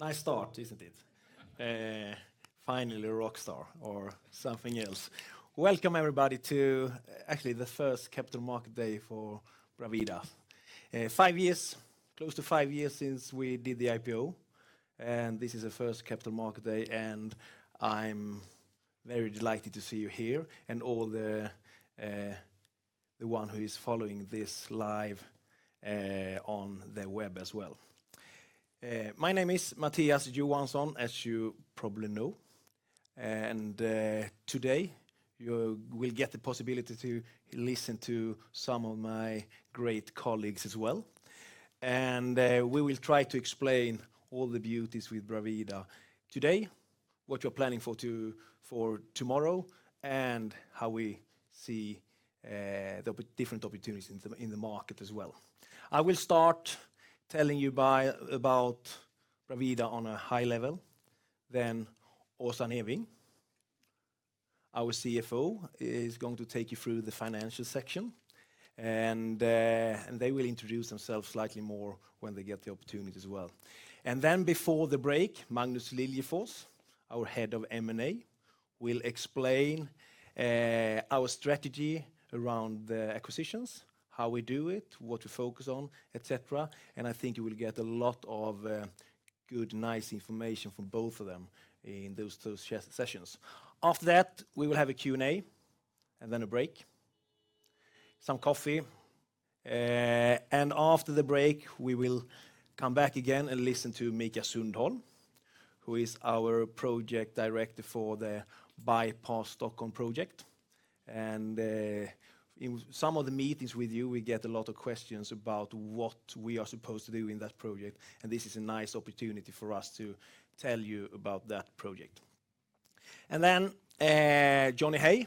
Nice start, isn't it? Finally, rock star or something else. Welcome, everybody, to actually the 1st Capital Market Day for BRAVITA. 5 years close to 5 years since we did the IPO, and this is the 1st Capital Market Day. And I'm very delighted to see you here and all the one who is following this live on the web as well. My name is Matthias Johansson, as you probably know. And today, you will get the possibility to listen to some of my great colleagues as well. And we will try to explain all the beauties with BRAVITA today, what you're planning for tomorrow and how we see there'll be different opportunities in the market as well. I will start telling you by about Pravida on a high level. Then Asar Neewing, our CFO, is going to take you through the financial section, and they will introduce themselves slightly more when they get the opportunity as well. And then before the break, Magnus Lilje Fors, our Head of M and A, will explain our strategy around the acquisitions, how we do it, what to focus on, etcetera. And I think you will get a lot of good nice information from both of them in those sessions. After that, we will have a Q and A and then a break, some coffee. And after the break, we will come back again and listen to Mikael Sundholm, who is our Project Director for the bypass Stockholm project. And in some of the meetings with you, we get a lot of questions about what we are supposed to do in that project, and this is a nice opportunity for us to tell you about that project. And then Johnny Hay,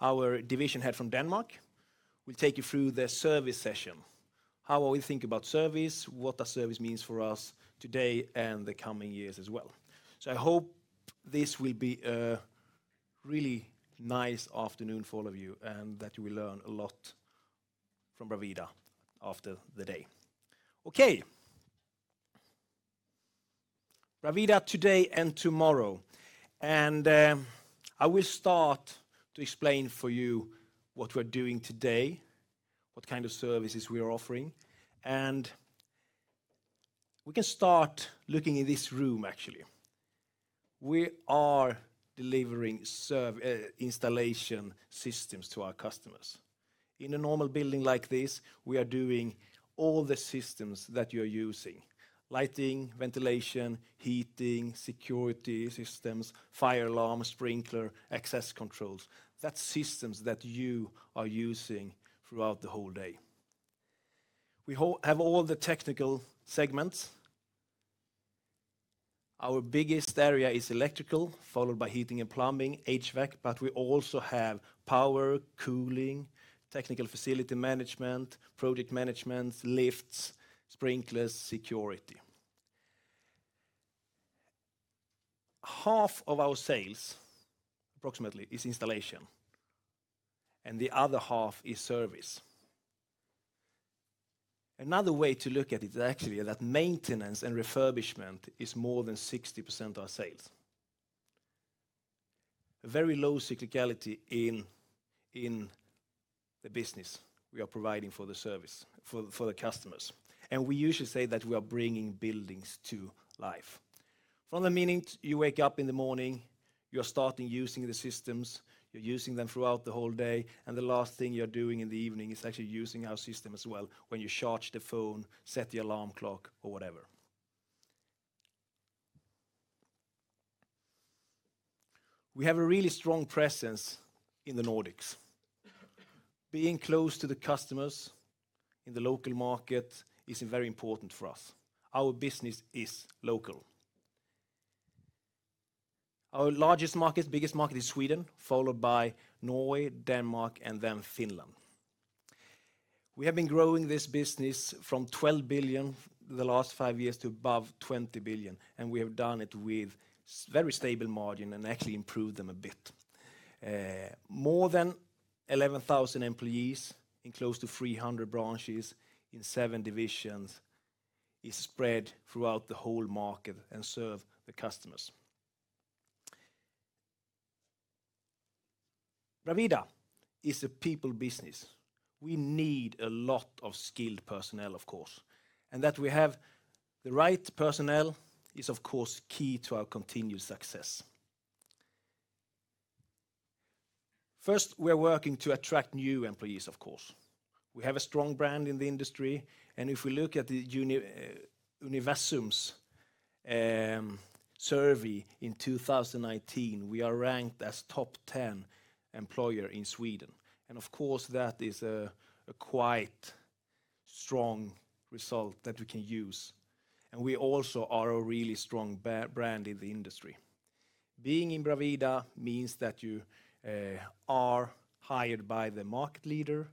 our division head from Denmark, will take you through the service session, how we think about service, what does service means for us today and the coming years as well. So I hope this will be a really nice afternoon for all of you and that you will learn a lot from BRAVITA after the day. Okay. BRAVIDA today and tomorrow. And I will start to explain for you what we're doing today, what kind of services we are offering. And we can start looking at this room actually. We are delivering installation systems to our customers. In a normal building like this, we are doing all the systems that you're using: lighting, ventilation, heating, security systems, fire alarms, sprinkler, excess controls. That's systems that you are using throughout the whole day. We have all the technical segments. Our biggest area is electrical, followed by heating and plumbing, HVAC, but we also have power, cooling, technical facility management, project management, lifts, sprinklers, security. Half of our sales approximately is installation, and the other half is service. Another way to look at it is actually that maintenance and refurbishment is more than 60% of our sales. Very low cyclicality in the business we are providing for the service for the customers. And we usually say that we are bringing buildings to life. From the meaning you wake up in the morning, you're starting using the systems, you're using them throughout the whole day, and the last thing you're doing in the evening is actually using our system as well when you charge the phone, set the alarm clock or whatever. We have a really strong presence in the Nordics. Being close to the customers in the local market is very important for us. Our business is local. Our largest market biggest market is Sweden, followed by Norway, Denmark and then Finland. We have been growing this business from 12,000,000,000 the last 5 years to above 20,000,000,000, and we have done it with very stable margin and actually improved them a bit. More than 11,000 employees in close to 300 branches in 7 divisions is spread throughout the whole market and serve the customers. BRAVIDA is a people business. We need a lot of skilled personnel, of course. And that we have the right personnel is, of course, key to our continued success. First, we are working to attract new employees, of course. We have a strong brand in the industry. And if we look at the Univassum's survey in 2019, we are ranked as top 10 employer in Sweden. And of course, that is a quite strong result that we can use. And we also are a really strong brand in the industry. Being in Bravida means that you are hired by the market leader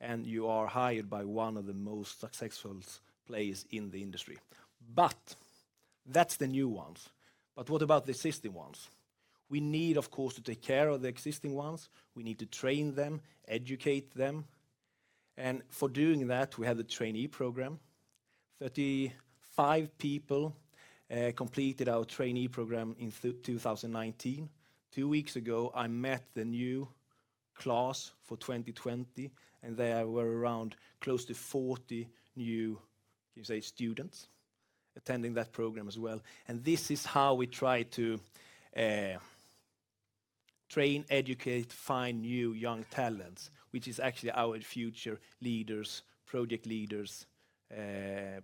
and you are hired by 1 of the most successful players in the industry. But that's the new ones. But what about the existing ones? We need, of course, to take care of the existing ones. We need to train them, educate them. And for doing that, we have the trainee program. 30 5 people completed our trainee program in 2019. 2 weeks ago, I met the new class for 2020 and there were around close to 40 new, say, students attending that program as well. And this is how we try to train, educate, find new young talents, which is actually our future leaders, project leaders,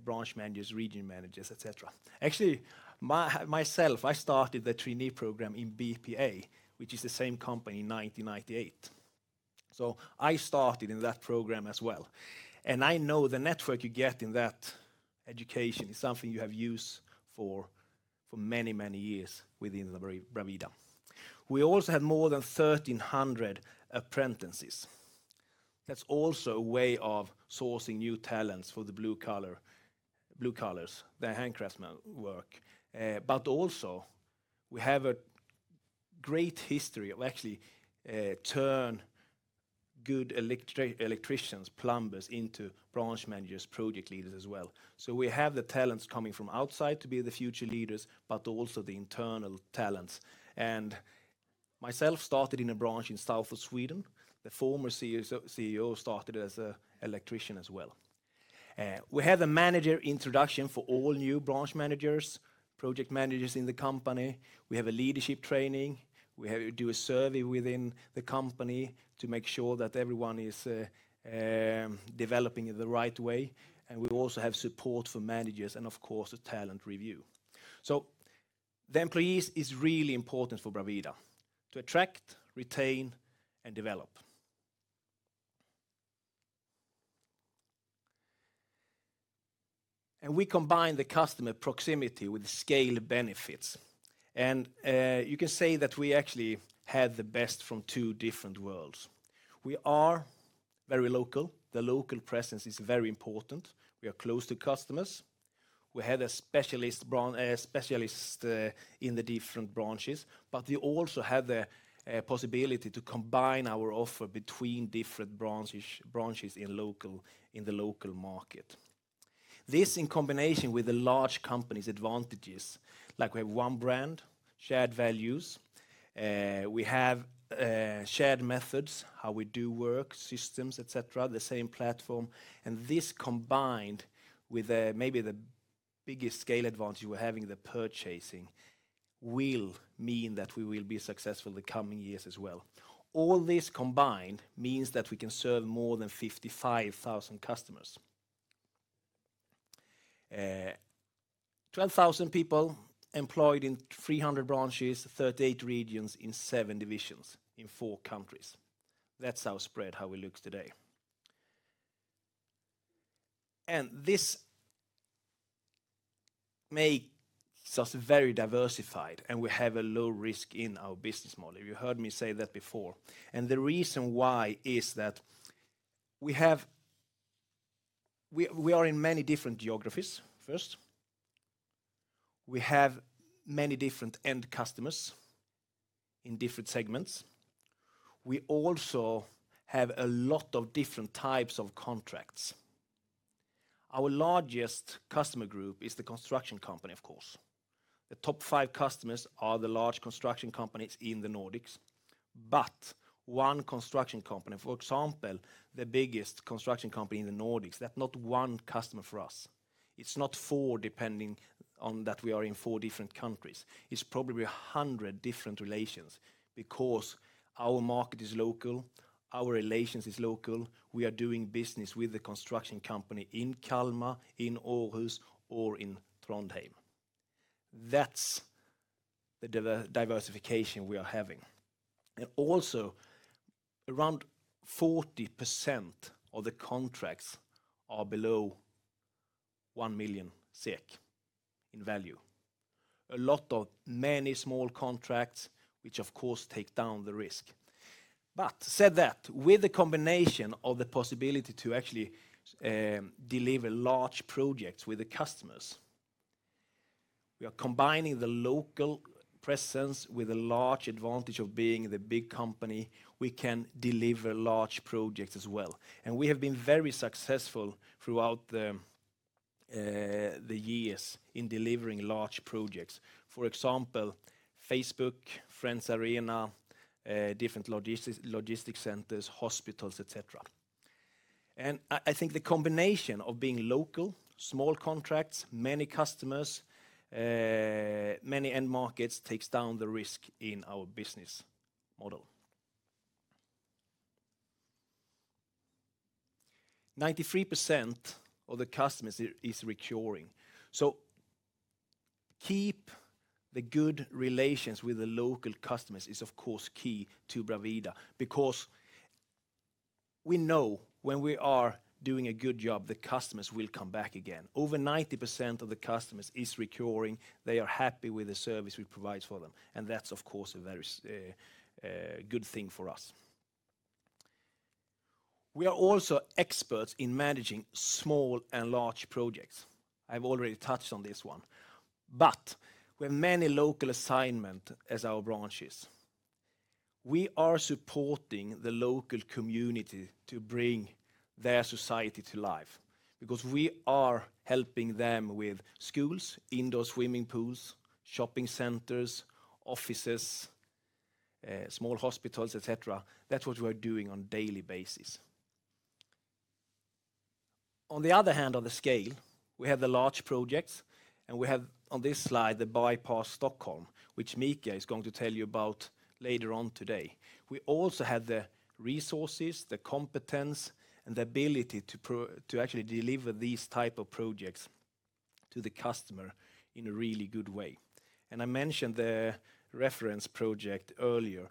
branch managers, region managers, etcetera. Actually, myself, I started the 3 knee program in BPA, which is the same company in 1998. So I started in that program as well. And I know the network you get in that education is something you have used for many, many years within the BRAVITA. We also had more than 1300 apprentices. That's also a way of sourcing new talents for the blue colors, the handcraftsmen work. But also, we have a great history of actually turn good electricians, plumbers into branch managers, project leaders as well. So we have the talents coming from outside to be the future leaders, but also the internal talents. And myself started in a branch in south of Sweden. The former CEO started as an electrician as well. We have a manager introduction for all new branch managers, project managers in the company. We have a leadership training. We do a survey within the company to make sure that everyone is developing in the right way. And we also have support for managers and, of course, the talent review. So the employees is really important for BRAVADA, to attract, retain and develop. And we combine the customer proximity with scale benefits. And you can say that we actually had the best from 2 different worlds. We are very local. The local presence is very important. We are close to customers. We had a specialist in the different branches, but we also have the possibility to combine our offer between different branches in local in the local market. This in combination with the large companies' advantages, like we have 1 brand, shared values. We have shared methods, how we do work, systems, etcetera, the same platform. And this combined with maybe the biggest scale advantage we're having in the purchasing will mean that we will be successful in the coming years as well. All this combined means that we can serve more than 55,000 customers. 12,000 people employed in 300 branches, 38 regions in 7 divisions in 4 countries. That's how spread how it looks today. And this makes us very diversified, and we have a low risk in our business model. You heard me say that before. And the reason why is that we have we are in many different geographies, 1st. We have many different end customers in different segments. We also have a lot of different types of contracts. Our largest customer group is the construction company, of course. The top five customers are the large construction companies in the Nordics, but one construction company, for example, the biggest construction company in the Nordics, that's not one customer for us. It's not 4 depending on that we are in 4 different countries. It's probably 100 different relations because our market is local, our relations is local. We are doing business with the construction company in Kalmar, in Aarhus or in Trondheim. That's the diversification we are having. And also around 40% of the contracts are below SEK1 1,000,000 in value. A lot of many small contracts, which, of course, take down the risk. But said that, with the combination of the possibility to actually deliver large projects with the customers, we are combining the local presence with a large advantage of being the big company. We can deliver large projects as well. And we have been very successful throughout the years in delivering large projects. For example, Facebook, Friends Arena, different logistics centers, hospitals, etcetera. And I think the combination of being local, small contracts, many customers, many end markets takes down the risk in our business model. 93% of the customer is recurring. So keep the good relations with the local customers is, of course, key to BRAVADA, because we know when we are doing a good job, the customers will come back again. Over 90% of the customers is recurring. They are happy with the service we provide for them, And that's, of course, a very good thing for us. We are also experts in managing small and large projects. I've already touched on this one. But we have many local assignment as our branches. We are supporting the local community to bring their society to life, because we are helping them with schools, indoor swimming pools, shopping centers, offices, small hospitals, etcetera. That's what we're doing on daily basis. On the other hand, on the scale, we have the large projects, and we have on this slide the bypass Stockholm, which Mika is going to tell you about later on today. We also have the resources, the competence and the ability to actually deliver these type of projects to the customer in a really good way. And I mentioned the reference project earlier.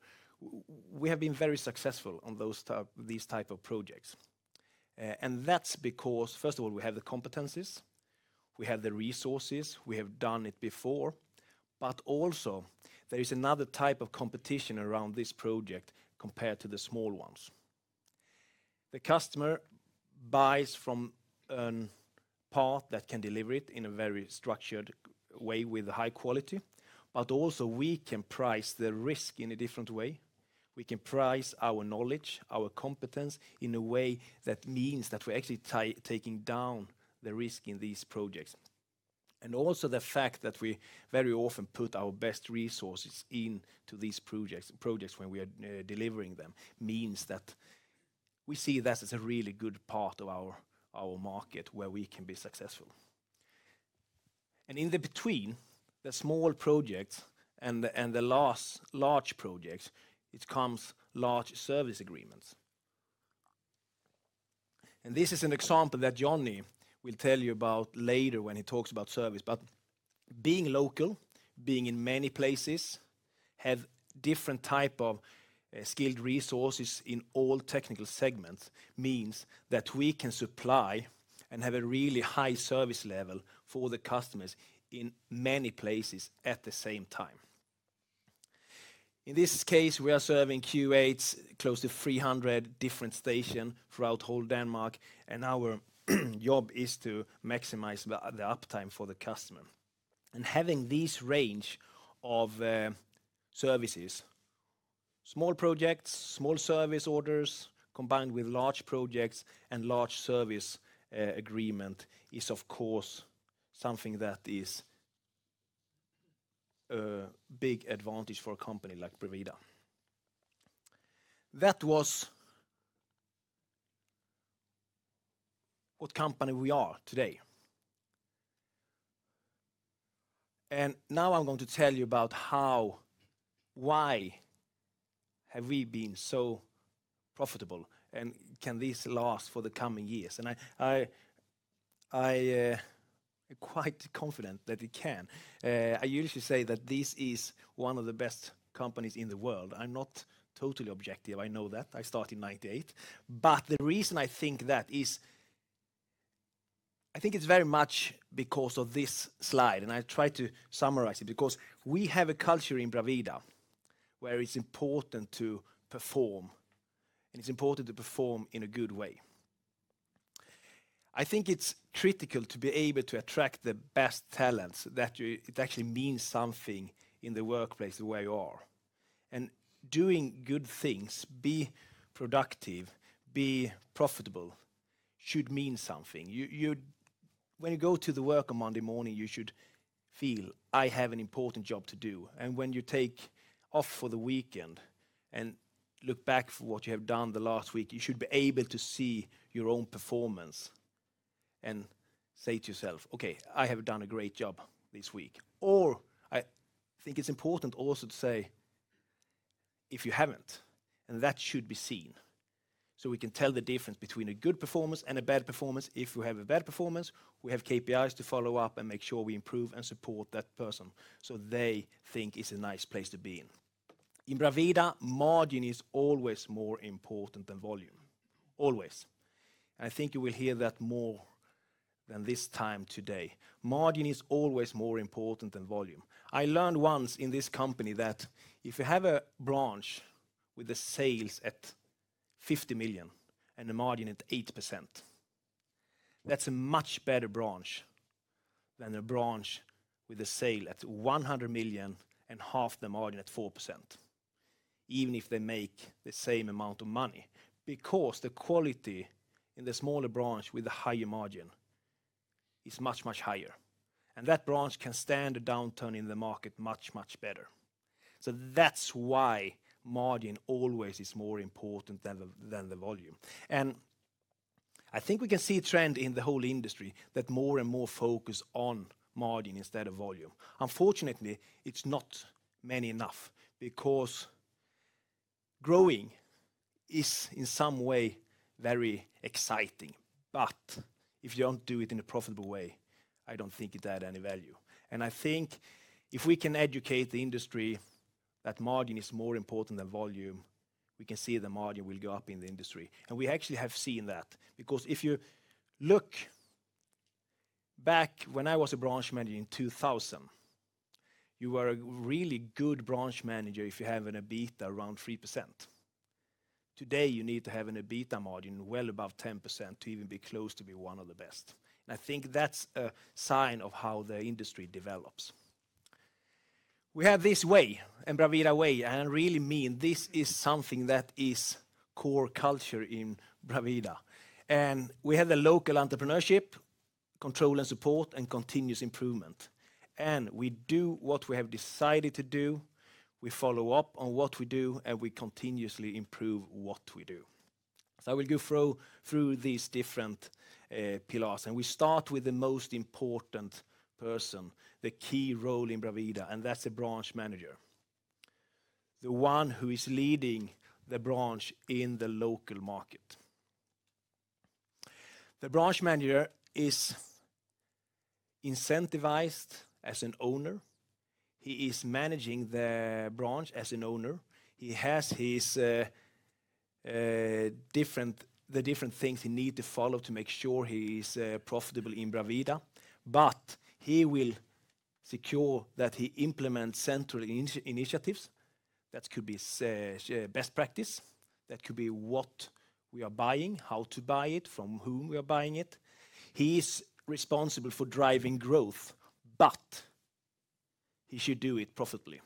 We have been very successful on those these of projects. And that's because, first of all, we have the competencies, we have the resources, we have done it before, But also, there is another type of competition around this project compared to the small ones. The customer buys from a part that can deliver it in a very structured way with high quality, but also we can price the risk in a different way. We can price our knowledge, our competence in a way that means that we're actually taking down the risk in these projects. And also the fact that we very often put our best resources in to these projects, projects when we are delivering them means that we see that as a really good part of our market where we can be successful. And in the between, the small projects and the large projects, it comes large service agreements. And this is an example that Jonny will tell you about later when he talks about service. But being local, being in many places, have different type of skilled resources in all technical segments means that we can supply and have a really high service level for the customers in many places at the same time. In this case, we are serving Q8 close to 300 different station throughout whole Denmark and our job is to maximize the uptime for the customer. And having this range of services, small projects, small service orders, combined with large projects and large service agreement is, of course, something that is a big advantage for a company like Brevida. That was what company we are today. And now I'm going to tell you about how why have we been so profitable and can this last for the coming years. And I am quite confident that it can. I usually say that this is one of the best companies in the world. I'm not totally objective, I know that. I started in 'ninety eight. But the reason I think that is I think it's very much because of this slide and I try to summarize it because we have a culture in Pravida where it's important to perform and it's important to perform in a good way. I think it's critical to be able to attract the best talents that it actually means something in the workplace the way you are. And doing good things, be productive, be profitable should mean something. You When you go to the work on Monday morning, you should feel I have an important job to do. And when you take off for the weekend and look back for what you have done the last week, you should be able to see your own performance and say to yourself, okay, I have done a great job this week. Or I think it's important also to say, if you haven't, and that should be seen. So we can tell the difference between a good performance and a bad performance. If we have a bad performance, we have KPIs to follow-up and make sure we improve and support that person. So they think it's a nice place to be in. In BRAVITA, margin is always important than volume, always. I think you will hear that more than this time today. Margin is always more important than volume. I learned once in this company that if you have a branch with the sales at €50,000,000 and the margin at 8%, That's a much better branch than a branch with a sale at €100,000,000 and half the margin at 4%, even if they make the same amount of money because the quality in the smaller branch with a higher margin is much, much higher. And that branch can stand a downturn in the market much, much better. So that's why margin always is more important than the volume. And I think we can see a trend in the whole industry that more and more focus on margin instead of volume. Unfortunately, it's not many enough because growing is in some way very exciting. But if you don't do it in a profitable way, I don't think it had any value. And I think if we can educate the industry that margin is more important than volume, we can see the margin will go up in the industry. And we actually have seen that because if you look back when I was a branch manager in 2000, you were a really good branch manager if you have an EBITDA around 3%. Today, you need to have an EBITDA margin well above 10% to even be close to be one of the best. And I think that's a sign of how the industry develops. We have this way, and BRAVILA way, and I really mean this is something that is core culture in BRAVILA. And we have the local entrepreneurship, control and support and continuous improvement. And we do what we have decided to do. We follow-up on what we do and we continuously improve what we do. So I will go through these different pillars, and we start with the most important person, the key role in BRAVITA, and that's the branch manager. The one who is leading the branch in the local market. The branch manager is incentivized as an owner. He is managing the branch as an owner. He has his different the different things he need to follow to make sure he is profitable in BRAVITA. But he will secure that he implements central initiatives that could be best practice, that could be what we are buying, how to buy it, from whom we are buying it. He is responsible for driving growth, but he should do it profitably.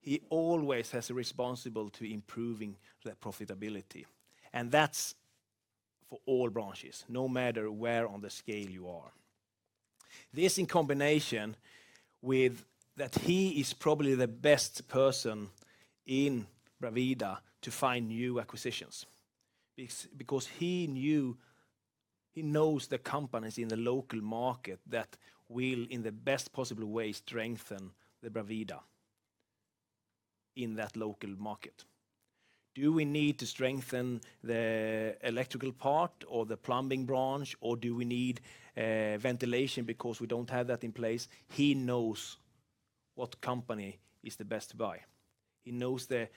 He always has a responsible to improving the profitability. And that's for all branches, no matter where on the scale you are. This in combination with that he is probably the best person in BRAVADA to find new acquisitions because he knew he knows the companies in the local market that will, in the best possible way, strengthen the BRAVEDA in that local market. Do we need to strengthen the electrical part or the plumbing branch? Or do we need ventilation because we don't have that in place. He knows what company is the best buy. He knows the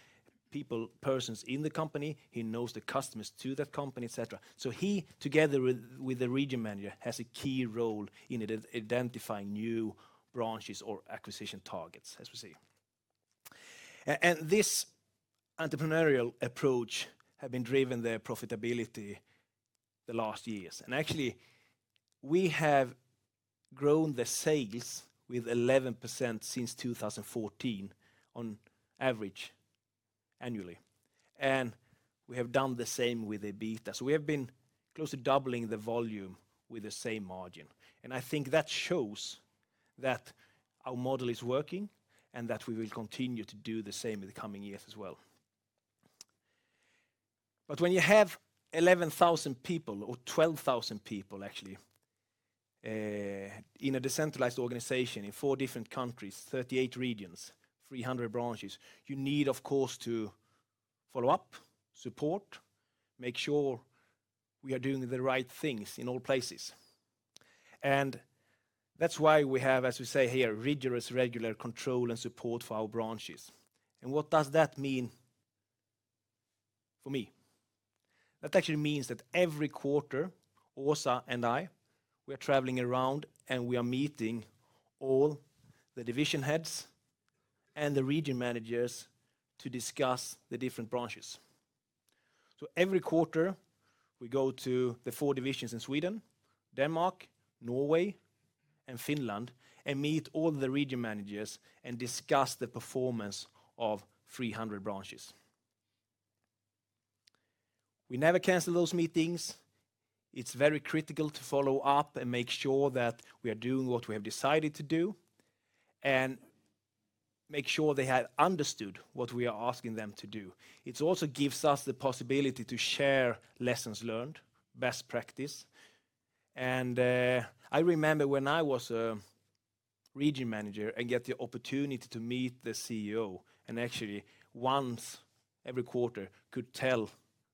people persons in the company. He knows the customers to that company, etcetera. So he, together with the region manager, has a key role in identifying new branches or acquisition targets as we see. And this entrepreneurial approach have been driven their profitability the last years. And actually, we have grown the sales with 11% since 2014 on average annually. And we have done the same with EBITDA. So we have been closely doubling the volume with the same margin. And I think that shows that our model is working and that we will continue to do the same in the coming years as well. But when you have 11,000 people or 12,000 people actually in a decentralized organization in 4 different countries, 38 regions, 300 branches, you need, of course, to follow-up, support, make sure we are doing the right things in all places. And that's why we have, as we say here, rigorous regular control and support for our branches. And what does that mean for me? That actually means that every quarter, Orsah and I, we are traveling around and we are meeting all the division heads and the region managers to discuss the different branches. So every quarter, we go to the 4 divisions in Sweden, Denmark, Norway and Finland and meet all the region managers and discuss the performance of 300 branches. We never cancel those meetings. It's very critical to follow-up and make sure that we are doing what we have decided to do and make sure they had understood what we are asking them to do. It also gives us the possibility to share lessons learned, best practice. And I remember when I was a region manager and get the opportunity to meet the CEO and actually once every quarter could tell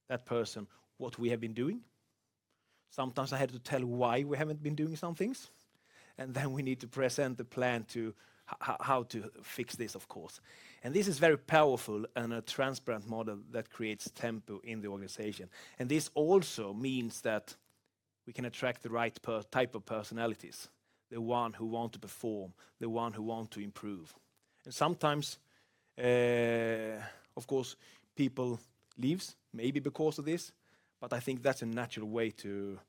that person what we have been doing. Sometimes I had to tell why we haven't been doing some things And then we need to present the plan to how to fix this, of course. And this is very powerful and a transparent model that creates tempo in the organization. And this also means that we can attract the right type of personalities, the one who want to perform, the one who want to improve. And sometimes, of course, people leaves maybe because of this, but I think that's a natural way to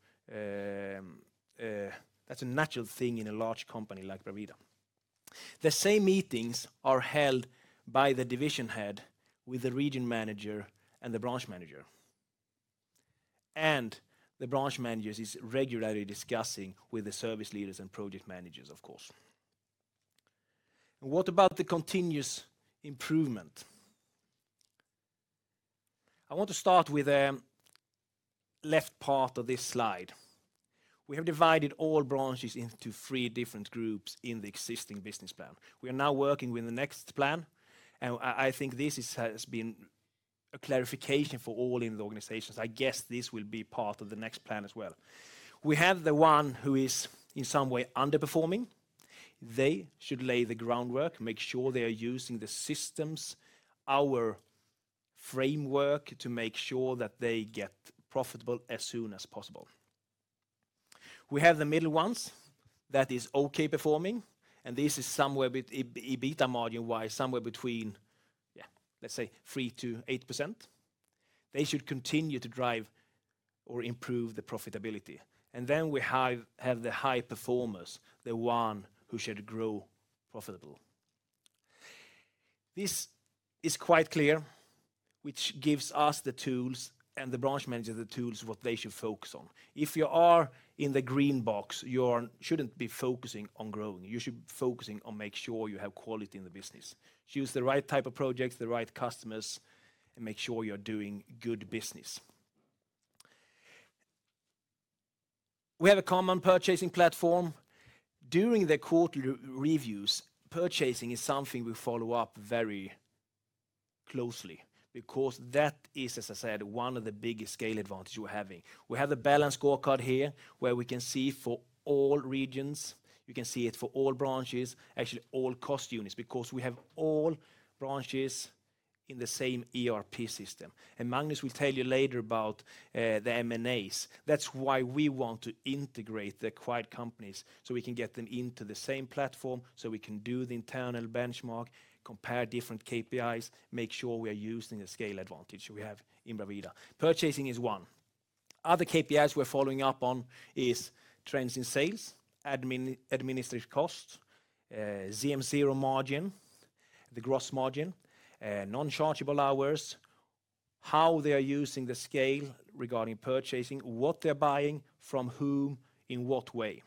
that's a natural thing in a large company like Pravida. The same meetings are held by the division head with the region manager and the branch manager. And the branch manager is regularly discussing with the service leaders and project managers, of course. And what about the continuous improvement? I want to start with the left part of this slide. We have divided all branches into 3 different groups in the existing business plan. We are now working with the next plan, and I think this has been a clarification for all in the organizations. I guess this will be part of the next plan as well. We have the one who is in some way underperforming. They should lay the groundwork, make sure they are using the systems, our framework to make sure that they get profitable as soon as possible. We have the middle ones that is okay performing, and this is somewhere EBITA margin wise, somewhere between, yes, let's say, 3% to 8%. They should continue to drive or improve the profitability. And then we have the high performers, the one who should grow profitable. This is quite clear, which gives us the tools and the branch manager the tools what they should focus on. If you are in the green box, you shouldn't be focusing on growing. You should be focusing on make sure you have quality in the business. Choose the right type of projects, the right customers and make sure you're doing good business. We have a common purchasing platform. During the quarter reviews, purchasing is something we follow-up very closely because that is, as I said, one of the biggest scale advantage we're having. We have the balanced scorecard here where we can see for all regions. You can see it for all branches, actually all cost units because we have all branches in the same ERP system. And Magnus will tell you later about the M and As. That's why we want to integrate the acquired companies so we can get them into the same platform, so we can do the internal benchmark, compare different KPIs, make sure we are using the scale advantage we have in Boveda. Purchasing is 1. Other KPIs we're following up on is trends in sales, administrative costs, ZM0 margin, the gross margin, non chargeable hours, how they are using the scale regarding purchasing, what they're buying, from whom, in what way.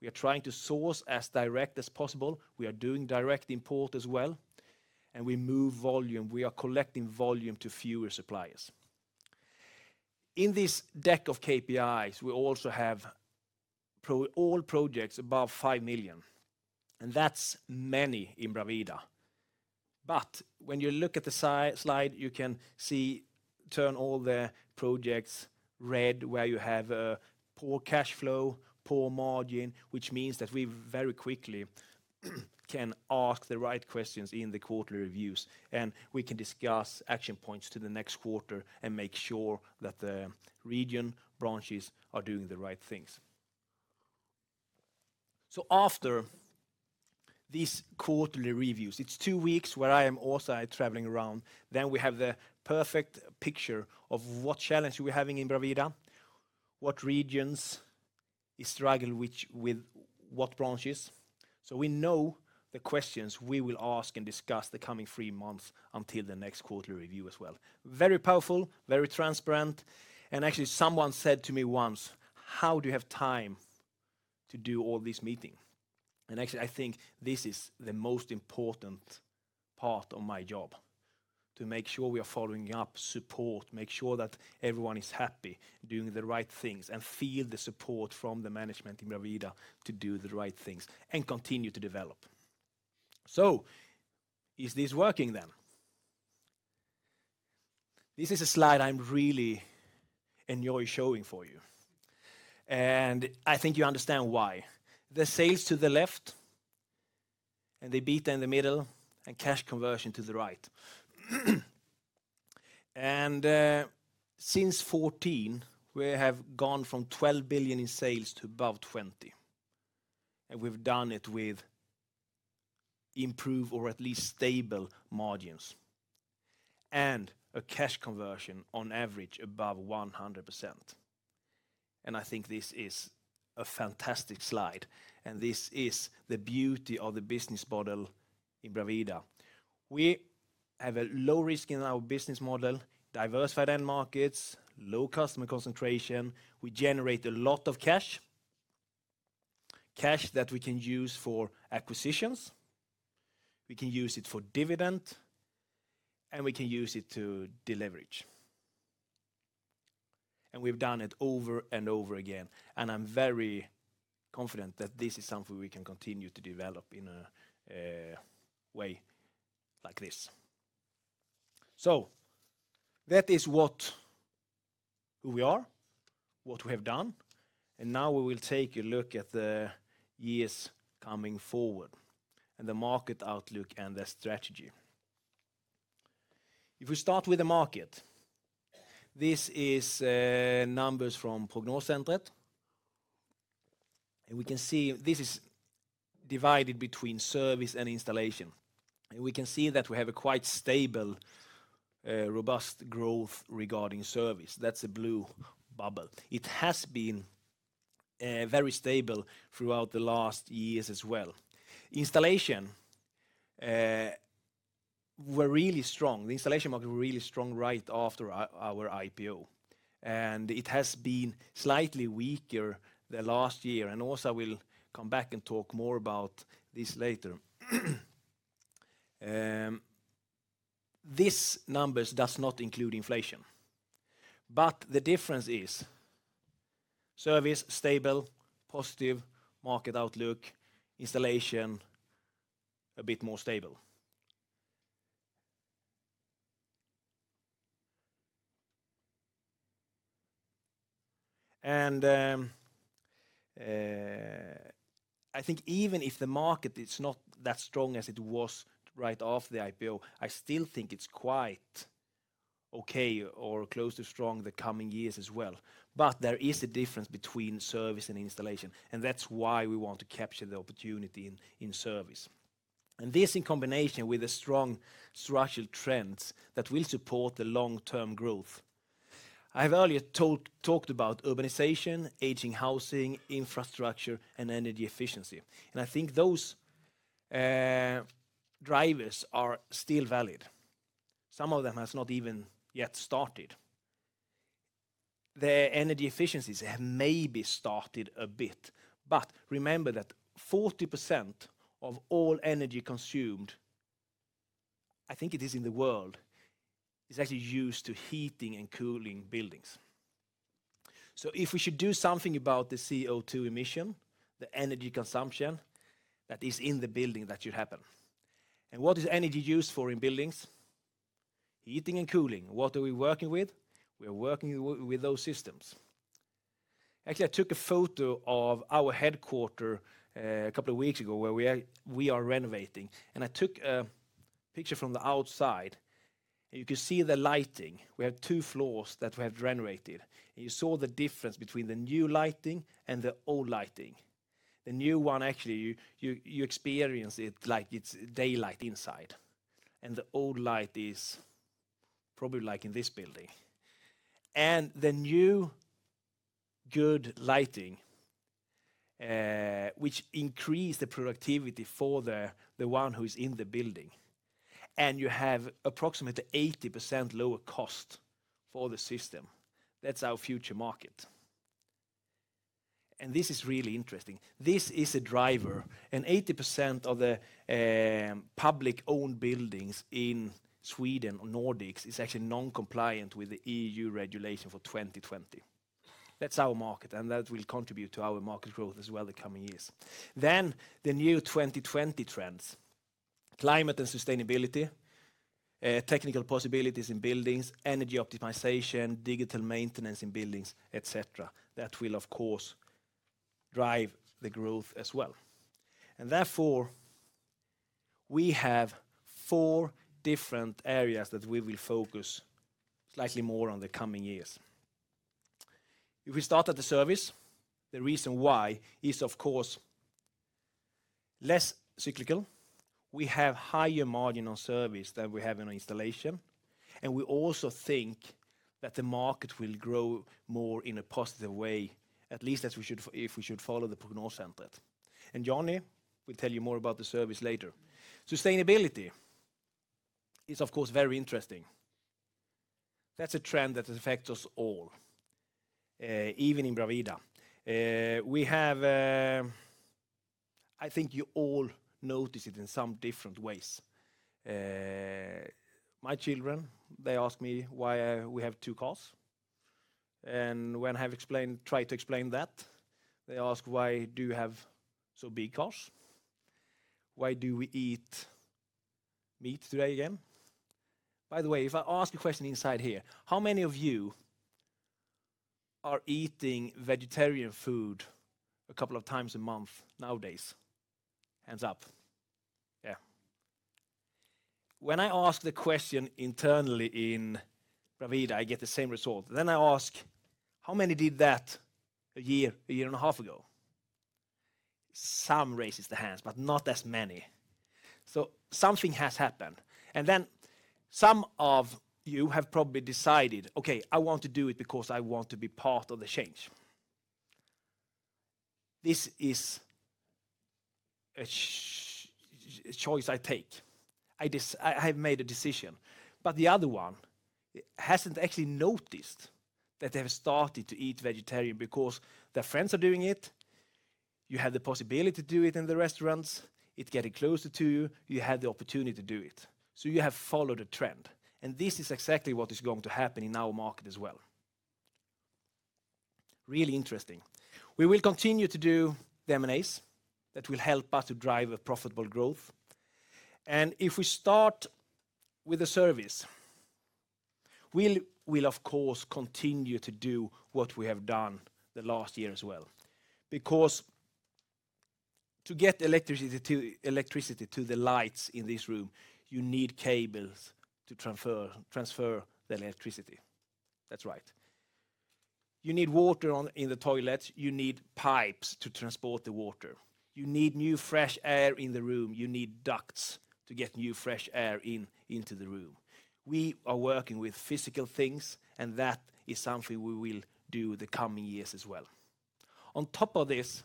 We're trying to source as direct as possible. We are doing direct import as well, and we move volume. We are collecting volume to fewer suppliers. In this deck of KPIs, we also have all projects above €5,000,000 and that's many in BRAVADA. But when you look at the slide, you can see turn all the projects red where you have poor cash flow, poor margin, which means that we very quickly can ask the right questions in the quarterly reviews. And we can discuss action points to the next quarter and make sure that the region branches are doing the right things. So after these quarterly reviews, it's 2 weeks where I am also traveling around, then we have the perfect picture of what challenge we're having in BRAVITA, what regions, struggle with what branches. So we know the questions we will ask and discuss the coming 3 months until the next quarterly review as well. Very powerful, very transparent. And actually someone said to me once, how do you have time to do all these meetings? And actually, I think this is the most important part of my job to make sure we are following up support, make sure that everyone is happy doing the right things and feel the support from the management in Brabida to do the right things and continue to develop. So is this working then? This is a slide I really enjoy showing for you. And I think you understand why. The sales to the left and the beat in the middle and cash conversion to the right. And since 2014, we have gone from 12,000,000,000 in sales to above 20,000,000,000 and we've done it with improved or at least stable margins and a cash conversion on average above 100%. And I think this is a fantastic slide. And this is the beauty of the business model in BRAVADA. We have a low risk in our business model, diversified end markets, low customer concentration. We generate a lot of cash, cash that we can use for acquisitions. We can use it for dividend, and we can use it to deleverage. And we've done it over and over again, And I'm very confident that this is something we can continue to develop in a way like this. So that is what we are, what we have done, and now we will take a look at the years coming forward and the market outlook and the strategy. If we start with the market, this is numbers from Prognore Centret. And we can see this is divided between Service and Installation. And we can see that we have a quite stable robust growth regarding Service. That's a blue bubble. It has been very stable throughout the last years as well. Installation we're really strong. The installation market really strong right after our IPO. And it has been slightly weaker than last year. And Asa will come back and talk more about this later. These numbers does not include inflation. But the difference is Service stable, positive market outlook, Installation a bit more stable. And I think even if the market is not that strong as it was right after the IPO, I still think it's quite okay or close to strong in the coming years as well. But there is a difference between service and installation, and that's why we want to capture the opportunity in service. And this in combination with the strong structural trends that will support the long term growth. I've earlier talked about urbanization, aging housing, infrastructure and energy efficiency. And I think those drivers are still valid. Some of them has not even yet started. The energy efficiencies have maybe started a bit. But remember that 40% of all energy consumed, I think it is in the world, is actually used to heating and cooling buildings. So if we should do something about the CO2 emission, the energy consumption that is in the building that should happen. And what is energy used for in buildings? Heating and cooling. What are we working with? We're working with those systems. Actually, I took a photo of our headquarter a couple of weeks ago where we are renovating. And I took a picture from the outside. You can see the lighting. We have 2 floors that we have generated. You saw the difference between the new lighting and the old lighting. The new one actually you experience it like it's daylight inside. And the old light is probably like in this building. And the new good lighting, which increase the productivity for the one who is in the building. And you have approximately 80% lower cost for the system. That's our future market. And this is really interesting. This is a driver. And 80% of the public owned buildings in Sweden or Nordics is actually non compliant with the EU regulation for 2020. That's our market, and that will contribute to our market growth as well in the coming years. Then the new 2020 trends, climate and sustainability, technical possibilities in buildings, energy optimization, digital maintenance in buildings, etcetera, that will, of course, drive the growth as well. And therefore, we have 4 different areas that we will focus slightly more on the coming years. If we start at the service, the reason why is, of course, less cyclical. We have higher margin on service than we have in our installation, and we also think that the market will grow more in a positive way, at least as we should if we should follow the Puna Center. And Janne will tell you more about the service later. Sustainability is, of course, very interesting. That's a trend that affects us all, even in BRAVEDA. We have I think you all notice it in some different ways. My children, they ask me why we have 2 cars. And when I have explained try to explain that, they ask why do you have so big cars? Why do we eat meat today again? By the way, if I ask a question inside here, how many of you are eating vegetarian food a couple of times a month nowadays? Hands up. Yeah. When I ask the question internally in Pravida, I get the same result. Then I ask how many did that a year, 1.5 years ago? Some raises their hands, but not as many. So something has happened. And then some of you have probably decided, okay, I want to do it because I want to be part of the change. This is a choice I take. I have made a decision. But the other one hasn't actually noticed that they have started to eat vegetarian because their friends are doing it. You have the possibility to do it in the restaurants. It's getting closer to you. You have the opportunity to do it. So you have followed a trend. And this is exactly what is going to happen in our market as well. Really interesting. We will continue to do the M and As that will help us to drive profitable growth. And if we start with the service, we'll, of course, continue to do what we have done the last year as well Because to get electricity to the lights in this room, you need cables to transfer the electricity. That's right. You need water on in the toilets. You need pipes to transport the water. You need new fresh air in the room. You need ducts to get new fresh air into the room. We are working with physical things, and that is something we will do the coming years as well. On top of this,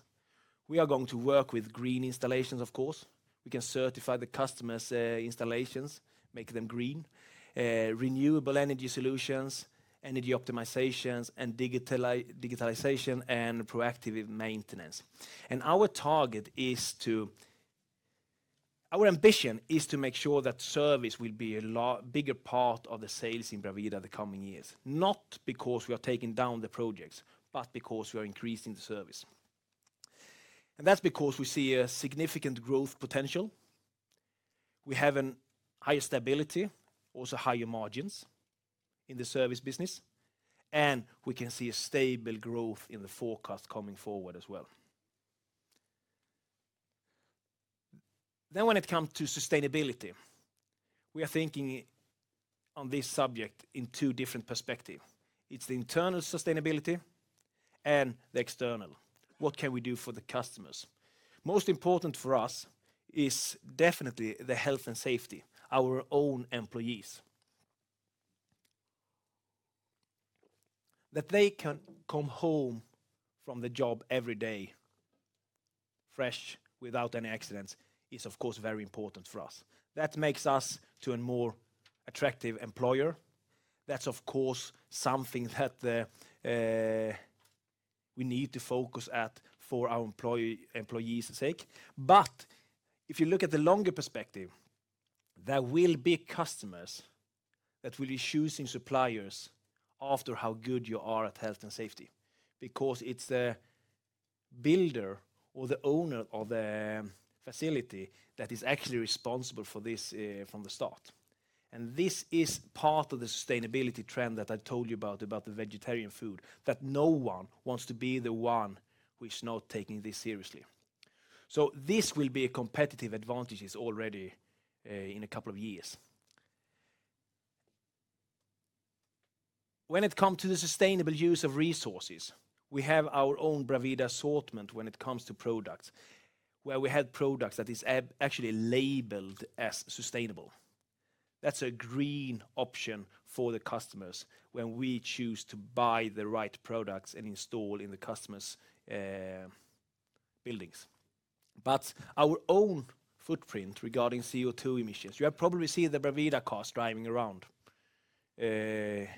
we are going to work with green installations, of course. We can certify the customers installations, make them green. Renewable Energy Solutions, Energy Optimizations and digitalization and proactive maintenance. And our target is to our ambition is to make sure that service will be a bigger part of the sales in BRAVITA in the coming years, not because we are taking down the projects, but because we are increasing the service. And that's because we see a significant growth potential. We have an higher stability, also higher margins in the Service business, and we can see a stable growth in the forecast coming forward as well. Then when it comes to sustainability, we are thinking on this subject in 2 different perspective. It's the internal sustainability and the external, what can we do for the customers. Most important for us is definitely the health and safety, our own employees. That they can come home from the job every day fresh without any accidents is, of course, very important for us. That makes us to a more attractive employer. That's, of course, something that we need to focus at for our employees' sake. But if you look at the longer perspective, there will be customers that will be choosing suppliers after how good you are at health and safety because it's a builder or the owner of the facility that is actually responsible for this from the start. And this is part of the sustainability trend that I told you about, about the vegetarian food that no one wants to be the one which is not taking this seriously. So this will be a competitive advantage already in a couple of years. When it comes to the sustainable use of resources, we have our own BRAVITA assortment when it comes to products, where we had products that is actually labeled as sustainable. That's a green option for the customers when we choose to buy the right products and install in the customers' buildings. But our own footprint regarding CO2 emissions, you have probably seen the BRAVEDA cars driving around where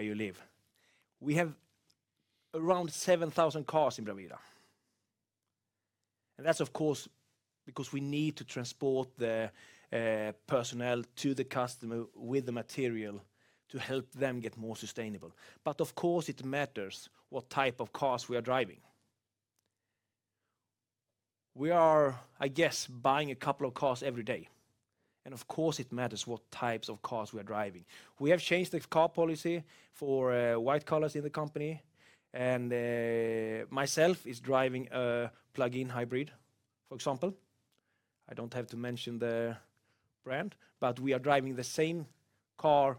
you live. We have around 7,000 cars in Brawira. And that's, of course, because we need to transport the personnel to the customer with the material to help them get more sustainable. But of course, it matters what type of cars we are driving. We are, I guess, buying a couple of cars every day. And of course, it matters what types of cars we are driving. We have changed the car policy for white colors in the company. And myself is driving a plug in hybrid, for example. I don't have to mention the brand, but we are driving the same car.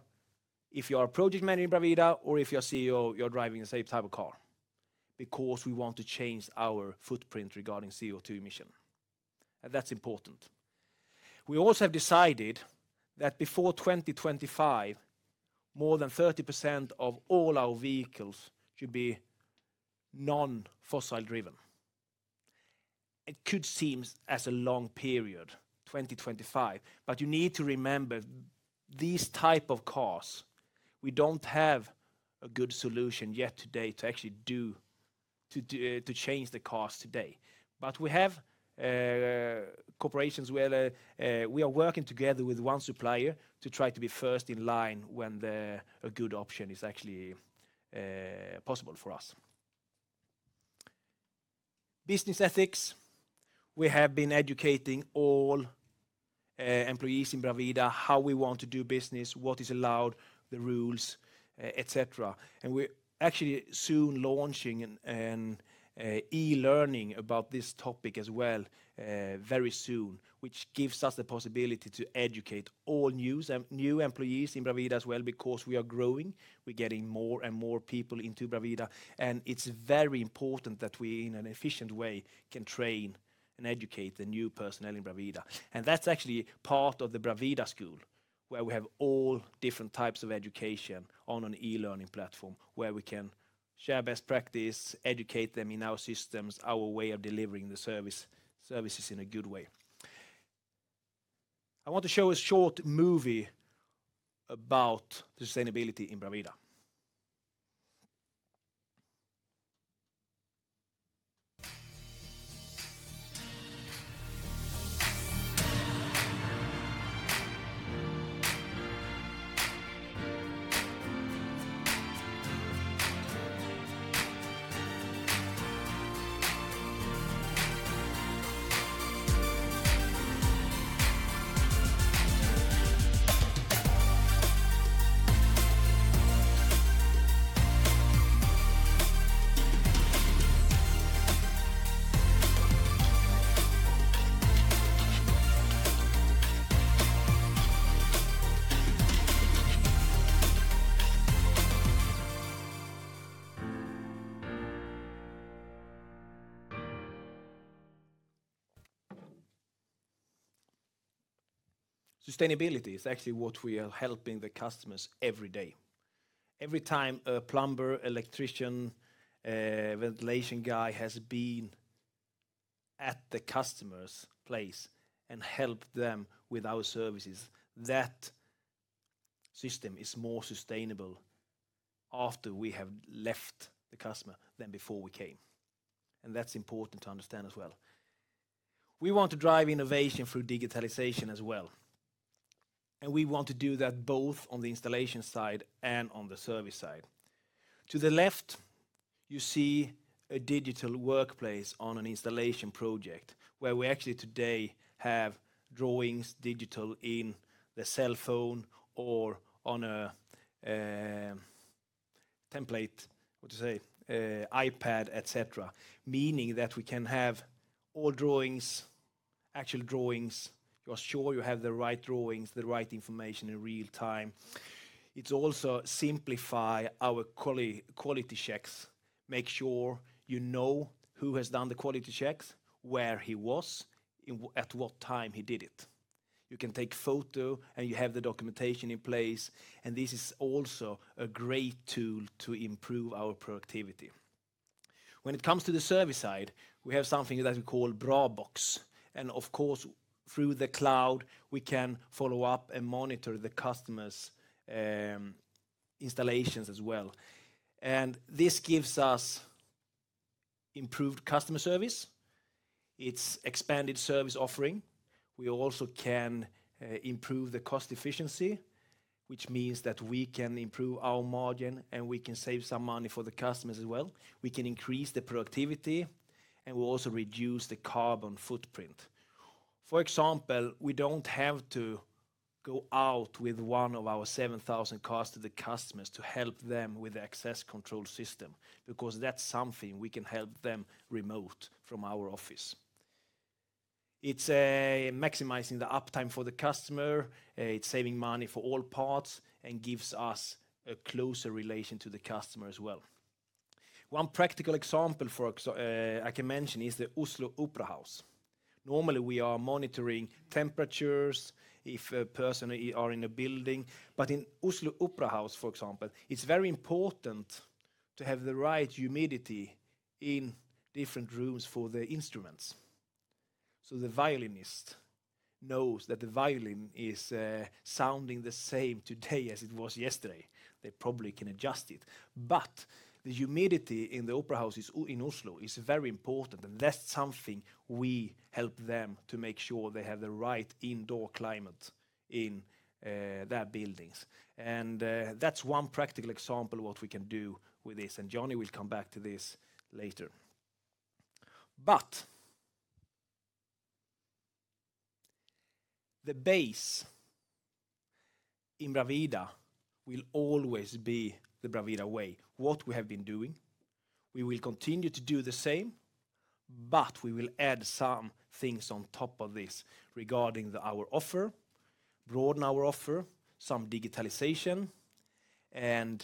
If you are project manager in Bravida or if you are CEO, you are driving the same type of car because we want to change our footprint regarding CO2 emission. And that's important. We also have decided that before 2025, more than 30% of all our vehicles should be non fossil driven. It could seem as a long period, 2025. But you need to remember, these type of costs, we don't have a good solution yet today to actually do to change the costs today. But we have cooperations where we are working together with 1 supplier to try to be first in line when a good option is actually possible for us. Business Ethics. We have been educating all employees in BRAVEDA how we want to do business, what is allowed, the rules, etcetera. And we're actually soon launching an e learning about this topic as well very soon, which gives us the possibility to educate all new employees in BRAVITA as well because we are growing. We're getting more and more people into BRAVITA. And it's very important that we, in an efficient way, can train and educate the new personnel in Bravida. And that's actually part of the Bravida school, where we have all different types of education on an e learning platform, where we can share best practice, educate them in our systems, our way of delivering the services in a good way. I want to show a short movie about sustainability in BRAVEDA. Sustainability is actually what we are helping the customers every day. Every time a plumber, electrician, ventilation guy has been at the customer's place and helped them with our services, that system is more sustainable after we have left the customer than before we came. And that's important to understand as well. We want to drive innovation through digitalization as well, and we want to do that both on the installation side and on the service side. To the left, you see a digital workplace on an installation project, where we actually today have drawings digital in the cell phone or on a template, what to say, iPad, etcetera, meaning that we can have all drawings, actual drawings. You are sure you have the right drawings, the right information in real time. It also simplify our quality checks, make sure you know who has done the quality checks, where he was and at what time he did it. You can take photo and you have the documentation in place. And this is also a great tool to improve our productivity. When it comes to the service side, we have something that we call Braebox. And of course, through the cloud, we can follow-up and monitor the customers' installations as well. And this gives us improved customer service. It's expanded service offering. We also can improve the cost efficiency, which means that we can improve our margin and we can save some money for the customers as well. We can increase the productivity and we also reduce the carbon footprint. For example, we don't have to go out with 1 of our 7,000 cars to the customers to help them with the access control system because that's something we can help them remote from our office. It's maximizing the uptime for the customer. It's saving money for all parts and gives us a closer relation to the customer as well. One practical example for I can mention is the Oslo Opera House. Normally, we are monitoring temperatures if a person are in a building. But in Oslo Opera House, for example, it's very important to have the right humidity in different rooms for the instruments. So the violinist knows that the violin is sounding the same today as it was yesterday. They probably can adjust it. But the humidity in the Opera House in Oslo is very important, and that's something we help them to make sure they have the right indoor climate in their buildings. And that's one practical example of what we can do with this, and Johnny will come back to this later. But the base in BRAVITA will always be the BRAVITA way, what we have been doing. We will continue to do the same, but we will add some things on top of this regarding our offer, broaden our offer, some digitalization. And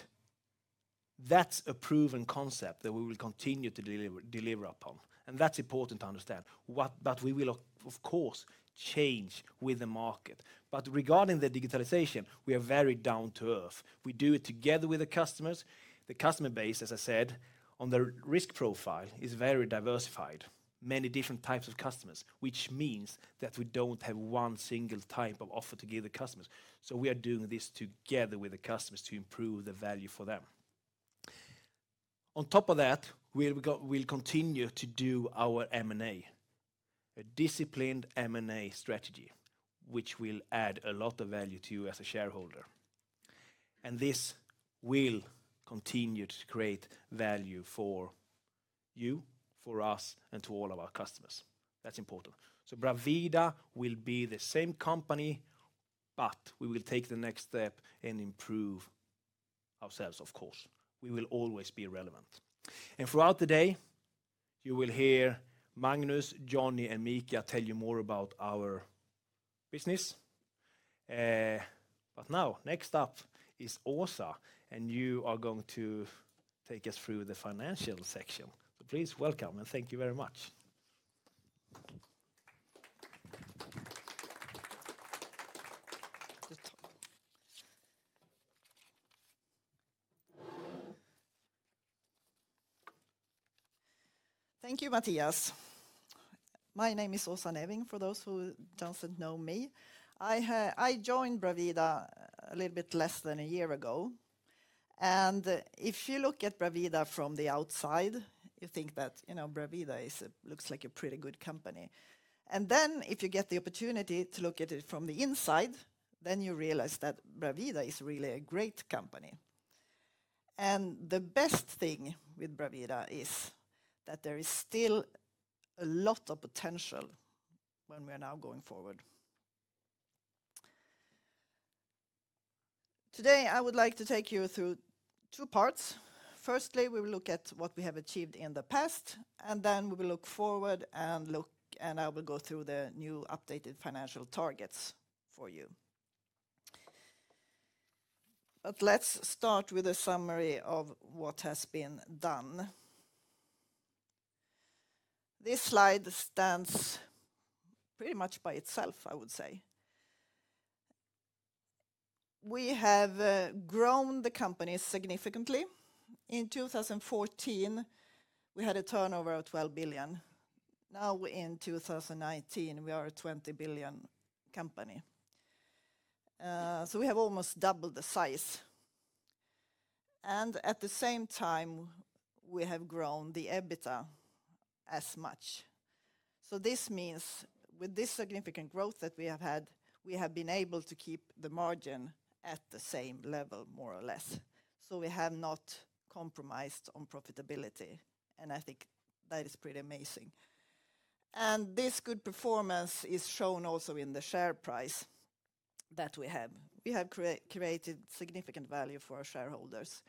that's a proven concept that we will continue to deliver upon. And that's important to understand. But we will, of course, change with the market. But regarding the digitalization, we are very down to earth. We do it together with the customers. The customer base, as I said, on their risk profile is very diversified, many different types of customers, which means that we don't have one single type of offer to give the customers. So we are doing this together with the customers to improve the value for them. On top of that, we'll continue to do our M and A, a disciplined M and A strategy, which will add a lot of value to you as a shareholder. And this will continue to create value for you, for us and to all of our customers. That's important. So BRAVEDA will be the same company, but we will take the next step and improve ourselves, of course. We will always be relevant. And throughout the day, you will hear Magnus, Johnny and Micha tell you more about our business. But now next up is OSA, and you are going to take us through the financial section. So please welcome and thank you very much. Thank you, Matthias. My name is Asana Ewing for those who doesn't know me. I joined Bravida a little bit less than a year ago. And if you look at Bravida from the outside, you think that, you know, Bravida looks like a pretty good company. And then if you get the opportunity to look at it from the inside, then you realize that BRAVIDA is really a great company. And the best thing with BRAVIDA is that there is still a lot of potential when we are now going forward. Today, I would like to take you through two parts. Firstly, we will look at what we have achieved in the past and then we will look forward and look and I will go through the new updated financial targets for you. But let's start with a summary of what has been done. This slide stands pretty much by itself, I would say. We have grown the company significantly. In 2014, we had a turnover of 12,000,000,000. Now in 2019, we are a 20,000,000,000 company. So we have almost doubled the size. And at the same time, we have grown the EBITDA as much. So this means with this significant growth that we have had, we have been able to keep the margin at the same level, more or less. So we have not compromised on profitability. And I think that is pretty amazing. And this good performance is shown also in the share price that we have. We have created significant value for our shareholders.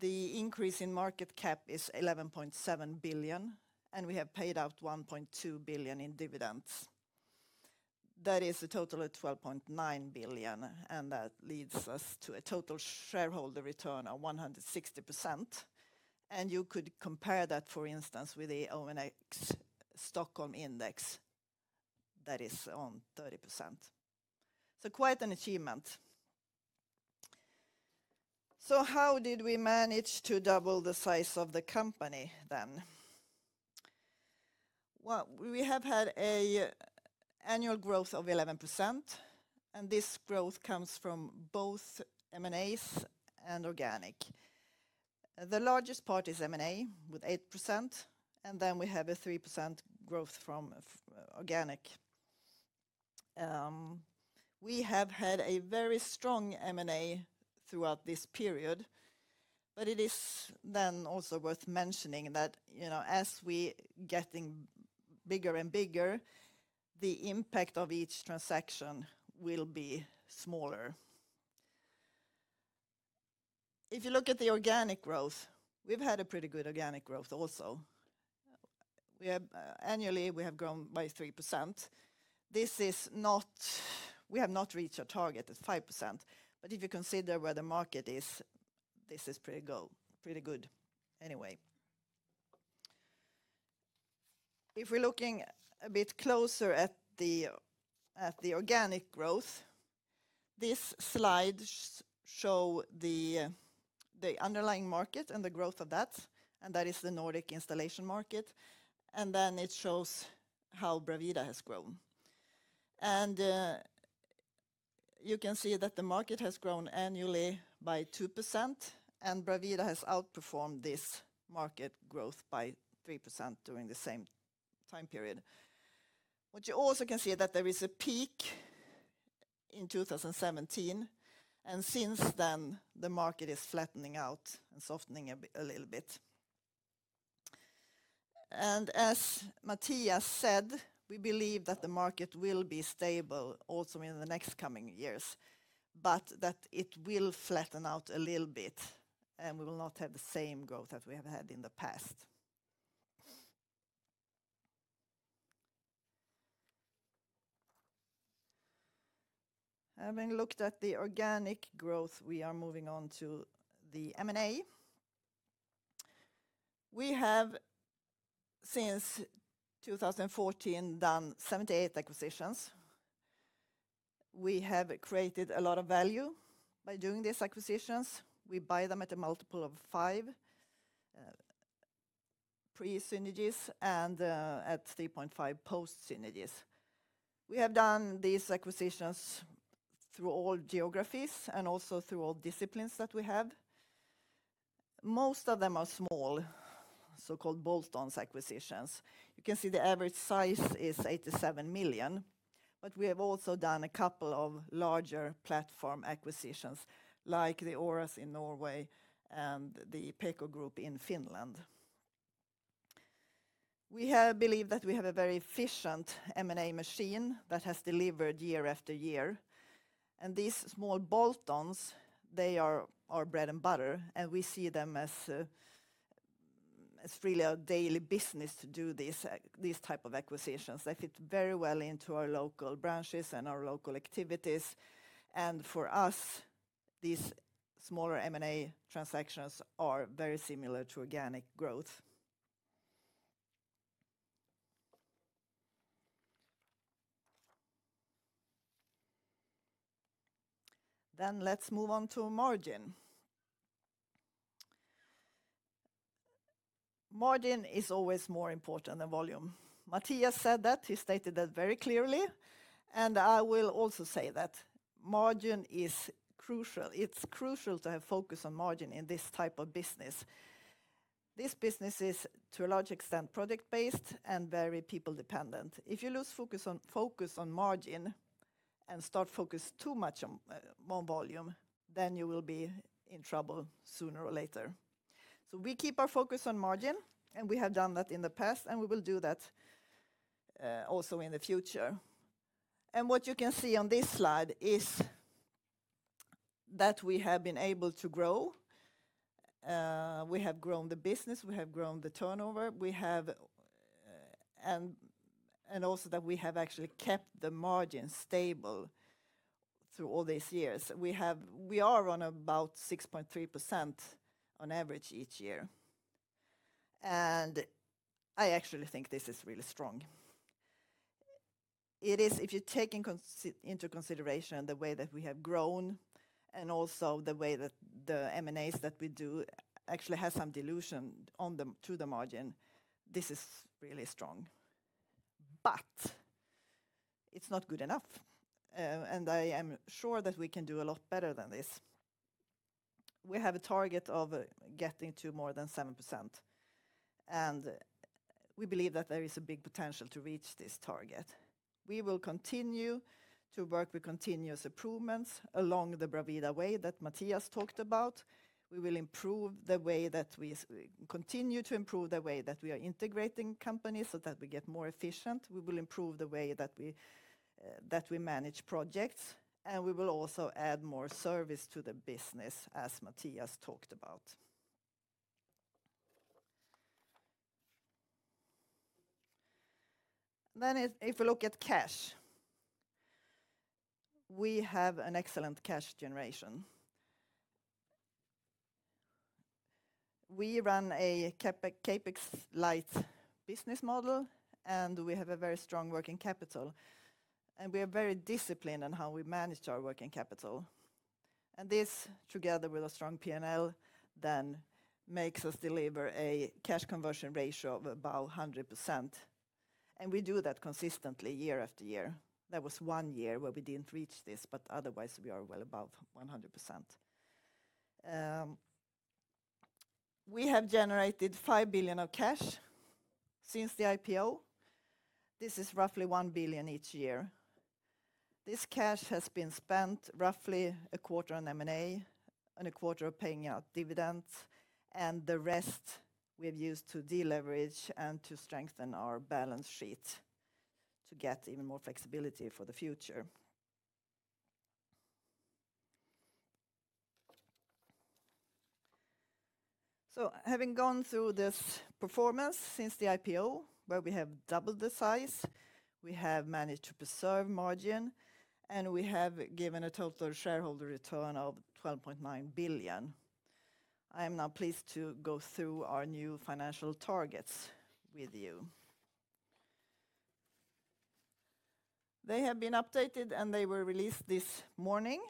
The increase in market cap is 11,700,000,000 and we have paid out 1,200,000,000 in dividends. That is a total of 12,900,000,000 and that leads us to a total shareholder return of 160%. And you could compare that, for instance, with the ONX Stockholm Index that is on 30%. So quite an achievement. So how did we manage to double the size of the company then? Well, we have had an annual growth of 11%, and this growth comes from both M and As and organic. The largest part is M and A with 8% and then we have a 3% growth from organic. We have had a very strong M and A throughout this period, but it is then also worth mentioning that as we getting bigger and bigger, the impact of each transaction will be smaller. If you look at the organic growth, we've had a pretty good organic growth also. We have annually, we have grown by 3%. This is not we have not reached our target of 5%. But if you consider where the market is, this is pretty good anyway. If we're looking a bit closer at the organic growth, this slide show the underlying market and the growth of that, and that is the Nordic installation market. And then it shows how brevida has grown. And you can see that the market has grown annually by 2%, and BRAVADA has outperformed this market growth by 3% during the same time period. But you also can see that there is a peak in 2017. And since then, the market is flattening out and softening a little bit. And as Mattias said, we believe that the market will be stable also in the next coming years, but that it will flatten out a little bit, and we will not have the same growth that we have had in the past. Having looked at the organic growth, we are moving on to the M and A. We have, since 2014, done 78 acquisitions. We have created a lot of value by doing these acquisitions. We buy them at a multiple of 5 pre synergies and at 3.5 post synergies. We have done these acquisitions through all geographies and also through all disciplines that we have. Most of them are small, so called bolt ons acquisitions. You can see the average size is €87,000,000 but we have also done a couple of larger platform acquisitions like the Auras in Norway and the Peko Group in Finland. We have believed that we have a very efficient M and A machine that has delivered year after year. And these small bolt ons, they are our bread and butter, and we see them as really a daily business to do these type of acquisitions. They fit very well into our local branches and our local activities. And for us, these smaller M and A transactions are very similar to organic growth. Then let's move on to margin. Margin is always more important than volume. Matthias said that. He stated that very clearly. And I will also say that margin is crucial. It's crucial to have focus on margin in this type of business. This business is, a large extent, project based and very people dependent. If you lose focus on margin and start focus too much on more volume, then you will be in trouble sooner or later. So we keep our focus on margin, and we have done that in the past, and we will do that also in the future. And what you can see on this slide is that we have been able to grow. We have grown the business. We have grown the turnover. We have and also that we have actually kept the margins stable through all these years. We have we are on about 6.3% on average each year. And I actually think this is really strong. It is if you take into consideration the way that we have grown and also the way that the M and As that we do actually have some dilution on them to the margin, this is really strong. But it's not good enough, and I am sure that we can do a lot better than this. We have a target of getting to more than 7%. And we believe that there is a big potential to reach this target. We will continue to work with continuous improvements along the BRAVIDA way that Matthias talked about. We will improve the way that we continue to improve the way that we are integrating companies so that we get more efficient. We will improve the way that we manage projects. And we will also add more service to the business as Matthias talked about. Then if we look at cash, we have an excellent cash generation. We run a CapEx light business model, and we have a very strong working capital. And we are very disciplined on how we manage our working capital. And this, together with a strong P and L, then makes us deliver a cash conversion ratio of about 100%. And we do that consistently year after year. That was 1 year where we didn't reach this, but otherwise, we are well above 100%. We have generated 5,000,000,000 of cash since the IPO. This is roughly 1,000,000,000 each year. This cash has been spent roughly a quarter on M and A and a quarter of paying out dividends And the rest, we have used to deleverage and to strengthen our balance sheet to get even more flexibility for the future. So having gone through this performance since the IPO where we have doubled the size, we have managed to preserve margin and we have given a total shareholder return of 12,900,000,000. I am now pleased to go through our new financial targets with you. They have been updated and they were released this morning.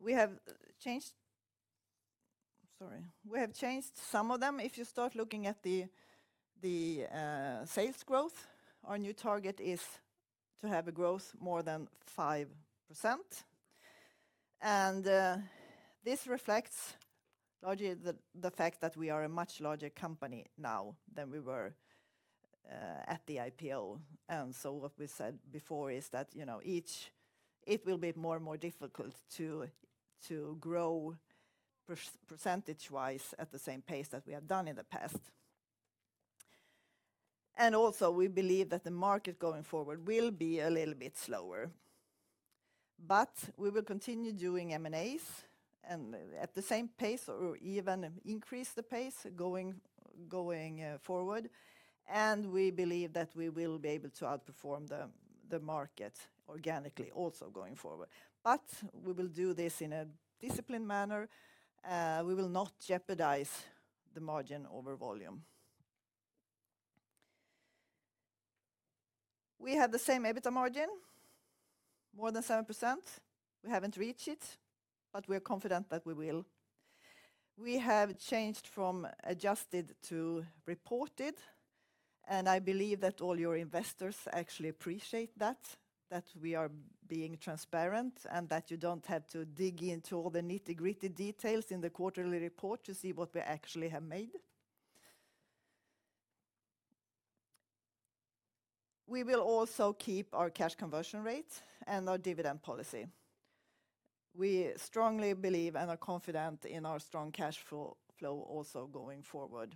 We have changed sorry, we have changed some of them. If you start looking at the sales growth, our new target is to have a growth more than 5%. And this reflects largely the fact that we are a much larger company now than we were at the IPO. And so what we said before is that each it will be more and more difficult to grow percentage wise at the same pace that we have done in the past. And also, we believe that the market going forward will be a little bit slower. But we will continue doing M and As and at the same pace or even increase the pace going forward. And we believe that we will be able to outperform the market organically also going forward. But we will do this in a disciplined manner. We will not jeopardize the margin over volume. We have the same EBITA margin, more than 7%. We haven't reached it, but we are confident that we will. We have changed from adjusted to reported, and I believe that all your investors actually appreciate that, that we are being transparent and that you don't have to dig into all the nitty gritty details in the quarterly report to see what we actually have made. We will also keep our cash conversion rate and our dividend policy. We strongly believe and are confident in our strong cash flow also going forward.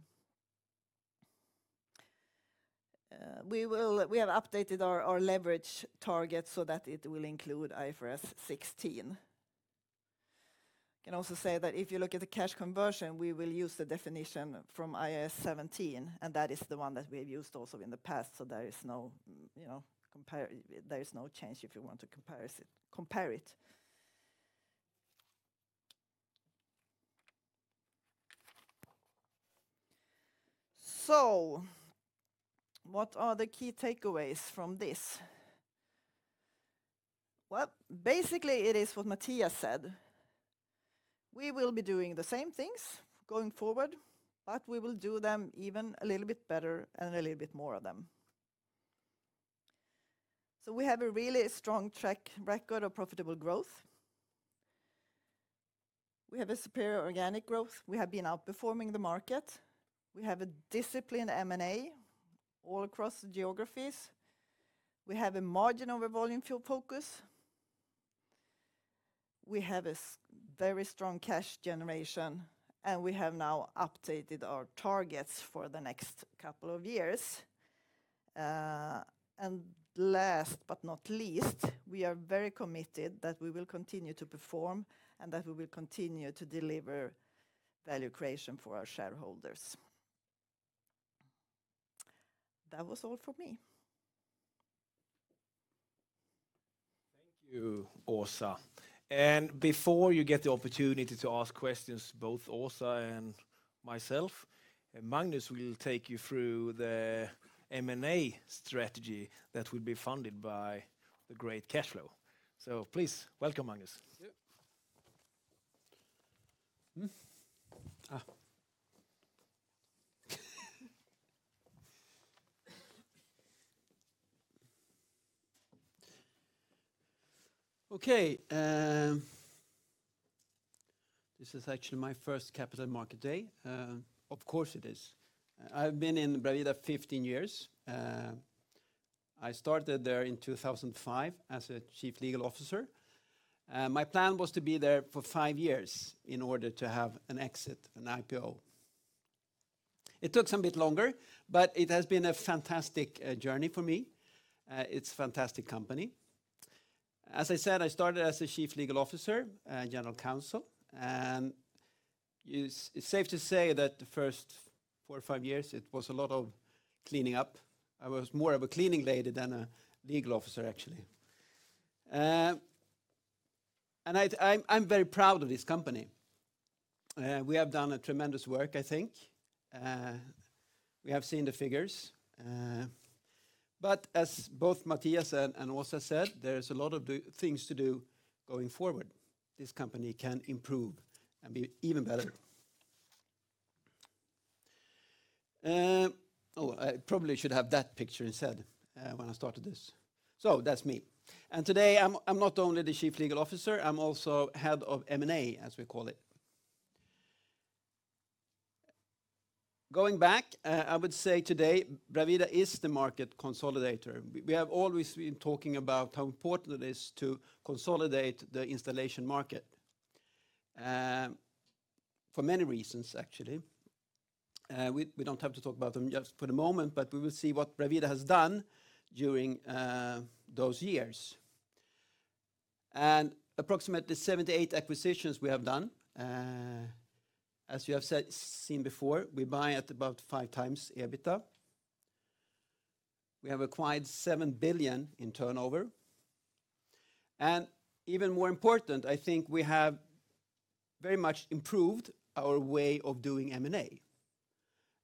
We will we have updated our leverage target so that it will include IFRS 16. I can also say that if you look at the cash conversion, we will use the definition from IAS 17, and that is the one that we have used also in the past. So there is no change if you want to compare it. So what are the key takeaways from this? Well, basically, it is what Mattias said. We will be doing the same things going forward, but we will do them even a little bit better and a little bit more of them. So we have a really strong track record of profitable growth. We have a superior organic growth. We have been outperforming the market. We have a disciplined M and A all across the geographies. We have a margin over volume fuel focus. We have a very strong cash generation, and we have now updated our targets for the next couple of years. And last but not least, we are very committed that we will continue to perform and that we will continue to deliver value creation for our shareholders. That was all for me. Thank you, Asa. And before you get the opportunity to ask questions, both Asa and myself, Magnus will take you through the M and A strategy that will be funded by the great cash flow. So please welcome, Angus. Okay. This is actually my first Capital Market Day. Of course, it is. I've been in Brabida 15 years. I started there in 2,005 as a Chief Legal Officer. My plan was to be there for 5 years in order to have an exit, an IPO. It took some bit longer, but it has been a fantastic journey for me. It's a fantastic company. As I said, I started as a Chief Legal Officer and General Counsel. And it's safe to say that the first 4, 5 years, it was a lot of cleaning up. I was more of a cleaning lady than a legal officer actually. And I'm very proud of this company. We have done a tremendous work, I think. We have seen the figures. But as both Matthias and Asa said, there's a lot of things to do going forward. This company can improve and be even better. I probably should have that picture instead when I started this. So that's me. And today, I'm not only the Chief Legal Officer, I'm also Head of M and A, as we call it. Going back, I would say today, BRAVILDA is the market consolidator. We have always been talking about how important it is to consolidate the installation market for many reasons actually. We don't have to talk about them just for the moment, but we will see what Brasil has done during those years. And approximately 78 acquisitions we have done, As you have seen before, we buy at about 5 times EBITDA. We have acquired 7,000,000,000 in turnover. And even more important, I think we have very much improved our way of doing M and A.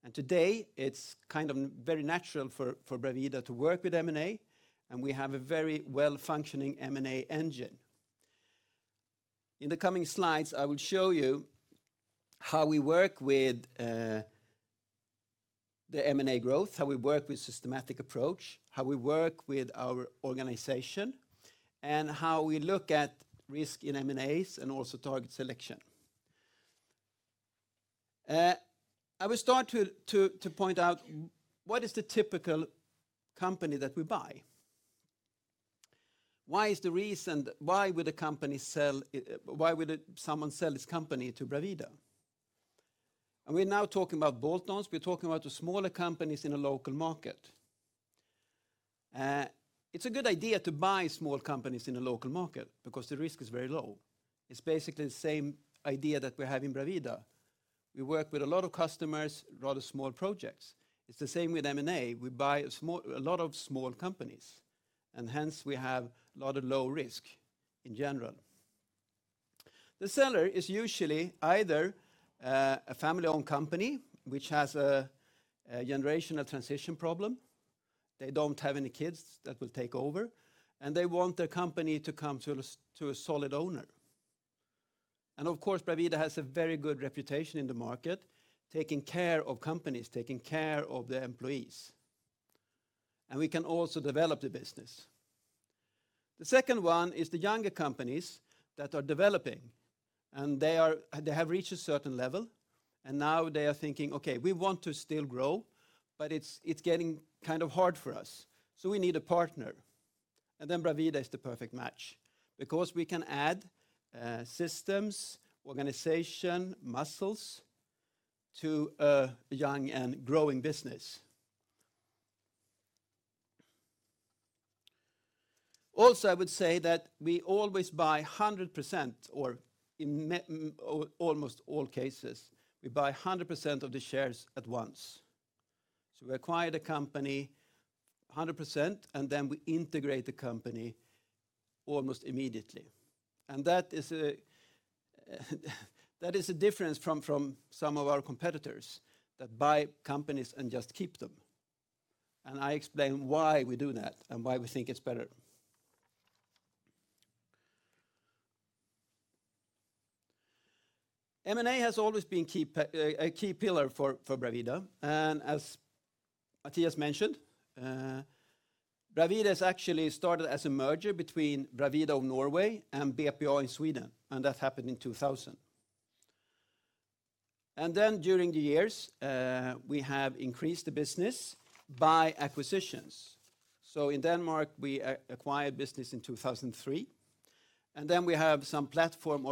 And today, it's kind of very natural for brevida to work with M and A, and we have a very well functioning M and A engine. In the coming slides, I will show you how we work with the M and A growth, how we work with systematic approach, how we work with our organization and how we look at risk in M and As and also target selection. I will start to point out what is the typical company that we buy. Why is the reason why would the company sell why would someone sell its company to BRAVEDA? And we're now talking about bolt ons. We're talking about the smaller companies in a local market. It's a good idea to buy small companies in a local market because the risk is very low. It's basically the same idea that we have in Brabida. We work with a lot of customers, rather small projects. It's the same with M and A. We buy a lot of small companies, and hence, we have a lot of low risk in general. The seller is usually either a family owned company, which has a generational transition problem. They don't have any kids that will take over, and they want their company to come to a solid owner. And of course, Pravida has a very good reputation in the market, taking care of companies, taking care of their employees. And we can also develop the business. The second one is the younger companies that are developing, and they are they have reached a certain level. And now they are thinking, okay, we want to still grow, but it's getting kind of hard for us. So we need a partner. And then BRAVIDA is the perfect match because we can add systems, organization, muscles to a young and growing business. Also, I would say that we always buy 100% or in almost all cases, we buy 100% of the shares at once. So we acquired a company 100%, and then we integrate the company almost immediately. And that is a difference from some of our competitors that buy companies and just keep them. And I explain why we do that and why we think it's better. M and A has always been a key pillar for BRAVITA. And as Matthias mentioned, BRAVILI has actually started as a merger between BRAVILI Norway and BAPJ in Sweden, and that happened in 2000. And then during the years, we have increased the business by acquisitions. So in Denmark, we acquired business in 2003. And then we have some platform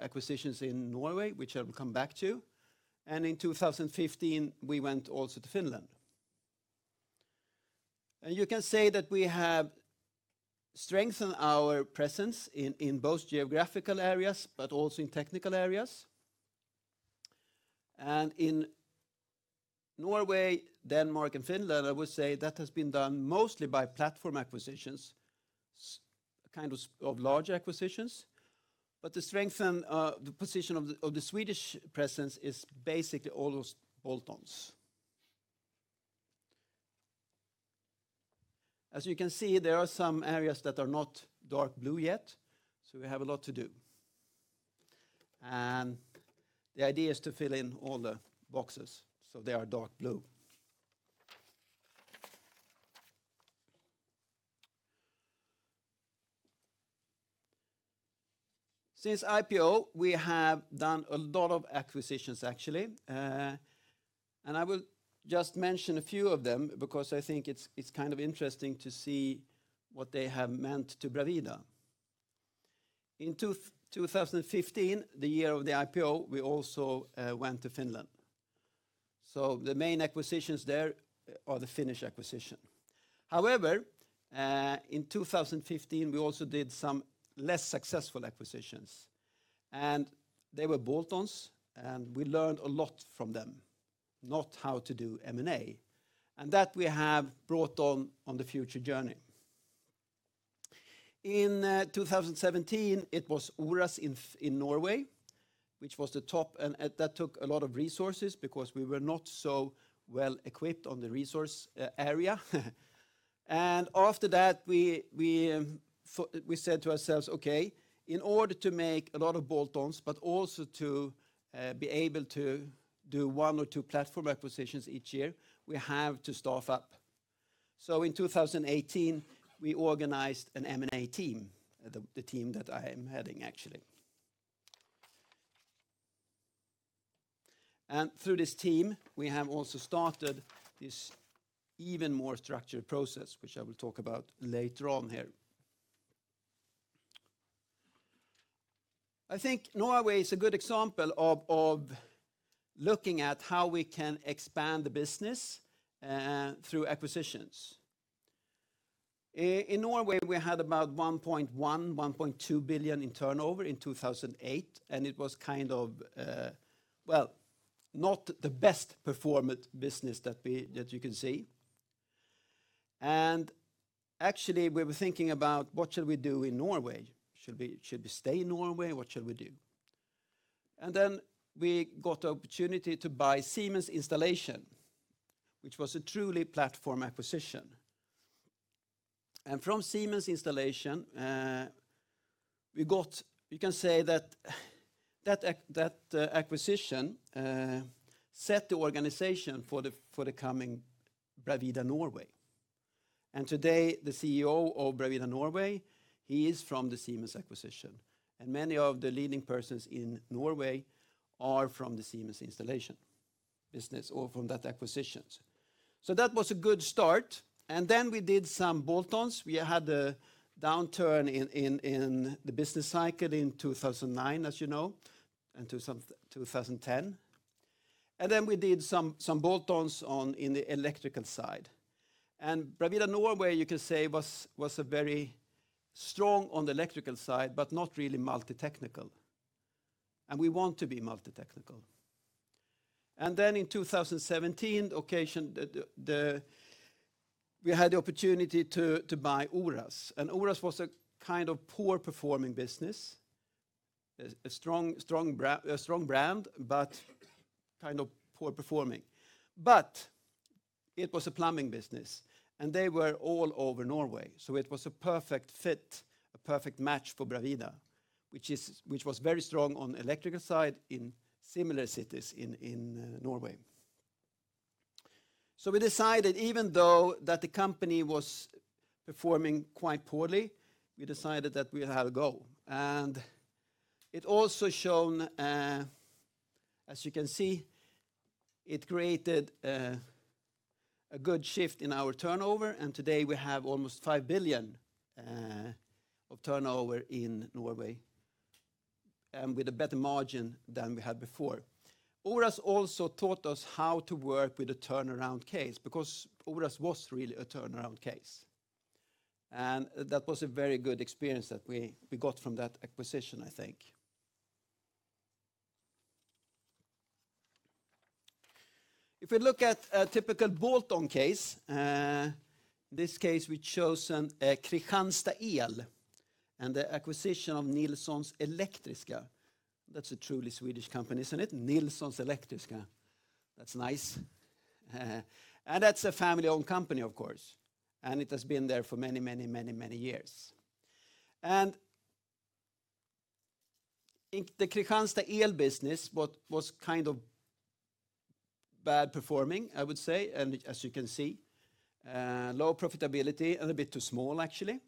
acquisitions in Norway, which I'll come back to. And in 2015, we went also to Finland. And you can say that we have strengthened our presence in both geographical areas, but also in technical areas. And in Norway, Denmark and Finland, I would say that has been done mostly by platform acquisitions, kind of large acquisitions. But the strength and the position of the Swedish presence is basically all those bolt ons. As you can see, there are some areas that are not dark blue yet, so we have a lot to do. And the idea is to fill in all the boxes, so they are dark blue. Since IPO, we have done a lot of acquisitions actually. And I will just mention a few of them because I think it's kind of interesting to see what they have meant to BRAVIDA. In 2015, the year of the IPO, we also went to Finland. So the main acquisitions there are the Finnish acquisition. However, in 2015, we also did some less successful acquisitions. And they were bolt ons, and we learned a lot from them, not how to do M and A. And that we have brought on, on the future journey. In 2017, it was URS in Norway, which was the top and that took a lot of resources because we were not so well equipped on the resource area. And after that, we said to ourselves, okay, in order to make a lot of bolt ons but also to be able to do 1 or 2 platform acquisitions each year, we have to staff up. So in 2018, we organized an M and A team, the team that I am heading actually. And through this team, we have also started this even more structured process, which I will talk about later on here. I think Norway is a good example of looking at how we can expand the business through acquisitions. In Norway, we had about 1,100,000,000, 1,200,000,000 in turnover in 2,008, and it was kind of well, not the best performance business that we that you can see. And actually, we were thinking about what should we do in Norway. Should we stay in Norway? What should we do? And then we got opportunity to buy Siemens Installation, which was a truly platform acquisition. And from Siemens Installation, we got you can say that, that acquisition set the organization for the coming BRAVIDA Norway. And today, the CEO of BRAVIDA Norway, he is from the Siemens acquisition. And many of the leading persons in Norway are from the Siemens installation business or from that acquisitions. So that was a good start. And then we did some bolt ons. We had a downturn in the business cycle in 2,009, as you know, and 2010. And then we did some bolt ons on in the electrical side. And BRAVILDA Norway, you can say, was a very strong on the electrical side, but not really multi technical. And we want to be multi technical. And then in 2017, occasioned the we had the opportunity to buy Uras. And Uras was a kind of poor performing business, a strong brand, but kind of poor performing. But it was a plumbing business, and they were all over Norway. So it was a perfect fit, a perfect match for BRAVINA, which is which was very strong on electrical side in similar cities in Norway. So we decided even though that the company was performing quite poorly, we decided that we had a go. And it also shown, as you can see, it created a good shift in our turnover. And today, we have almost 5,000,000,000 of turnover in Norway and with a better margin than we had before. ORAS also taught us how to work with a turnaround case because ORAS was really a turnaround case. And that was a very good experience that we got from that acquisition, I think. If we look at a typical bolt on case, in this case, we chosen a Krijansda IL and the acquisition of Nilsons Elektriska. That's a truly Swedish company, isn't it? Nilsons Elektriska. That's nice. And that's a family owned company, of course. And it has been there for many, many, many, many years. And in the Krijansda EL Business, what was kind of bad performing, I would say, and as you can see, low profitability and a bit too small actually.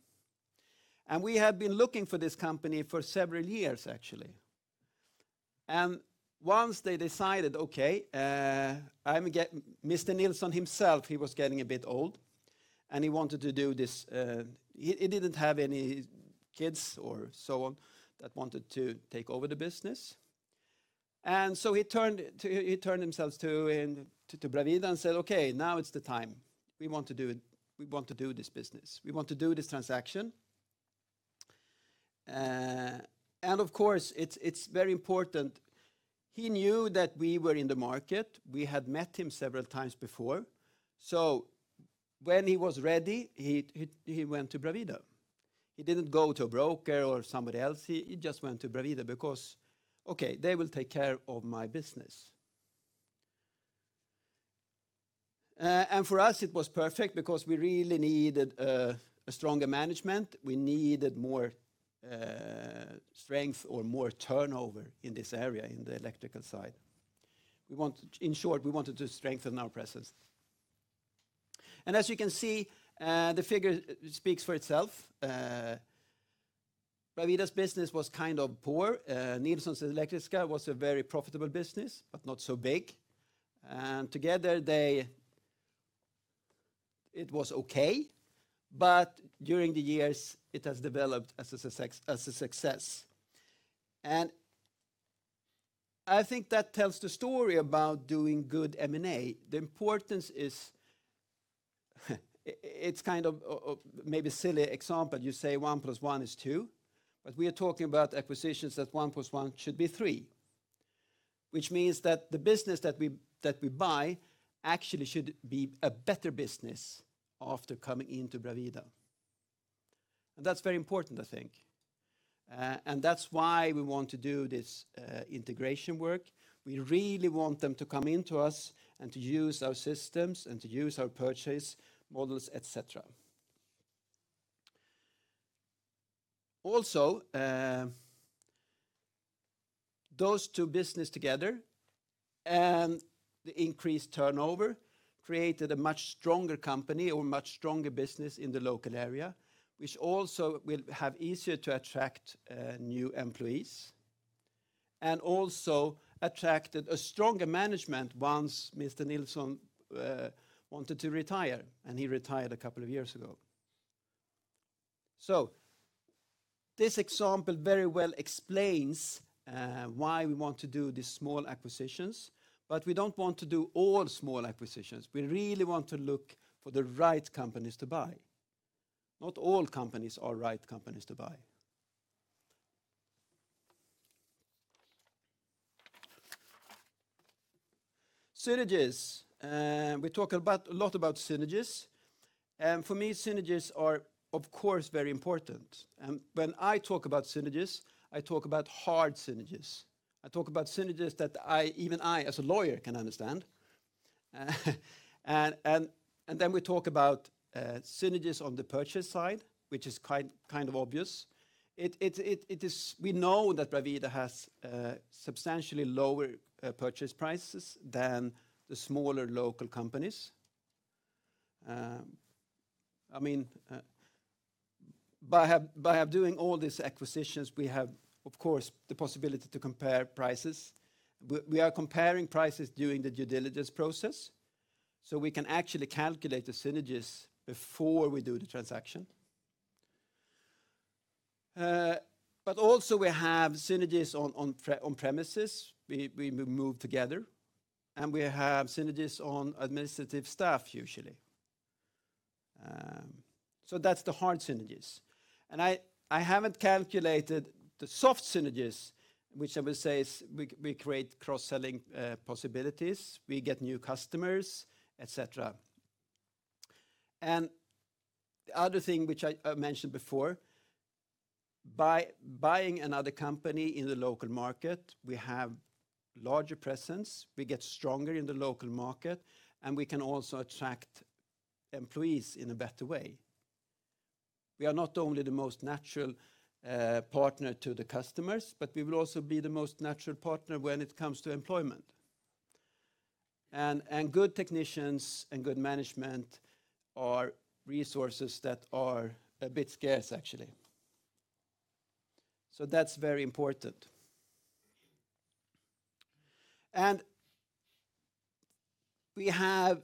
And we have been looking for this company for several years actually. And once they decided, okay, I'm getting Mr. Nielsen himself, he was getting a bit old and he wanted to do this he didn't have any kids or so on that wanted to take over the business. And so he turned himself to Bravita and said, okay, now it's the time. We want to do this business. We want to do this transaction. And of course, it's very important. He knew that we were in the market. We had met him several times before. So when he was ready, he went to Brawide. He didn't go to a broker or somebody else. He just went to Brawide because, okay, they will take care of my business. And for us, it was perfect because we really needed a stronger management. We needed more strength or more turnover in this area in the Electrical side. We want in short, we wanted to strengthen our presence. And as you can see, the figure speaks for itself. Pravida's business was kind of poor. Nielsen's Electorska was a very profitable business but not so big. And together, they it was okay. But during the years, it has developed as a success. And I think that tells the story about doing good M and A. The importance is it's kind of maybe silly example. You say 1 plus 1 is 2, but we are talking about acquisitions that 1 plus 1 should be 3, which means that the business that we buy actually should be a better business after coming into Brabida. And that's very important, I think. And that's why we want to do this integration work. We really want them to come into us and to use our systems and to use our purchase models, etcetera. Also, those two business together and the increased turnover created a much stronger company or much stronger business in the local area, which also will have easier to attract new employees and also attracted a stronger management once Mr. Nielsen wanted to retire, and he retired a couple of years ago. So this example very well explains why we want to do these small acquisitions, but we don't want to do all small acquisitions. We really want to look for the right companies to buy. Not all companies are right companies to buy. Synergies. We talk about a lot about synergies. And for me, synergies are, of course, very important. And when I talk about synergies, I talk about hard synergies. I talk about synergies that I even I as a lawyer can understand. And then we talk about synergies on the purchase side, which is kind of obvious. It is we know that RAVIDA has substantially lower purchase prices than the smaller local companies. I mean, by doing all these acquisitions, we have, of course, the possibility to compare prices. We are comparing prices during the due diligence process. So we can actually calculate the synergies before we do the transaction. But also, we have synergies on premises. We move together. And we have synergies on administrative staff usually. So that's the hard synergies. And I haven't calculated the soft synergies, which I will say is we create cross selling possibilities. We get new customers, etcetera. And the other thing which I mentioned before, by buying another company in the local market, we have larger presence. We get stronger in the local market, and we can also attract employees in a better way. We are not only the most natural partner to the customers, but we will also be the most natural partner when it comes to employment. And good technicians and good management are resources that are a bit scarce actually. So that's very important. And we have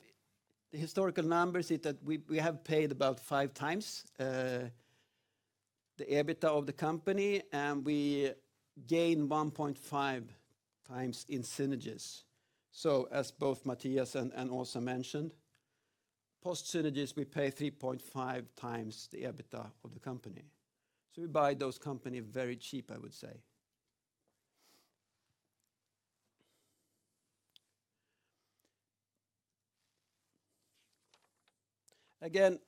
historical numbers that we have paid about 5 times the EBITDA of the company, and we gain 1.5 times in synergies. So as both Matthias and Asa mentioned, post synergies, we pay 3.5 times the EBITDA of the company. So we buy those companies very cheap, I would say. Again,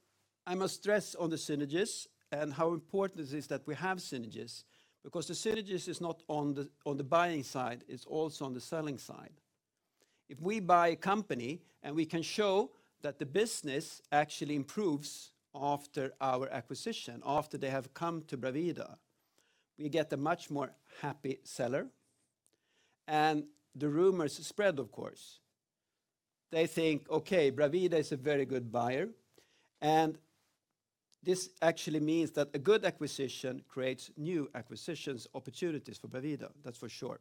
I must stress on the Synagis and how important it is that we have Synagis because the synergies is not on the buying side, it's also on the selling side. If we buy a company and we can show that the business actually improves after our acquisition, after they have come to Brawita, we get a much more happy seller. And the rumors spread, of course. They think, okay, Bravida is a very good buyer. And this actually means that a good acquisition creates new acquisitions opportunities for Brawita, that's for sure.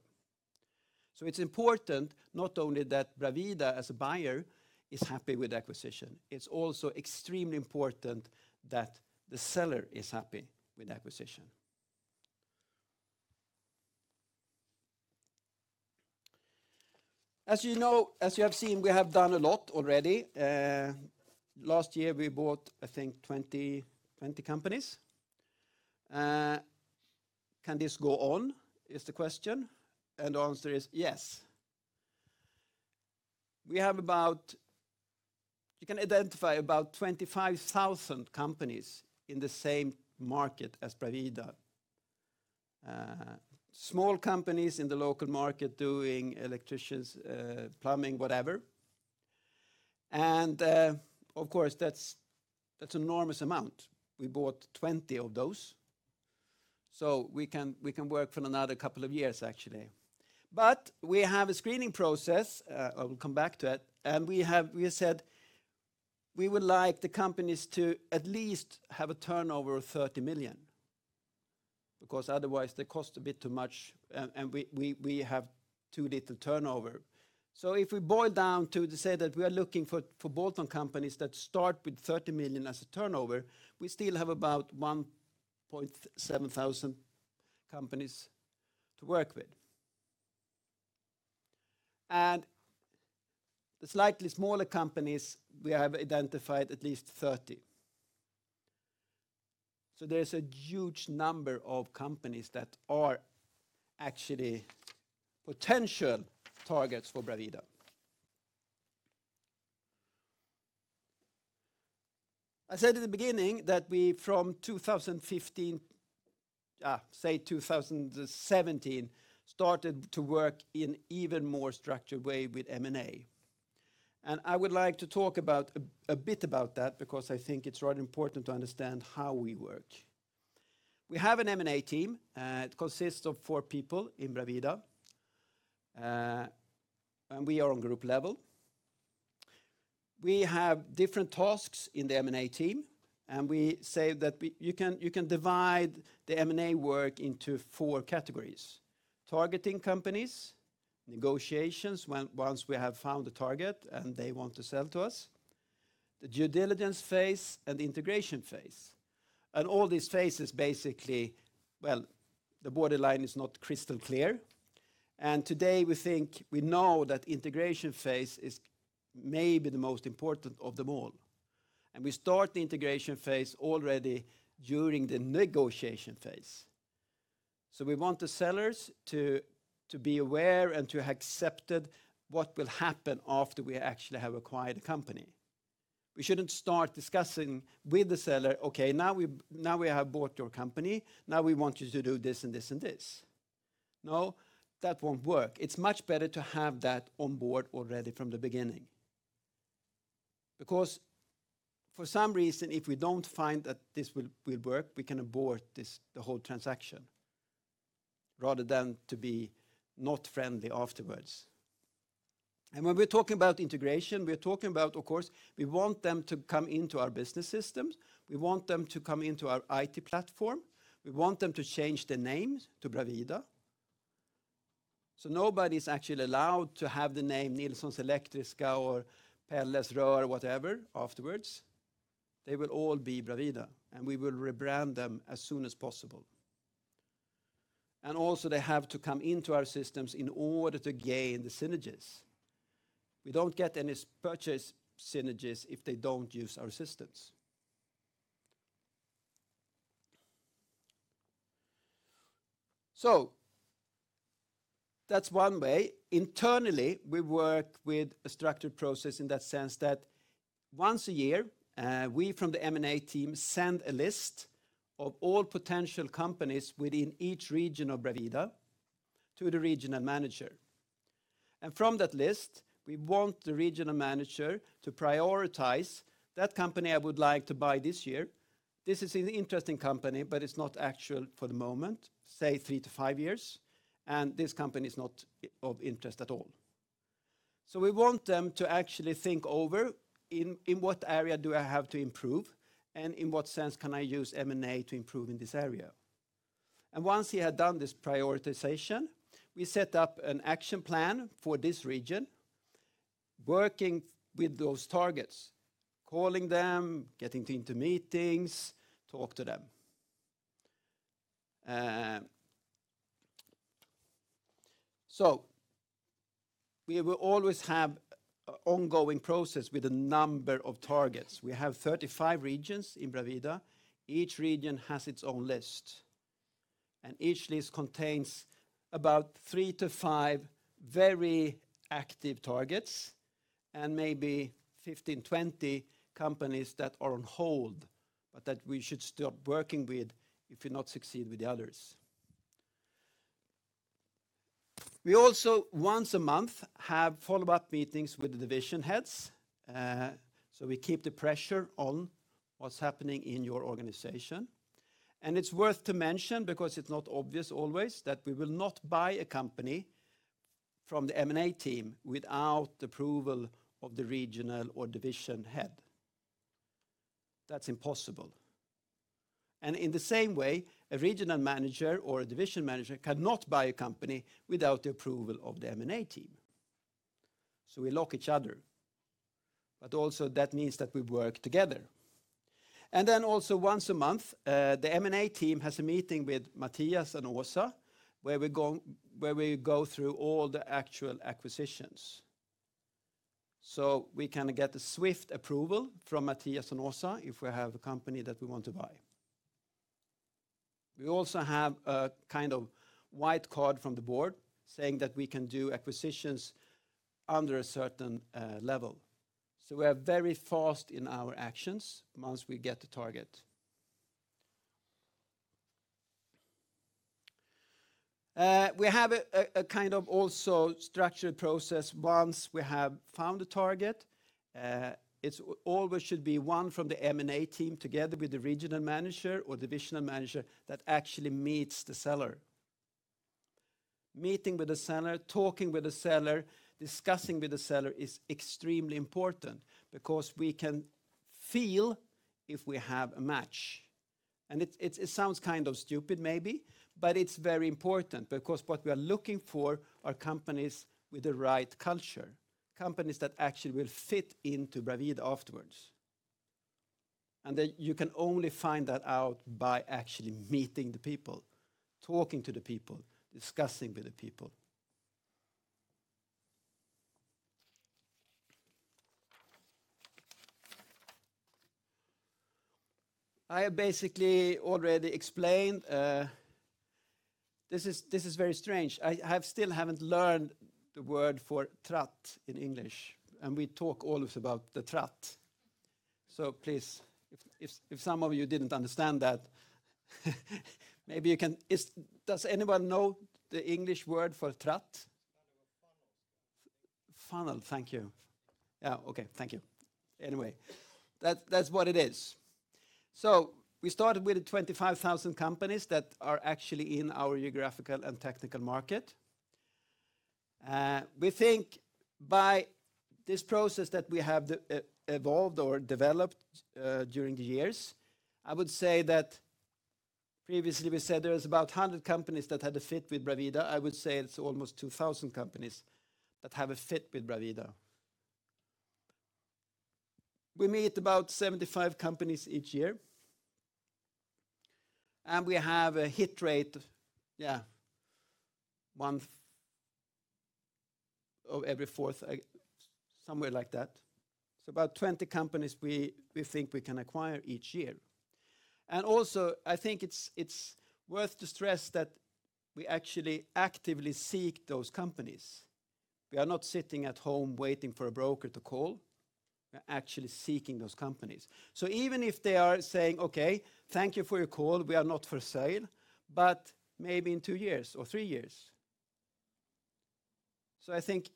It's important not only that Boveda as a buyer is happy with acquisition, it's also extremely important that the seller is happy with the acquisition. As you know as you have seen, we have done a lot already. Last year, we bought, I think, 20 companies. Can this go on is the question. And the answer is yes. We have about you can identify about 25,000 companies in the same market as Pravida. Small companies in the local market doing electricians, plumbing, whatever. And of course, that's enormous amount. We bought 20 of those. So we can work for another couple of years actually. But we have a screening process. I will come back to it. And we have we said we would like the companies to at least have a turnover of €30,000,000 because otherwise they cost a bit too much and we have too little turnover. So if we boil down to the say that we are looking for bolt on companies that start with 30,000,000 as a turnover, we still have about 1 700,000 companies to work with. And the slightly smaller companies, we have identified at least 30. So there's a huge number of companies that are actually potential targets for Brabida. I said at the beginning that we from 2015 say 2017 started to work in even more structured way with M and A. And I would like to talk about a bit about that because I think it's to understand how we work. We have an M and A team. It consists of 4 people in Brabida, and we are on group level. We have different tasks in the M and A team, and we say that you can divide the M and A work into 4 categories: targeting companies, negotiations once we have found the target and they want to sell to us, the due diligence phase and the integration phase. And all these phases basically, well, the borderline is not crystal clear. And today, we think we know that integration phase is maybe the most important of them all. And we start the integration phase already during the negotiation phase. So we want the sellers to be aware and to accept it what will happen after we actually have acquired the company. We shouldn't start discussing with the seller, okay, now we have bought your company, Now we want you to do this and this and this. No, that won't work. It's much better to have that on board already from the beginning Because for some reason, if we don't find that this will work, we can abort this the whole transaction rather than to be not friendly afterwards. And when we're talking about integration, we're talking about, of course, we want them to come into our business systems. We want them to come into our IT platform. We want them to change the names to BRAVADA. So nobody is actually allowed to have the name Nielsen Select, Ryska or Pelle, Roar or whatever afterwards. They will all be Brabida, and we will rebrand them as soon as possible. And also they have to come into our systems in order to gain the synergies. We don't get any purchase synergies if they don't use our systems. So that's one way. Internally, we work with a structured process in that sense that once a year, we from the M and A team send a list of all potential companies within each region of brevida to the regional manager. And from that list, we want the regional manager to prioritize that company I would like to buy this year. This is an interesting company, but it's not actual for the moment, say, 3 to 5 years. And this company is not of interest at all. So we want them to actually think over in what area do I have to improve and in what sense can I use M and A to improve in this area? And once we had done this prioritization, we set up an action plan for this region, working with those targets, calling them, getting into meetings, talk to them. So we will always have ongoing process with a number of targets. We have 35 regions in Bralida. Each region has its own list. And each list contains about 3 to 5 very active targets and maybe 15, 20 companies that are on hold, but that we should stop working with if we not succeed with the others. We also, once a month, have follow-up meetings with the division heads. So we keep the pressure on what's happening in your organization. And it's worth to mention because it's not obvious always that we will not buy a company from the M and A team without approval of the regional or division head. That's impossible. And in the same way, a regional manager or a division manager cannot buy a company without the approval of the M and A team. So we lock each other. But also that means that we work together. And then also once a month, the M and A team has a meeting with Matthias and OSA, where we go through all the actual acquisitions. So we kind of get the swift approval from Matthias and OSA if we have a company that we want to buy. We also have a kind of white card from the Board saying that we can do acquisitions under a certain level. So we are very fast in our actions once we get the target. We have a kind of also structured process once we have found the target. It's always should be 1 from the M and A team together with the regional manager or divisional manager that actually meets the seller. Meeting with the seller, talking with the seller, discussing with the seller is extremely important because we can feel if we have a match. And it sounds kind of stupid maybe, but it's very important because what we are looking for are companies with the right culture, companies that actually will fit into BRAVIT afterwards. And then you can only find that out by actually meeting the people, talking to the people, discussing with the people. I have basically already explained. This is very strange. I have still haven't learned the word for trat in English, and we talk always about the trat. So please, if some of you didn't understand that, maybe you can does anyone know the English word for trat? Funnel. Funnel, thank you. Yes, okay. Thank you. Anyway, that's what it is. So we started with the 25,000 companies that are actually in our geographical and technical market. We think by this process that we have evolved or developed during the years, I would say that previously, we said there is about 100 companies that had a fit with BRAVIDA. I would say it's almost 2,000 companies that have a fit with BRAVIDA. We meet about 75 companies each year, and we have a hit rate, yes, month of every 4th, somewhere like that. So about 20 companies we think we can acquire each year. And also, I think it's worth to stress that we actually actively seek those companies. We are not sitting at home waiting for a broker to call. We're actually seeking those companies. So even if they are saying, okay, thank you for your call, we are not for sale, but maybe in 2 years or 3 years. So I think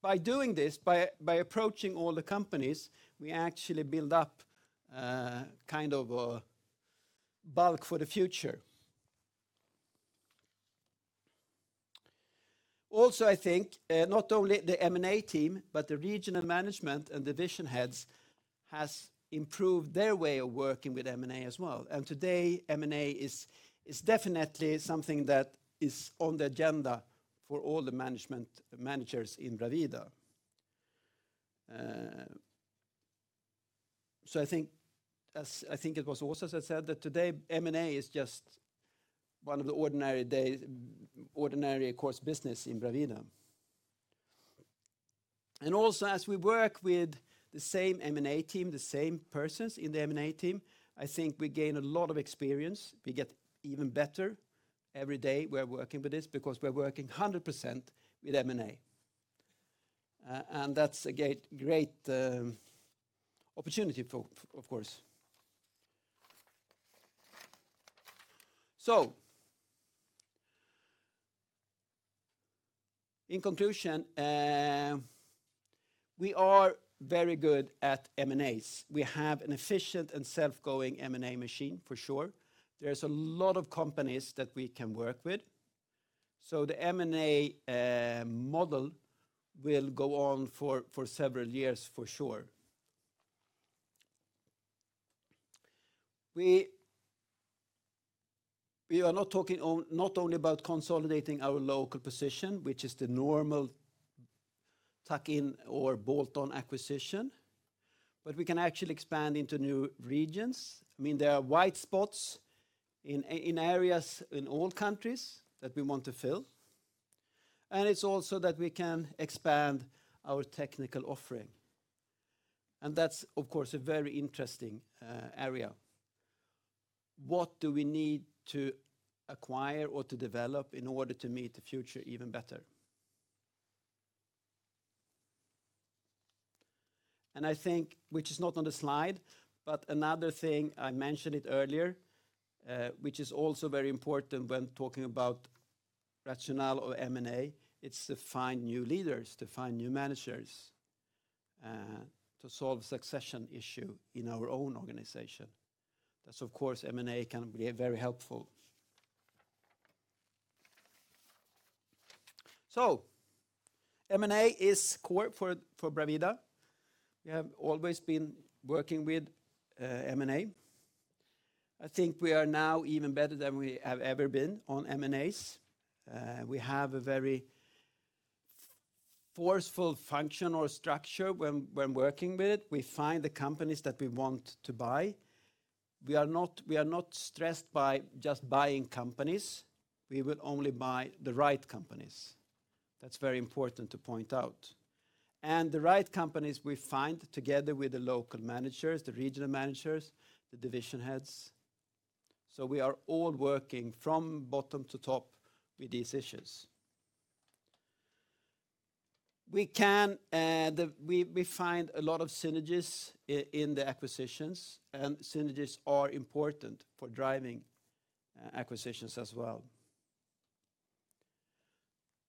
by doing this, by approaching all the companies, we actually build up kind of bulk for the future. Also, I think not only the M and A team, but the regional management and division heads has improved their way of working with M and A as well. And today, M and A is definitely something that is on the agenda for all the management managers in Brasida. So I think it was also said that today, M and A is just one of the ordinary day ordinary, of course, business in Brabida. And also as we work with the same M and A team, the same persons in the M and A team, I think we gain a lot of experience. We get even better. Every day, we're working with this because we're working 100% with M and A. And that's a great opportunity, of course. So in conclusion, we are very good at M and As. We have an efficient and self going M and A machine for sure. There's a lot of companies that we can work with. So the M and A model will go on for several years for sure. We are not talking not only about consolidating our local position, which is the normal tuck in or bolt on acquisition, but we can actually expand into new regions. I mean, there are white spots in areas in all countries that we want to fill. And it's also that we can expand our technical offering. And that's, of course, a very interesting area. What do we need to acquire or to develop in order to meet the future even better. And I think which is not on the slide, but another thing I mentioned it earlier, which is also very important when talking about rationale or M and A, It's to find new leaders, to find new managers to solve succession issue in our own organization. That's of course, M and A can be very helpful. So M and A is core for Bermuda. We have always been working with M and A. I think we are now even better than we have ever been on M and As. We have a very forceful function or structure when working with it. We find the companies that we want to buy. We are not stressed by just buying companies. We would only buy the right companies. That's very important to point out. And the right companies we find together with the local managers, the regional managers, the division heads. So we are all working from bottom to top with these issues. We can we find a lot of synergies in the acquisitions, and synergies are important for driving acquisitions as well.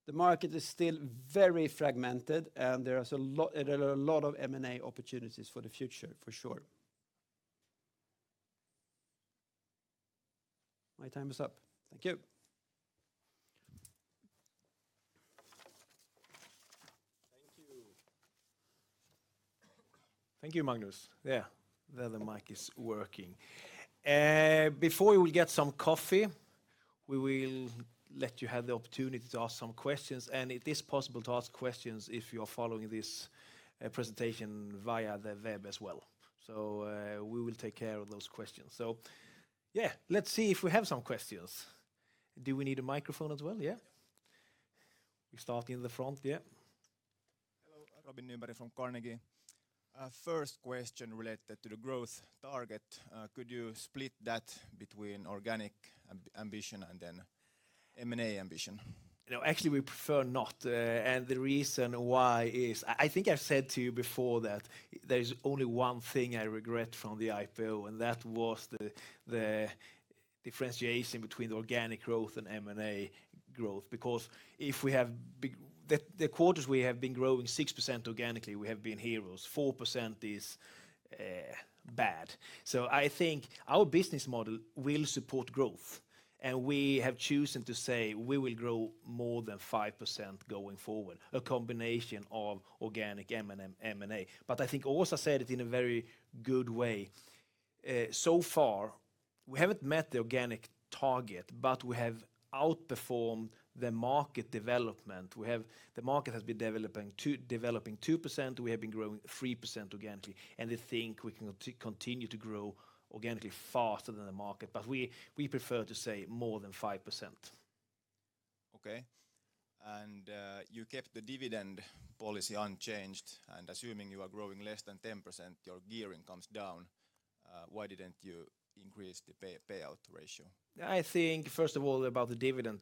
The market is still very fragmented, and there are a lot of M and A opportunities for the future, for sure. My time is up. Thank you. Thank you, Magnus. Yes, the mic is working. Before we will get some coffee, we will let you have the opportunity to ask some questions. And it is possible to ask questions if you are following this presentation via the web as well. So we will take care of those questions. So yes, let's see if we have some questions. Do we need a microphone as well? Yes. We start in the front, yes. Hello, Robin Nuebberty from Carnegie. First question related to the growth target. Could you split that between organic ambition and then M and A ambition? No, actually, we prefer not. And the reason why is I think I've said to you before that there is only one thing I regret from the IPO and that was the differentiation between organic growth and M and A growth because if we have the quarters we have been growing 6% organically, we have been heroes, 4% is bad. So I think our business model will support growth, and we have chosen to say we will grow more than 5% going forward, a combination of organic M and A. But I think Oza said it in a very good way. So far, we haven't met the organic target, but we have outperformed the market development. We have the market has been developing 2%. We have been growing 3% organically. And I think we can continue to grow organically faster than the market, but we prefer to say more than 5%. Okay. And you kept the dividend policy unchanged. And assuming you are growing less than 10%, your gearing comes down. Why didn't you increase the payout ratio? I think, 1st of all, about the dividend,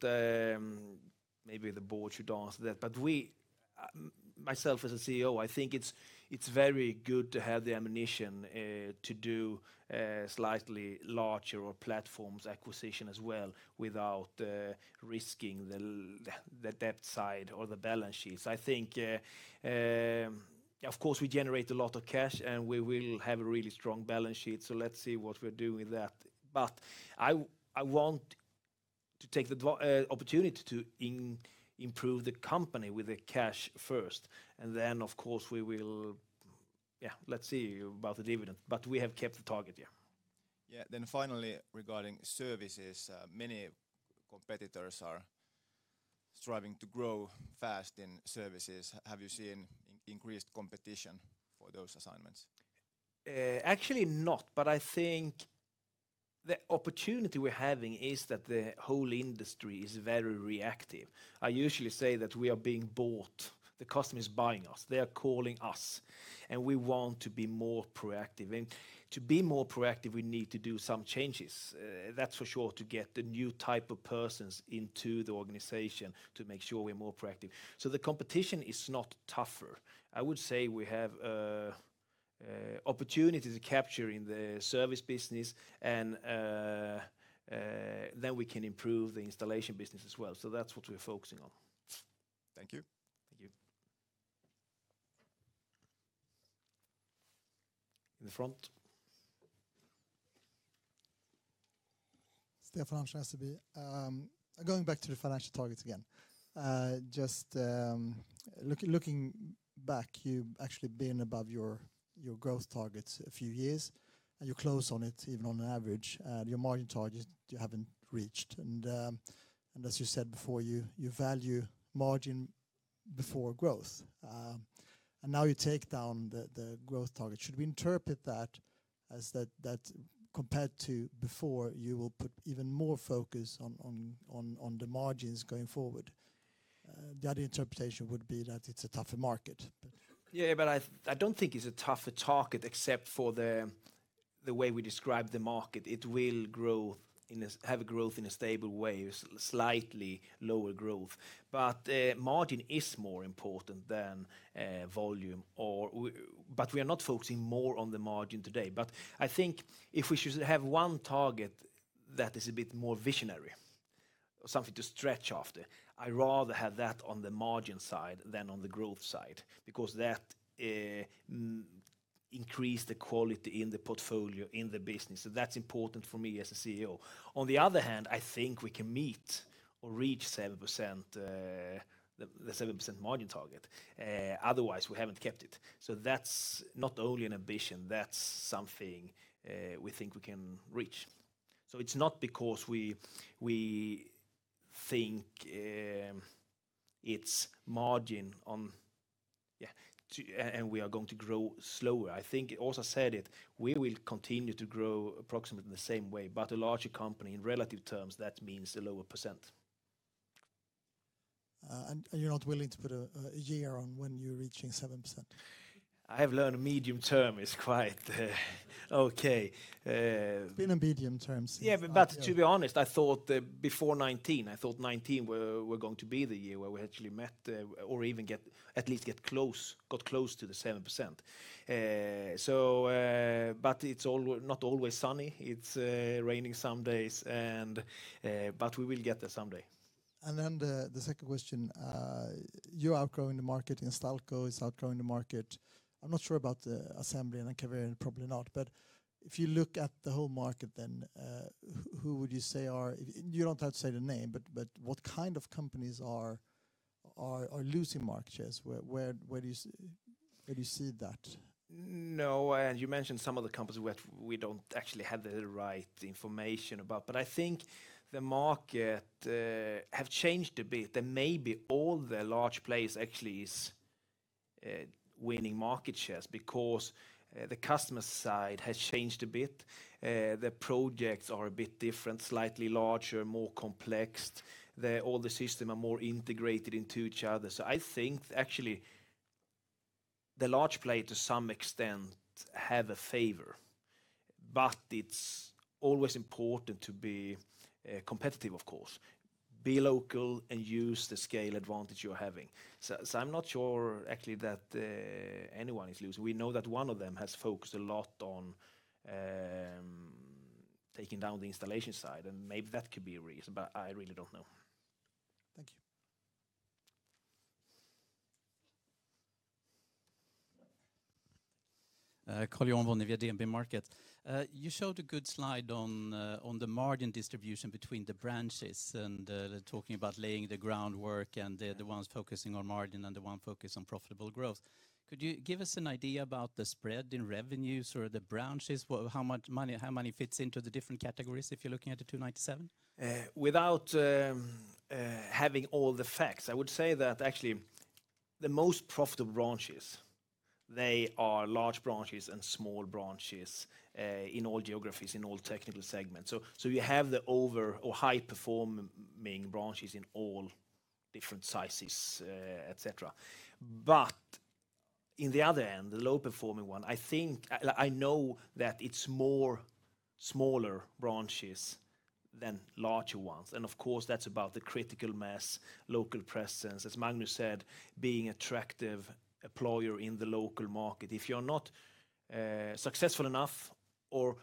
maybe the Board should answer that. But we myself as a CEO, I think it's very good to have the ammunition to do slightly larger platforms acquisition as well without risking the debt side or the balance sheet. So I think, of course, we generate a lot of cash, and we will have a really strong balance sheet. So let's see what we're doing with that. But I want to take the opportunity to improve the company with the cash first. And then, of course, we will yes, let's see about the dividend. But we have kept the target, yes. Yes. Yes. Then finally, regarding Services, many competitors are striving to grow fast in Services. Have you seen increased competition for those assignments? Actually not. But I think the opportunity we're having is that the whole industry is very reactive. I usually say that we are being bought. The customer is buying us. They are calling us, and we want to be more proactive. And to be more proactive, we need to do some changes. That's for sure to get the new type of persons into the organization to make sure we're more proactive. So the competition is not tougher. I would say we have opportunity to capture in the service business and then we can improve the installation business as well. So that's what we're focusing on. Thank you. Thank you. In the front. Stefan Schneeberg. Going back to the financial targets again. Just looking back, you've actually been above your growth targets a few years and you're close on it even on an average. Your margin target, you haven't reached. And as you said before, you value margin before growth. And now you take down the growth target. Should we interpret that as that compared to before you will put even more focus on the margins going forward? The other interpretation would be that it's a tougher market. Yes. But I don't think it's a tougher target except for the way we described the market. It will grow in a have a growth in a stable way, slightly lower growth. But margin is more important than volume or but we are not focusing more on the margin today. But I think if we should have one target that is a bit more visionary, something to stretch after, I rather have that on the margin side than on the growth side because that increased the quality in the portfolio in the business. So that's important for me as a CEO. On the other hand, I think we can meet or reach 7% margin target. Otherwise, we haven't kept it. So that's not only an ambition, that's something we think we can reach. So it's not because we think it's margin on and we are going to grow slower. I think, also said it, we will continue to grow approximately in the same way. But a larger company in relative terms, that means a lower percent. And you're not willing to put a year on when you're reaching 7%? I have learned medium term is quite okay. It's been a medium term. Yes, but to be honest, I thought before 2019, I thought 2019 were going to be the year where we actually met or even get at least get close got close to the 7%. So but it's not always sunny. It's raining some days and but we will get there someday. And then the second question, you're outgrowing the market. Instalco is outgrowing the market. I'm not sure about the assembly and the Kaverian, probably not. But if you look at the whole market then, who would you say are you don't have to say the name, but what kind of companies are losing market shares? Where do you see that? No. As you mentioned some of the companies we don't actually have the right information about. But I think the market have changed a bit. There may be all the large players actually is winning market shares because the customer side has changed a bit. The projects are a bit different, slightly larger, more complex. All the system are more integrated into each other. So I think actually the large play to some extent have a favor, but it's always important to be competitive, of course, be local and use the scale advantage you're having. So I'm not sure actually that anyone is losing. We know that one of them has focused a lot on taking down the installation side and maybe that could be a reason, but I really don't know. Thank you. Karl Johan van den, DNB Markets. You showed a good slide on the margin distribution between the branches and talking about laying the groundwork and the ones focusing on margin and the one focused on profitable growth. Could you give us an idea about the spread in revenues or the branches? How much money how money fits into the different categories if you're looking at the 297,000,000? Without having all the facts, I would say that actually the most profitable branches, they are large branches and small branches in all geographies, in all technical segments. So we have the over or high performing branches in all different sizes, etcetera. But in the other end, the low performing one, I think I know that it's more smaller branches than larger ones. And of course, that's about the critical mass, local presence, as Magnus said, being attractive employer in the local market. If you're not successful enough or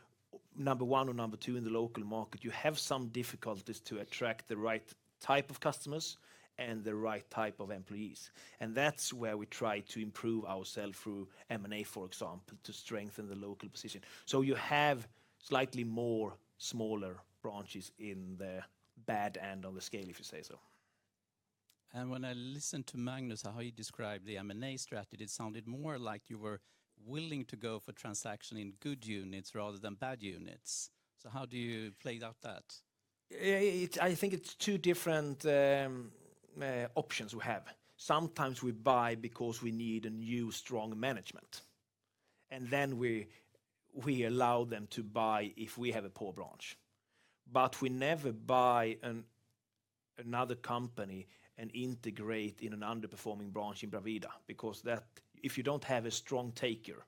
number 1 or number 2 in the local market, you have some difficulties to attract the right type of customers and the right type of employees. And that's where we try to improve our sell through M and A, for example, to strengthen the local position. So you have slightly more smaller branches in the bad end of the scale, if you say so. And when I listened to Magnus, how you described the M and strategy, it sounded more like you were willing to go for transaction in good units rather than bad units. So how do you play out that? I think it's 2 different options we have. Sometimes we buy because we need a new strong management. And then we allow them to buy if we have a poor branch. But we never buy another company and integrate in an underperforming branch in BRAVITA because that if you don't have a strong taker,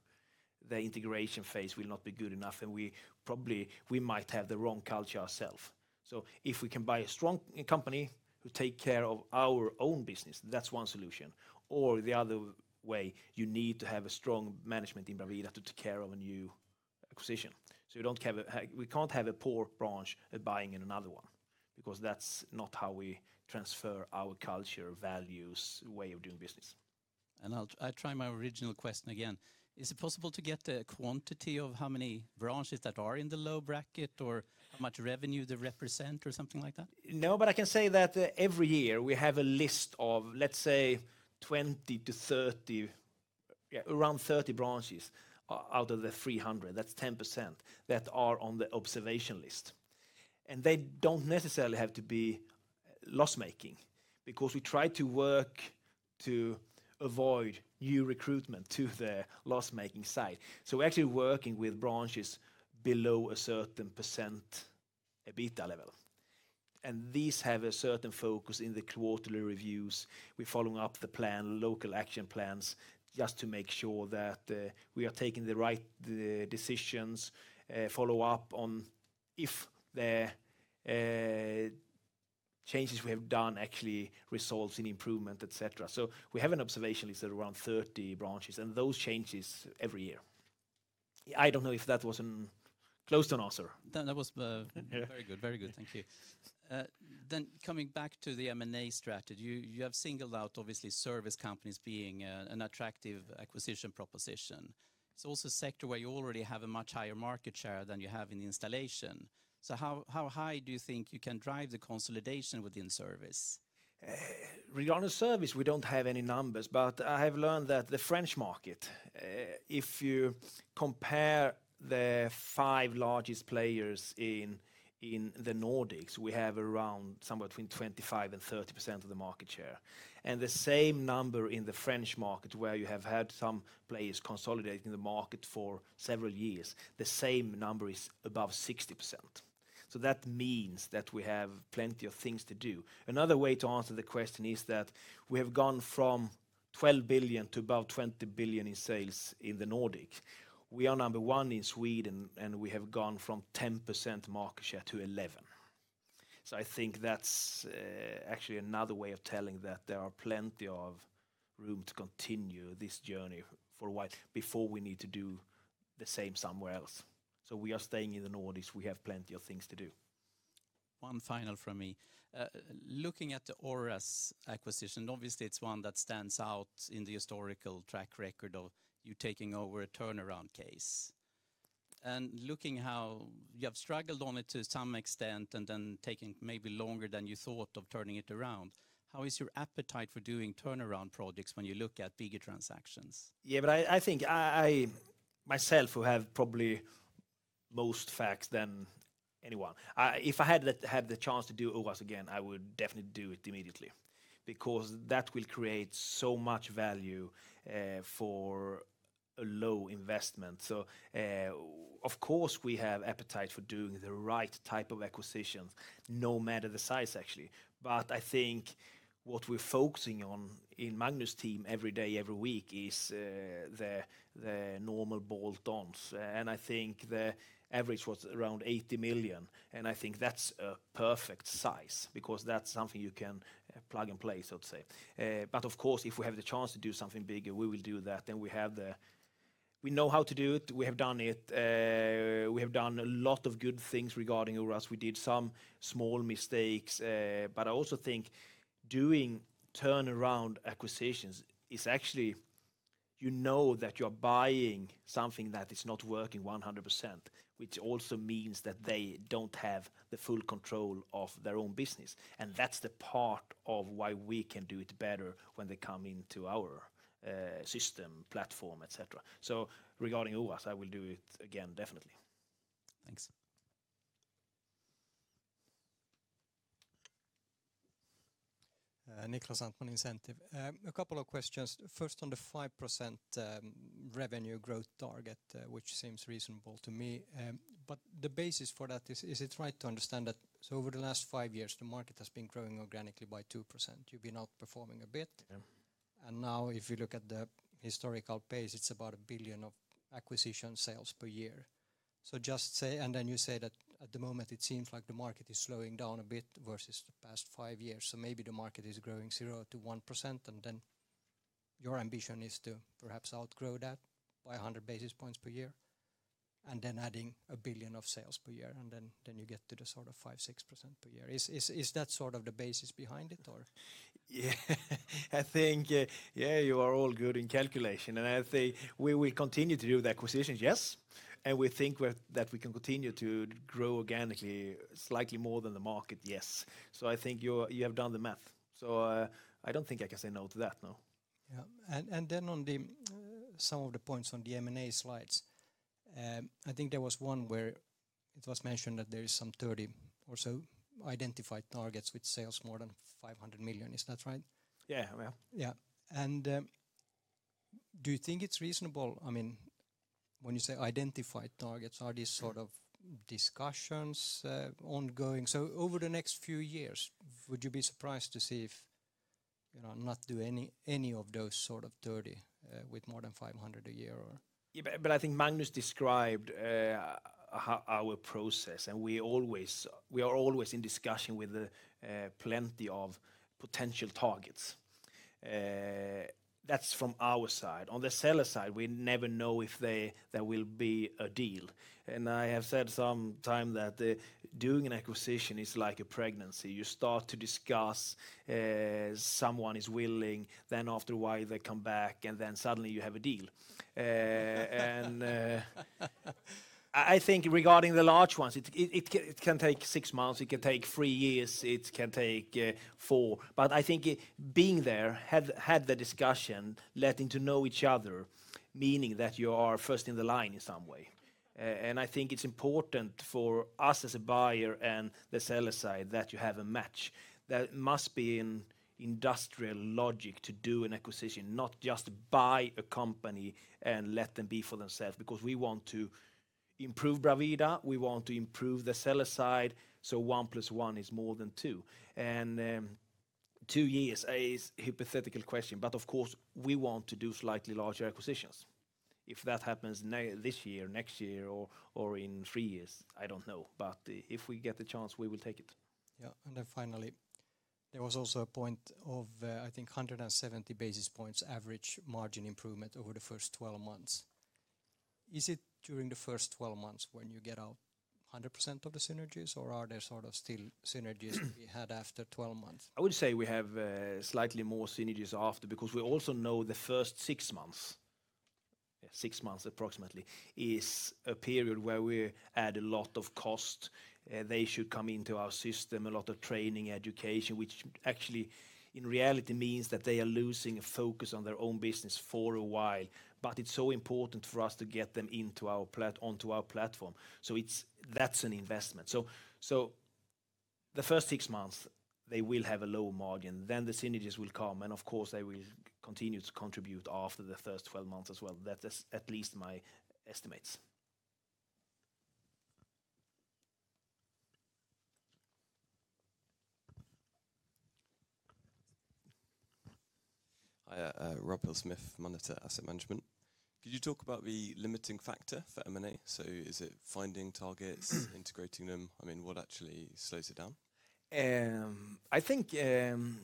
the integration phase will not be good enough and we probably we might have the wrong culture ourselves. So if we can buy a strong company who take care of our own business, that's one solution. Or the other way, you need to have a strong management in Brabivda to take care of a new acquisition. So you don't have we can't have a poor branch buying in another one because that's not how we transfer our culture values way of doing business. And I'll try my original question again. Is it possible to get the quantity of how many branches that are in the low bracket or how much revenue they represent or something like that? No, but I can say that every year, we have a list of, let's say, 20 to 30 around 30 branches out of the 300, that's 10% that are on the observation list. And they don't necessarily have to be loss making because we try to work to avoid new recruitment to the loss making side. So we're actually working with branches below a certain percent EBITDA level. And these have a certain focus in the quarterly reviews. We're following up the plan, local action plans just to make sure that we are taking the right decisions, follow-up on if the changes we have done actually results in improvement, etcetera. So we have an observation, is that around 30 branches and those changes every year. I don't know if that wasn't close to an answer. That was very good, very good. Then coming back to the M and A strategy, you have singled out obviously service companies being an attractive acquisition proposition. It's also a sector where you already have a much higher market share than you have in installation. So how high do you think you can drive the consolidation within service? Really on the service, we don't have any numbers. But I have learned that the French market, if you compare the 5 largest players in the Nordics, we have around somewhere between 25% 30% of the market share. And the same number in the French market where you have had some players consolidate in the market for several years, the same number is above 60%. So that means that we have plenty of things to do. Another way to answer the question is that we have gone from 12,000,000,000 to about 20,000,000,000 in sales in the Nordic. We are number 1 in Sweden, and we have gone from 10% market share to 11%. So I think that's actually another way of telling that there are plenty of room to continue this journey for a while before we need to do the same somewhere else. So we are staying in the Nordics. We have plenty of things to do. One final from me. Looking at Auras acquisition, obviously, it's one that stands out in the historical track record of you taking over a turnaround case. And looking how you have struggled on it to some extent and then taking maybe longer than you thought of turning it around, How is your appetite for doing turnaround projects when you look at bigger transactions? Yes. But I think I myself who have probably most facts than anyone. If I had the chance to do OVAX again, I would definitely do it immediately because that will create so much value for low investment. So of course, we have appetite for doing the right type of acquisitions no matter the size actually. But I think what we're focusing on in Magnus' team every day, every week is the normal bolt ons. And I think the average was around 80,000,000, and I think that's a perfect size because that's something you can plug and play, so to say. But of course, if we have the chance to do something bigger, we will do that. And we have the we know how to do it. We have done it. We have done a lot of good things regarding Urals. We did some small mistakes. But I also think doing turnaround acquisitions is actually you know that you're buying something that is not working 100%, which also means that they don't have the full control of their own business. And that's the part of why we can do it better when they come into our system platform, etcetera. So regarding OVAS, I will do it again definitely. Thanks. Niklas Antoine, Incentive. A couple of questions. First on the 5% revenue growth target, which seems reasonable to me. But the basis for that is, is it right to understand that so over the last 5 years, the market has been growing organically by 2%. You've been outperforming a bit. And now if you look at the historical pace, it's about 1,000,000,000 of acquisition sales per year. So just say and then you say that at the moment it seems like the market is slowing down a bit versus the past 5 years. So maybe the market is growing 0% to 1% and then your ambition is to perhaps outgrow that by 100 basis points per year and then adding 1,000,000,000 of sales per year and then you get to the sort of 5%, six percent per year. Is that sort of the basis behind it or? Yes. I think, yes, you are all good in calculation. And I'd say we will continue to do the acquisitions, yes. And we think that we can continue to grow organically slightly more than the market, yes. So I think you have done the math. So I don't think I can say no to that, no. Yes. And then on the some of the points on the M and A slides. I think there was one where it was mentioned that there is some 30 or so identified targets with sales more than 500,000,000. Is that right? Yes, Hamel. Yes. And do you think it's reasonable, I mean, when you say identified targets, are these sort of discussions ongoing? So over the next few years, would you be surprised to see if not do any of those sort of 30 with more than 500 a year or Yes. But I think Magnus described our process, and we always we are always in discussion with plenty of potential targets. That's from our side. On the seller side, we never know if there will be a deal. And I have said some time that doing an acquisition is like a pregnancy. You start to discuss someone is willing, then after a while, they come back and then suddenly you have a deal. And I think regarding the large ones, it can take 6 months, it can take 3 years, it can take 4. But I think being there, had the discussion, letting to know each other, meaning that you are first in the line in some way. And I think it's important for us as a buyer and the seller side that you have a match. That must be an industrial logic to do an acquisition, not just buy a company and let them be for themselves because we want to improve BRAVITA. We want to improve the seller side. So 1 plus 1 is more than 2. And 2 years is hypothetical question, but of course, we want to do slightly larger acquisitions. If that happens this year, next year or in 3 years, I don't know. But if we get the chance, we will take it. Yes. And then finally, there was also a point of, I think, 170 basis points average margin improvement over the 1st 12 months. Is it during the 1st 12 months when you get out 100% of the synergies? Or are there sort of still synergies we had after 12 months? I would say we have slightly more synergies after because we also know the 1st 6 months, 6 months approximately, is a period where we add a lot of costs. They should come into our system, a lot of training, education, which actually in reality means that they are losing a focus on their own business for a while. But it's so important for us to get them into our on to our platform. So it's that's an investment. So the 1st 6 months, they will have a low margin, then the synergies will come. And of course, they will continue to contribute after the 1st 12 months as well. That's at least my estimates. Rob Hill Smith, Moneta Asset Management. Could you talk about the limiting factor for M and A? So is it finding targets, integrating them? I mean, what actually slows it down? I think in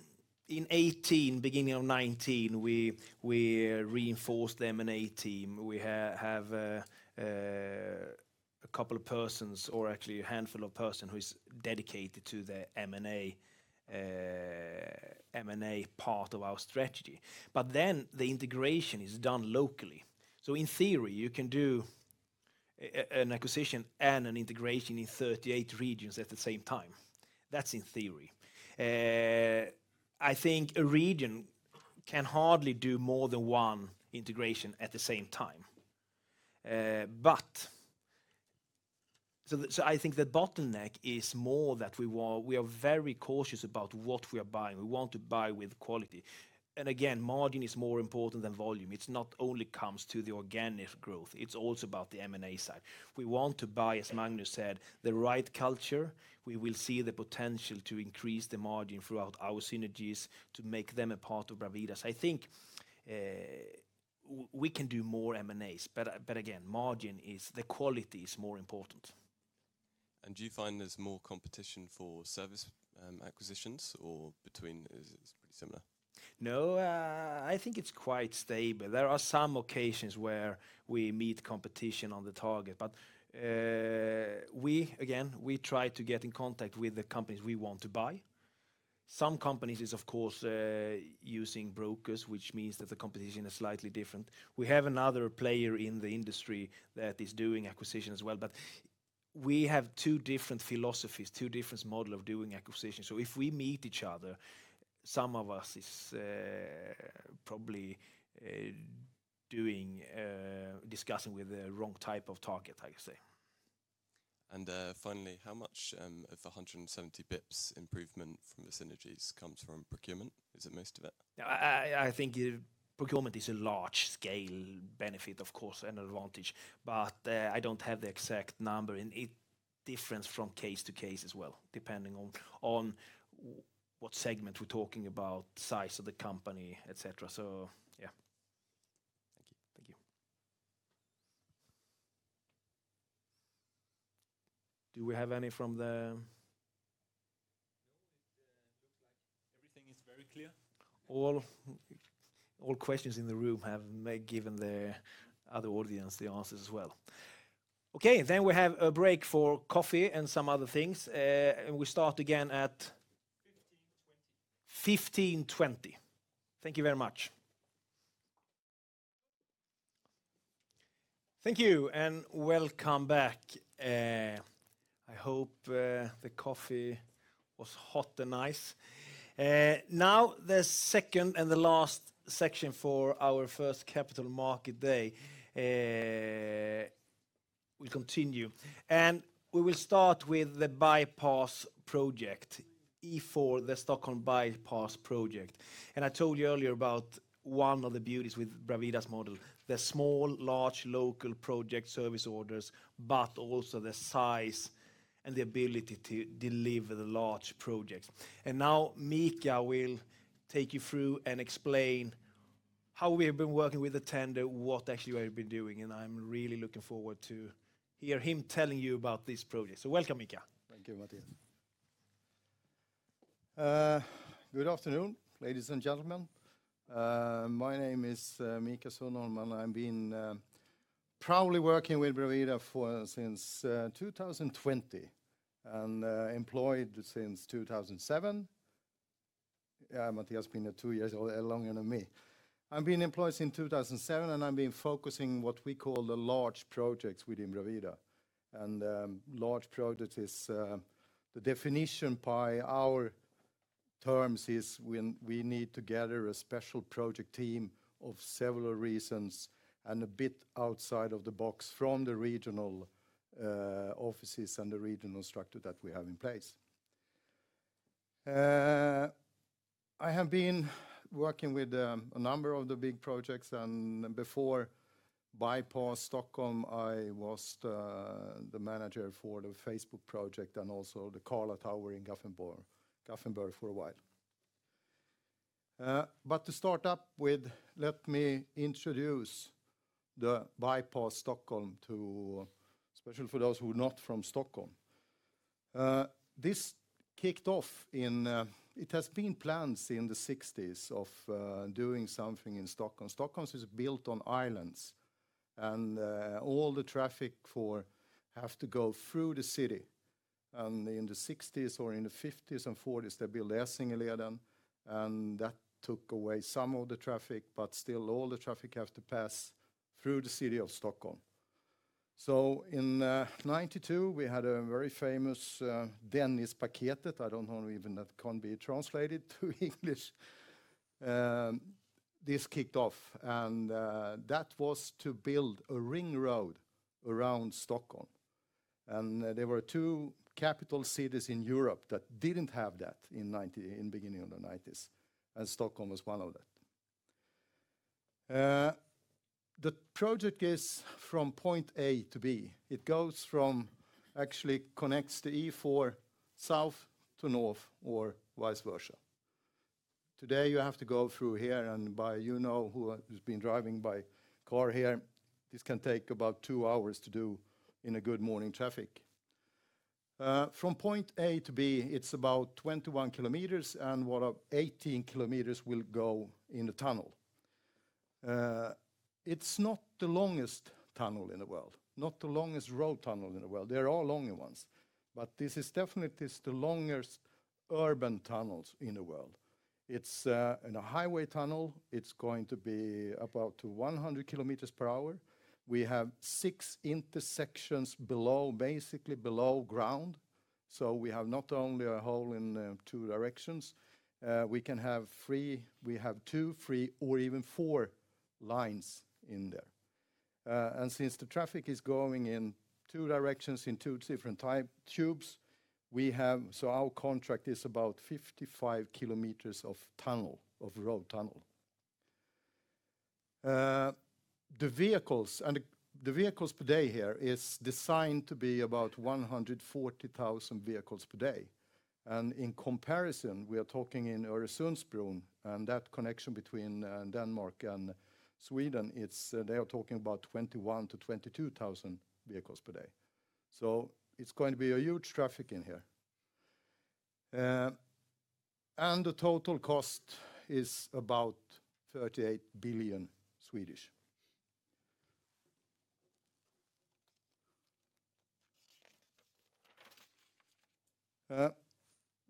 2018 beginning of 2019, we reinforced the M and A team. We have a couple of persons or actually a handful of person who is dedicated to the M and A part of our strategy. But then the integration is done locally. So in theory, you can do an acquisition and an integration in 38 regions at the same time. That's in theory. I think a region can hardly do more than one integration at the same time. But so I think the bottleneck is more that we are very cautious about what we are buying. We want to buy with quality. And again, margin is more important than volume. It's not only comes to the organic growth. It's also about the M and A side. We want to buy, as Magnus said, the right culture. We will see the potential to increase the margin throughout our synergies to make them a part of BRAVILIRA. So I think we can do more M and As. But again, margin is the quality is more important. And do you find there's more competition for service acquisitions or between similar? No. I think it's quite stable. There are some occasions where we meet competition on the target. But we again, we try to get in contact with the companies we want to buy. Some companies is, of course, using brokers, which means that the competition is slightly different. We have another player in the industry that is doing acquisition as well. But we have 2 different philosophies, 2 different model of doing acquisition. So if we meet each other, some of us is probably doing discussing with the wrong type of target, I could say. And finally, how much of the 170 bps improvement from the synergies comes from procurement? Is it most of it? I think procurement is a large scale benefit, of course, an advantage. But I don't have the exact number and it's different from case to case as well depending on what segment we're talking about, size of the company, etcetera. So yes. Thank you. Do we have any from the everything is very clear. All questions in the room have given the other audience the answers as well. Okay. Then we have a break for coffee and some other things. We start again at 15.20. Thank you very much. Thank you and welcome back. I hope the coffee was hot and nice. Now the second and the last section for our 1st Capital Market Day will continue. And we will start with the Bypass project, E4, the Stockholm Bypass project. And I told you earlier about one of the beauties with BRAVITA's model, the small, large local project service orders, but also the size and the ability to deliver the large projects. And now, Micha will take you through and explain how we have been working with Atender, what actually we have been doing, and I'm really looking forward to hear him telling you about this project. So welcome, Mikka. Thank you, Martin. Good afternoon, ladies and gentlemen. My name is Mikael Sonnolmann. I've been proudly working with brevida since 2020 and employed since 2007. Yes, Matija has been 2 years longer than me. I've been employed since 2007, and I've been focusing what we call the large projects within Rovira. And large projects is the definition by our terms is when we need to gather a special project team of several reasons and a bit outside of the box from the regional offices and the regional structure that we have in place. I have been working with a number of the big projects and before Bypass Stockholm, I was the manager for the Facebook project and also the Carla Tower in Gothenburg for a while. But to start up with, let me introduce the Bypass Stockholm to especially for those who are not from Stockholm. This kicked off in it has been planned in the 60s of doing something in Stockholm. Stockholm is built on islands, and all the traffic for have to go through the city. And in the 60s or in the 50s 40s, they build less in a year then and that took away some of the traffic, but still all the traffic has to pass through the city of Stockholm. This kicked off. And that was to build a ring road around Stockholm. And there were 2 capital cities in Europe that didn't have that in the beginning of 1990s, and Stockholm was one of that. The project is from point A to B. It goes from actually connects the E4 south to north or vice versa. Today, you have to go through here and by you know who has been driving by car here, this can take about 2 hours to do in a good morning traffic. From point A to B, it's about 21 kilometers and what are 18 kilometers will go in the tunnel. It's not the longest tunnel in the world, not the longest road tunnel in the world. There are longer ones. But this is definitely the longest urban tunnels in the world. It's in a highway tunnel. It's going to be about 100 kilometers per hour. We have 6 intersections below basically below ground. So we have not only a hole in two directions. We can have 3 we have 2, 3 or even 4 lines in there. And since the traffic is going in two directions in 2 different types of tubes, we have so our contract is about 55 kilometers of tunnel of road tunnel. The vehicles and the vehicles per day here is designed to be about 140,000 vehicles per day. And in comparison, we are talking in Oresundsprung and that connection between Denmark and Sweden, it's they are talking about 21,000 to 22,000 vehicles per day. So it's going to be a huge traffic in here. And the total cost is about SEK 38,000,000,000.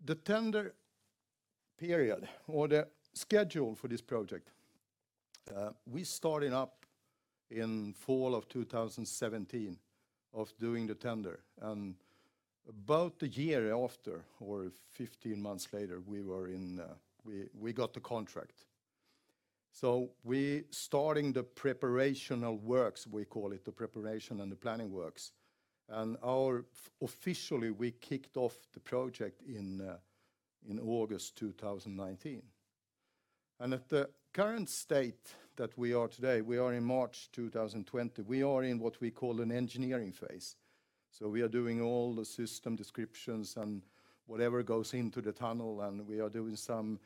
The tender period or the schedule for this project, we started up in fall of 2017 of doing the tender. And about the year after or 15 months later, we were in we got the contract. So we're starting the preparation of works, we call it the preparation and the planning works. And our officially, we kicked off the project in August 2019. And at the current state that we are today, we are in March 2020, we are in what we call an engineering phase. So we are doing all the system descriptions and whatever goes into the tunnel and we are doing some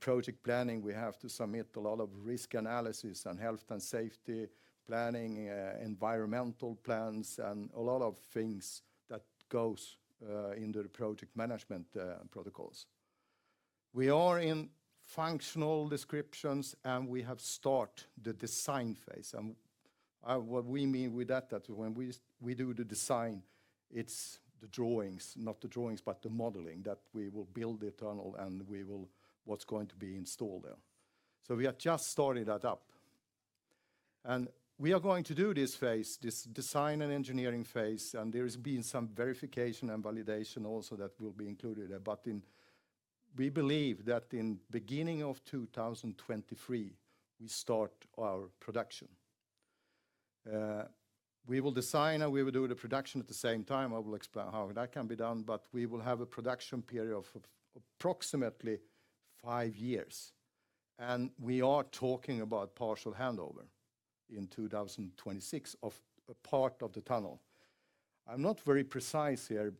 project planning. We have to submit a lot of risk analysis and health and safety planning, environmental plans and a lot of things that goes into the project management protocols. We are in functional descriptions, and we have start the design phase. And what we mean with that, that when we do the design, it's the drawings, not the drawings, but the modeling that we will build the tunnel and we will what's going to be installed there. So we have just started that up. And we are going to do this phase, this design and engineering phase, and there has been some verification and validation also that will be included. But in we believe that in beginning of 2023, we start our production. We will design and we will do the production at the same time. I will explain how that can be done, but we will have a production period of approximately 5 years. And we are talking about partial handover in 2026 of a part of the tunnel. I'm not very precise here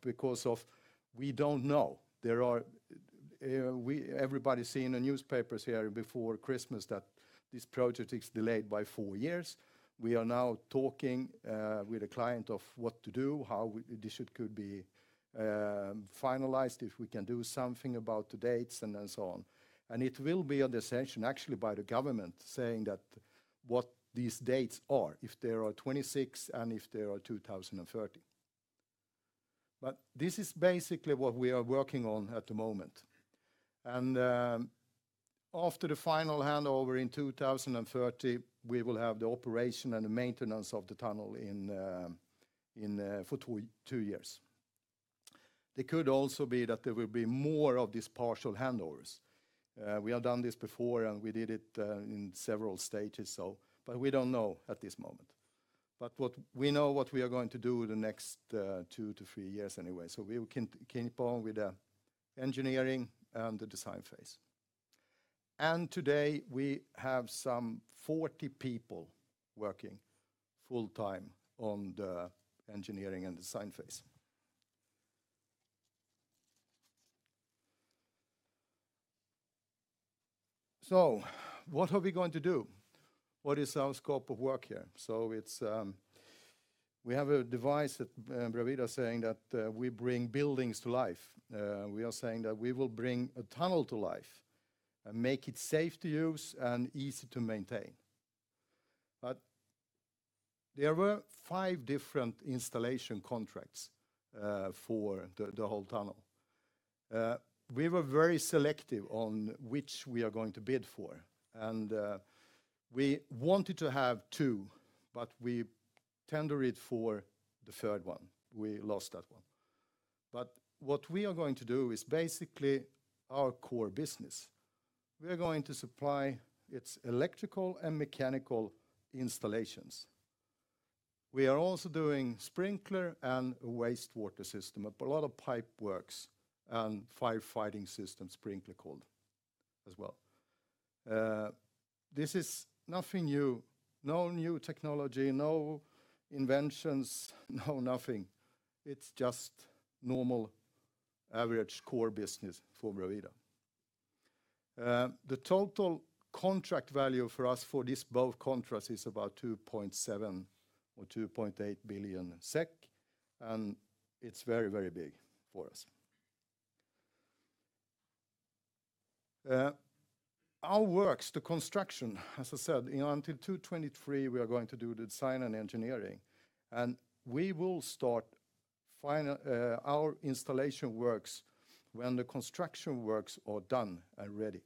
because of we don't know. There are we everybody's seen in newspapers here before Christmas that this project is delayed by 4 years. We are now talking with a client of what to do, how this could be finalized, if we can do something about the dates and then so on. And it will be on the sanction actually by the government saying that what these dates are, if there are 26 and if there are 2,030. But this is basically what we are working on at the moment. And after the final handover in 2,030, we will have the operation and the maintenance of the tunnel in for 2 years. It could also be that there will be more of these partial handovers. We have done this before, and we did it in several stages. So but we don't know at this moment. But what we know what we are going to do in the next 2 to 3 years anyway. So we will continue to be with the engineering and the design phase. And today, we have some 40 people working full time on the engineering and design phase. So what are we going to do? What is our scope of work here? So it's we have a device that Brawita is saying that we bring buildings to life. We are saying that we will bring a tunnel to life and make it safe to use and easy to maintain. But there were 5 different installation contracts for the whole tunnel. We were very selective on which we are going to bid for. And we wanted to have 2, but we tender it for the 3rd one. We lost that one. But what we are going to do is basically our core business. We are going to supply its electrical and mechanical installations. We are also doing sprinkler and wastewater system, a lot of pipe works and firefighting systems, sprinkler called as well. This is nothing new. No new technology, no inventions, no nothing. It's just normal average core business for brevida. The total contract value for us for these both contracts is about 2,700,000,000 or 2,800,000,000 SEK, and it's very, very big for us. Our works, the construction, as I said, until 2023, we are going to do the design and engineering. And we will start our installation works when the construction works are done and ready.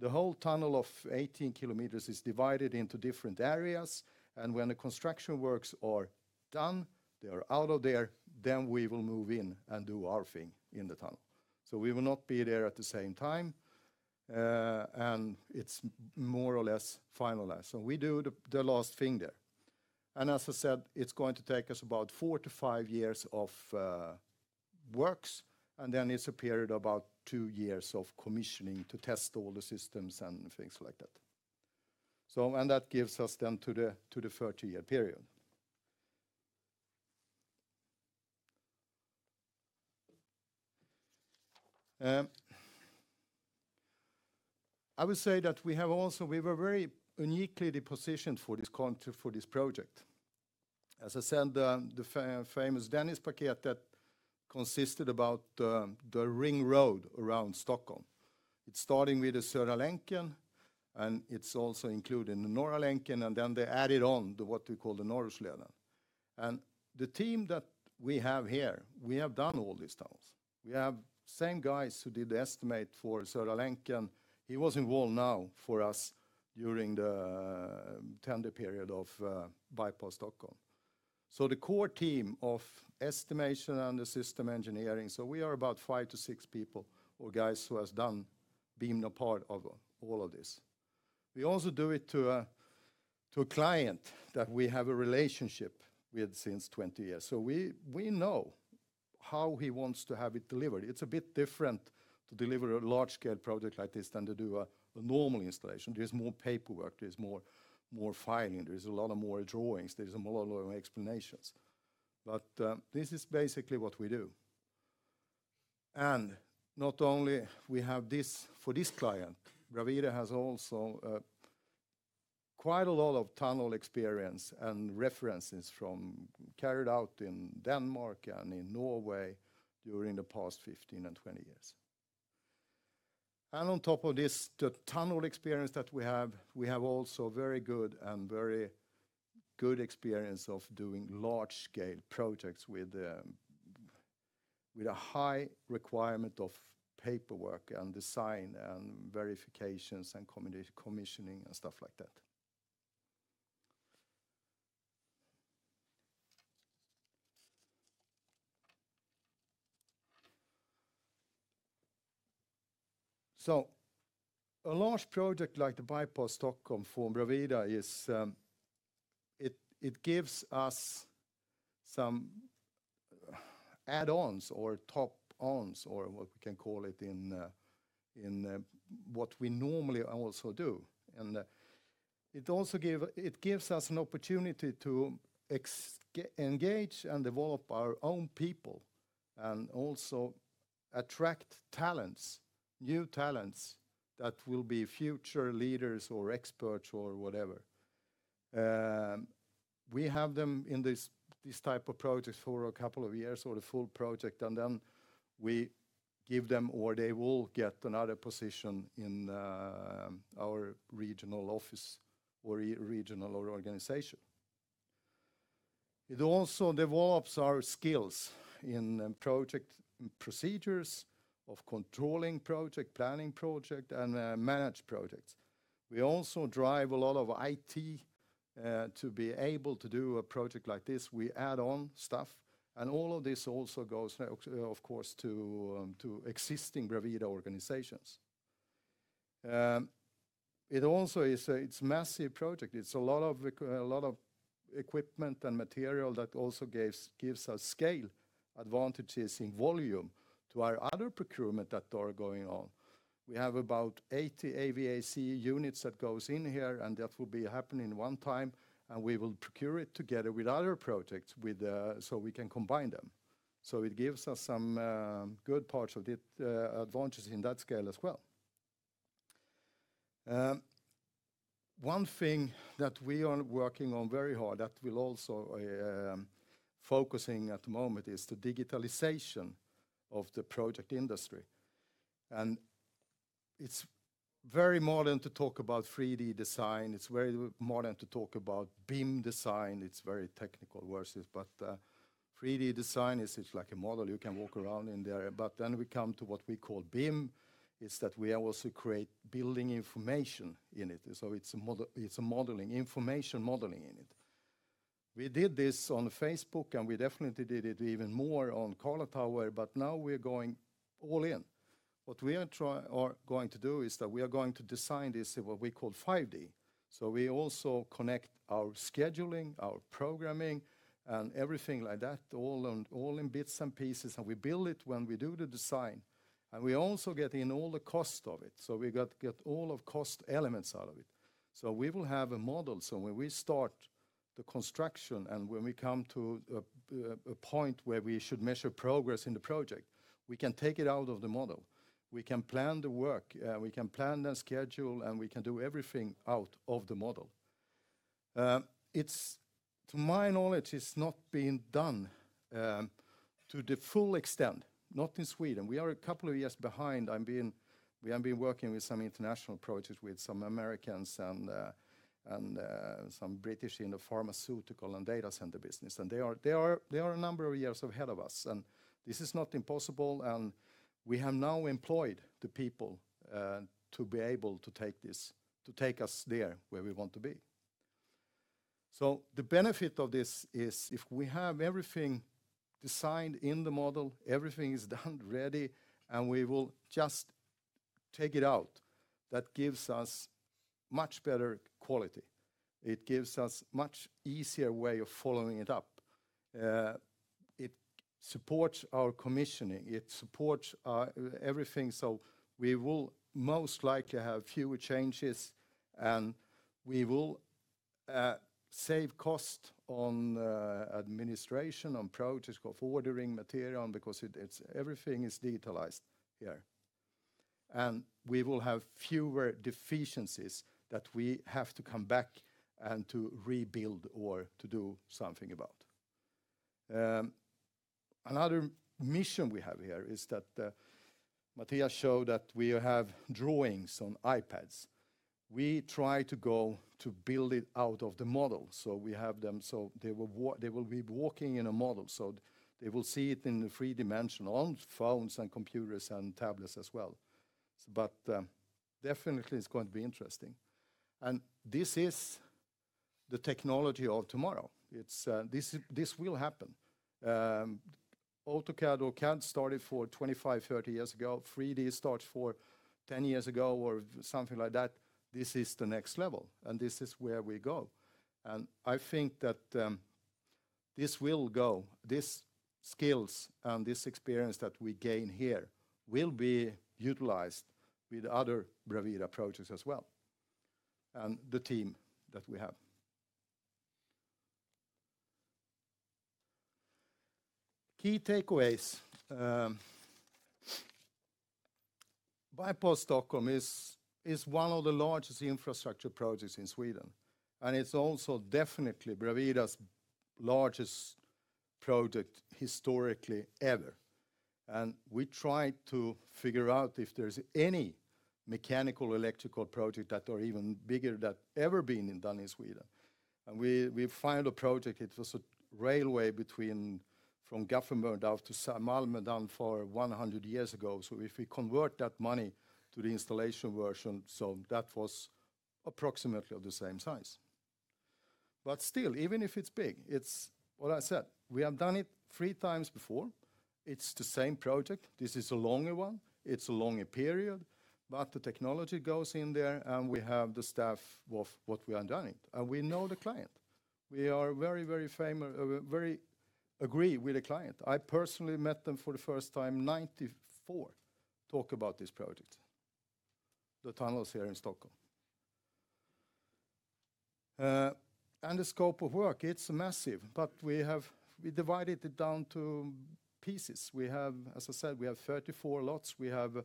The whole tunnel of 18 kilometers is divided into different areas. And when the construction works are done, they are out of there, then we will move in and do our thing in the tunnel. So we will not be there at the same time, And it's more or less finalized. So we do the last thing there. And as I said, it's going to take us about 4 to 5 years of works and then it's a period about 2 years of commissioning to test all the systems and things like that. And that gives us then to the 30 year period. I would say that we have also we were very uniquely positioned for this project. As I said, the famous Dennis Paquette consisted about the ring road around Stockholm. It's starting with the Sverdralenkern and it's also including the Norahlenkern and then they added on to what we call the Noruslernen. And the team that we have here, we have done all these tunnels. We have same guys who did the estimate for Solenkien. He was involved now for us during the tender period of Bypass Stockholm. So the core team of estimation and the system engineering, so we are about 5 to 6 people or guys who has done Bimna part of all of this. We also do it to a client that we have a relationship with since 20 years. So we know how he wants to have it delivered. It's a bit different to deliver a large scale project like this than to do a normal installation. There's more paperwork, there's more filing. There's a lot of more drawings. There's a lot of explanations. But this is basically what we do. And not only we have this for this client, BRAVILI has also quite a lot of tunnel experience and references from carried out in Denmark and in Norway during the past 15 20 years. And on top of this, the tunnel experience that we have, we have also very good and very good experience of doing large scale projects with a high requirement of paperwork and design and verifications and commissioning and stuff like that. So a large project like the Bypass Stockholm for Braweda is it gives us some add ons or top ons or what we can call it in what we normally also do. And it also give it gives us an opportunity to engage and develop our own people and also attract talents, new talents that will be future leaders or experts or whatever. We have them in this type of projects for a couple of years or the full project and then we give them or they will get another position in our regional office or regional organization. It also develops our skills in project procedures of controlling project, planning project and manage projects. We also drive a lot of IT to be able to do a project like this. We add on stuff. And all of this also goes, of course, to existing gravida organizations. It also is a it's a massive project. It's a lot of equipment and material that also gives us scale advantages in volume to our other procurement that are going on. We have about 80 AVAC units that goes in here and that will be happening one time and we will procure it together with other projects with so we can combine them. So it gives us some good parts of it, advantages in that scale as well. One thing that we are working on very hard that we're also focusing at the moment is the digitalization of the project industry. And it's very modern to talk about 3 d design. It's very modern to talk about BIM design. It's very technical versus but 3 d design is like a model you can walk around in there. But then we come to what we call BIM is that we also create building information in it. So it's a modeling information modeling in it. We did this on Facebook and we definitely did it even more on Karlatower, but now we're going all in. What we are trying or going to do is that we are going to design this what we call 5 d. So we also connect our scheduling, our programming and everything like that all in bits and pieces. And we build it when we do the design. And we also get in all the cost of it. So we got to get all of cost elements out of it. So we will have a model. So when we start the construction and when we come to a point where we should measure progress in the project, we can take it out of the model. We can plan the work. We can plan and schedule and we can do everything out of the model. It's to my knowledge, it's not being done to the full extent, not in Sweden. We are a couple of years behind. I'm being we have been working with some international projects with some Americans and some British in the pharmaceutical and data center business. And they are a number of years ahead of us. And this is not impossible. And we have now employed the people to be able to take this to take us there where we want to be. So the benefit of this is, if we have everything designed in the model, everything is done ready and we will just take it out. That gives us much better quality. It gives us much easier way of following it up. It supports our commissioning. It supports everything. So we will most likely have fewer changes, and we will save cost on administration, on projects, of ordering material because everything is detailed here. And we will have fewer deficiencies that we have to come back and to rebuild or to do something about. Another mission we have here is that Mattias showed that we have drawings on iPads. We try to go to build it out of the model. So we have them so they will be walking in a model. So they will see it in the three-dimensional phones and computers and tablets as well. But definitely, it's going to be interesting. And this is the technology of tomorrow. It's this will happen. Autocad or can't start it for 25, 30 years ago. 3 d starts for 10 years ago or something like that. This is the next level, and this is where we go. And I think that this will go, these skills and this experience that we gain here will be utilized with other BRAVIA projects as well and the team that we have. Key takeaways. Bypost Stockholm is one of the largest infrastructure projects in Sweden, and it's also definitely BRAVILIRA's largest project historically ever. And we try to figure out if there's any mechanical electrical project that are even bigger than ever been done in Sweden. And we find a project, it was a railway between from Gaffenburneau to Malmedan for 100 years ago. So if we convert that money to the installation version, so that was approximately of the same size. But still, even if it's big, it's what I said, we have done it 3 times before. It's the same project. This is a longer one. It's a longer period, but the technology goes in there and we have the staff of what we are done. And we know the client. We are very, very famous very agree with the client. I personally met them for the first time, 94 talk about this project, the tunnels here in Stockholm. And the scope of work, it's massive, but we have we divided it down to pieces. We have as I said, we have 34 lots. We have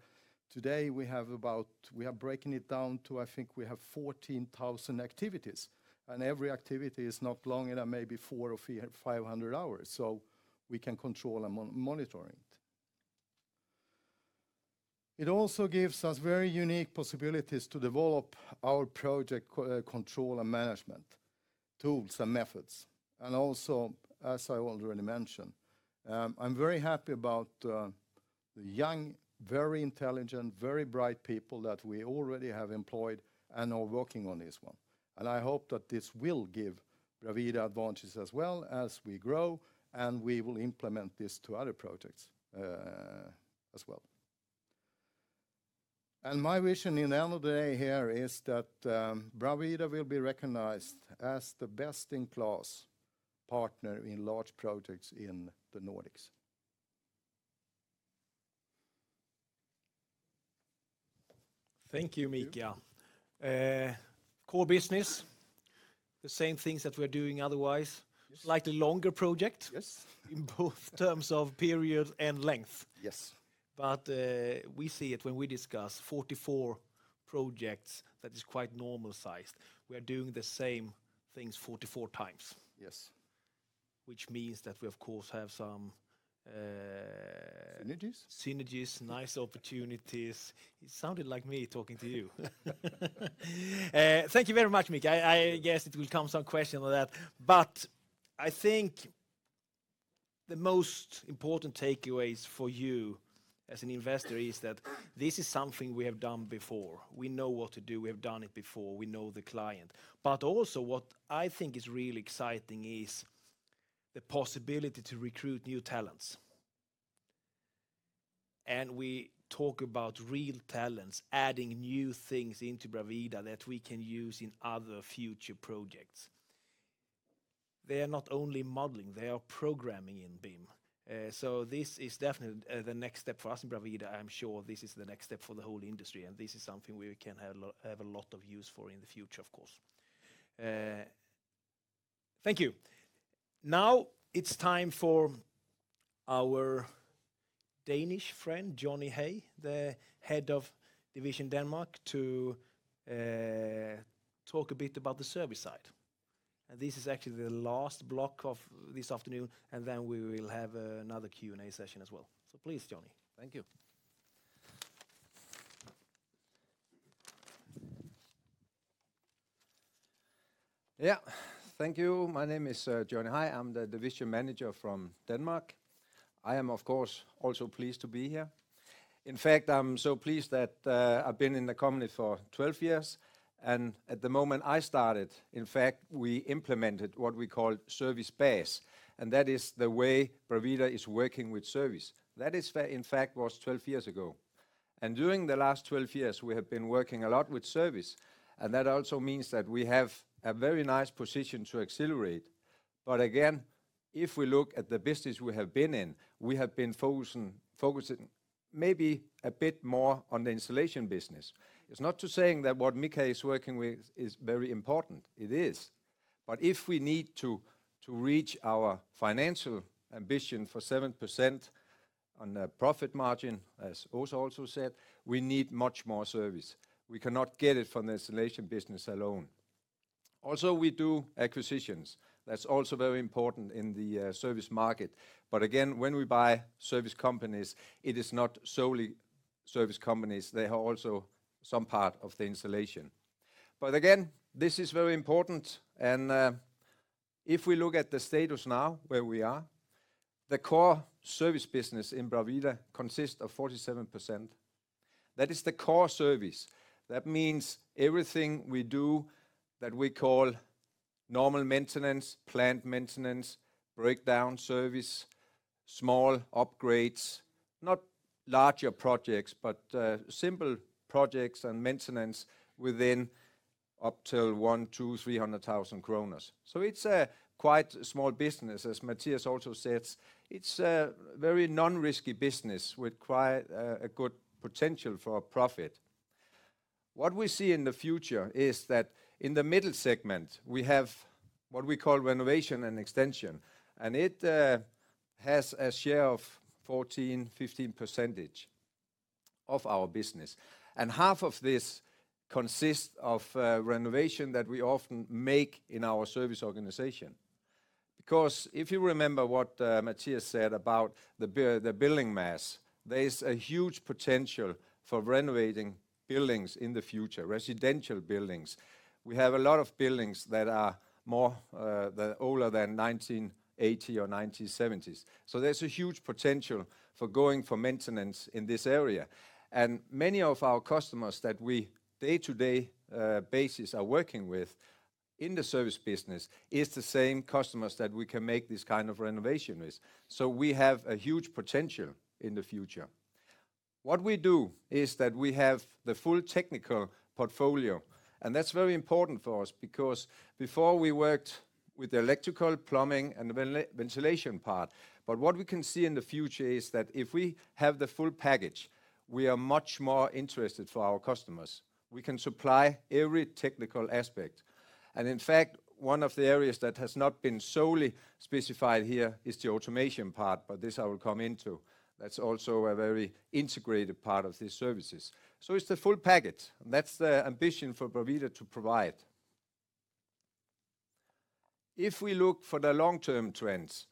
today, we have about we are breaking it down to, I think, we have 14,000 activities. And every activity is not longer than maybe 4 or 500 hours. So we can control and monitor it. It also gives us very unique possibilities to develop our project control and management tools and methods. And also, as I already mentioned, I'm very happy about the young, very intelligent, very bright people that we already have employed and are working on this one. And I hope that this will give BRAVIDA advantage as well as we grow, and we will implement this to other projects as well. And my vision in the end of the day here is that BRAVIDA will be recognized as the best in class partner in large projects in the Nordics. Thank you, Micha. Core business, the same things that we're doing otherwise, slightly longer project in both terms of period and length. But we see it when we discuss 44 projects that is quite normal sized. We are doing the same things 44 times, which means that we, of course, have some synergies, nice opportunities. It sounded like me talking to you. Thank you very much, Mick. I guess it will come some question on that. But I think the most important takeaways for you as an investor is that this is something we have done before. We know what to do. We have done it before. We know the client. But also what I think is really exciting is the possibility to recruit new talents. And we talk about real talents, adding new things into BRAVITA that we can use in other future projects. They are not only modeling, they are programming in BIM. So this is definitely the next step for us in BRAVIVID. I'm sure this is the next step for the whole industry, and this is something we can have a lot of use for in the future, of course. Thank you. Now it's time for our Danish friend, Johnny Hay, the Head of Division Denmark, to talk a bit about the service side. And this is actually the last block of this afternoon, and then we will have another Q and A session as well. So please, Johnny. Thank you. Yes. Thank you. My name is Johnny Hai. I'm the Division Manager from Denmark. I am, of course, also pleased to be here. In fact, I'm so pleased that I've been in the company for 12 years. And at the moment I started, in fact, we implemented what we call service base, and that is the way Pravida is working with service. That is in fact was 12 years ago. And during the last 12 years, we have been working a lot with service, and that also means that we have a very nice position to accelerate. But again, if we look at the business we have been in, we have been focusing maybe a bit more on the Insulation business. It's not to say that what Mikael is working with is very important, it is. But if we need to reach our financial ambition for 7% on the profit margin, as Oso also said, we need much more service. We cannot get it from the installation business alone. Also, we do acquisitions. That's also very important in the service market. But again, when we buy service companies, it is not solely service companies. They are also some part of the installation. But again, this is very important. And if we look at the status now where we are, the core service business in BRAVILA consists of 47%. That is the core service. That means everything we do that we call normal maintenance, planned maintenance, breakdown service, small upgrades, not larger projects, but simple projects and maintenance within up till 1,000,000, 300,000 kroner. So it's a quite small business, as Matthias also said. It's a very non risky business with quite a good potential for a profit. What we see in the future is that in the middle segment, we have what we call renovation and extension, and it has a share of 14%, 15% of our business. And half of this consists of renovation that we often make in our service organization. Because if you remember what Matthias said about the building mass, there is a huge potential for renovating buildings in the future, residential buildings. We have a lot of buildings that are more older than 19 80 or 1970s. So there's a huge potential for going for maintenance in this area. And many of our customers that we day to day basis are working with in the service business is the same customers that we can make this kind of renovation with. So we have a huge potential in the future. What we do is that we have the full technical portfolio, And that's very important for us because before we worked with the electrical, plumbing and the ventilation part. But what we can see in the future is that if we have the full package, we are much more interested for our customers. We can supply every technical aspect. And in fact, one of the areas that has not been solely specified here is the automation part, but this I will come into. That's also a very integrated part of these services. So it's the full package, and that's the ambition for Boveda to provide. If we look for the long term trends,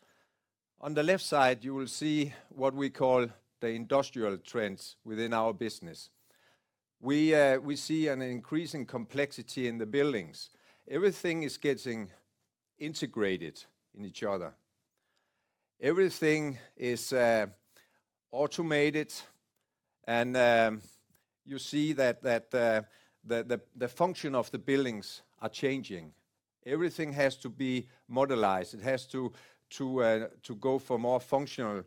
on the left side, you will see what we call the industrial trends within our business. We see an increasing complexity in the buildings. Everything is getting integrated in each other. Everything is automated, and you see that the function of the billings are changing. Everything has to be modelized. It has to go for more functional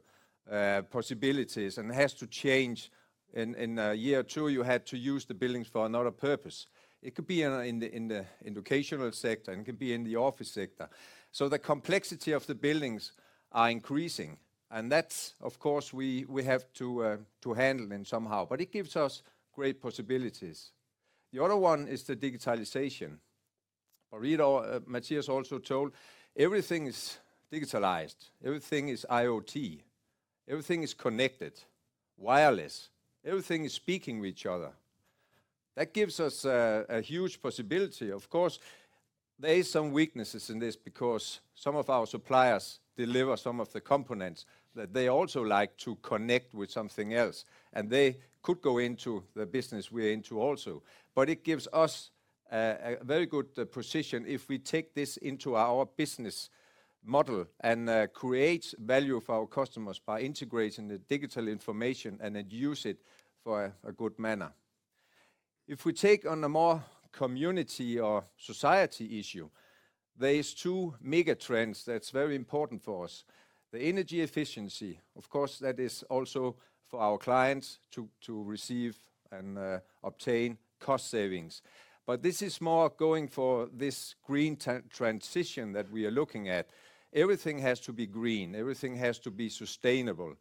possibilities and has to change. In a year or 2, you had to use the billings for another purpose. It could be in the educational sector. It could be in the office sector. So the complexity of the buildings are increasing. And that's, of course, we have to handle them somehow, but it gives us great possibilities. The other one is the digitalization. Maria Matias also told everything is digitalized, everything is IoT, Everything is connected, wireless. Everything is speaking with each other. That gives us a huge possibility. Of course, there is some weaknesses in this because some of our suppliers deliver some of the components that they also like to connect with something else. And they could go into the business we're into also. But it gives us a very good position if we take this into our business model and create value for our customers by integrating the digital information and then use it for a good manner. If we take on a more community or society issue, there is 2 megatrends that's very important for us. The energy efficiency, of course, that is also for our clients to receive and obtain cost savings. But this is more going for this green transition that we are looking at. Everything has to be green. Everything has to be sustainable.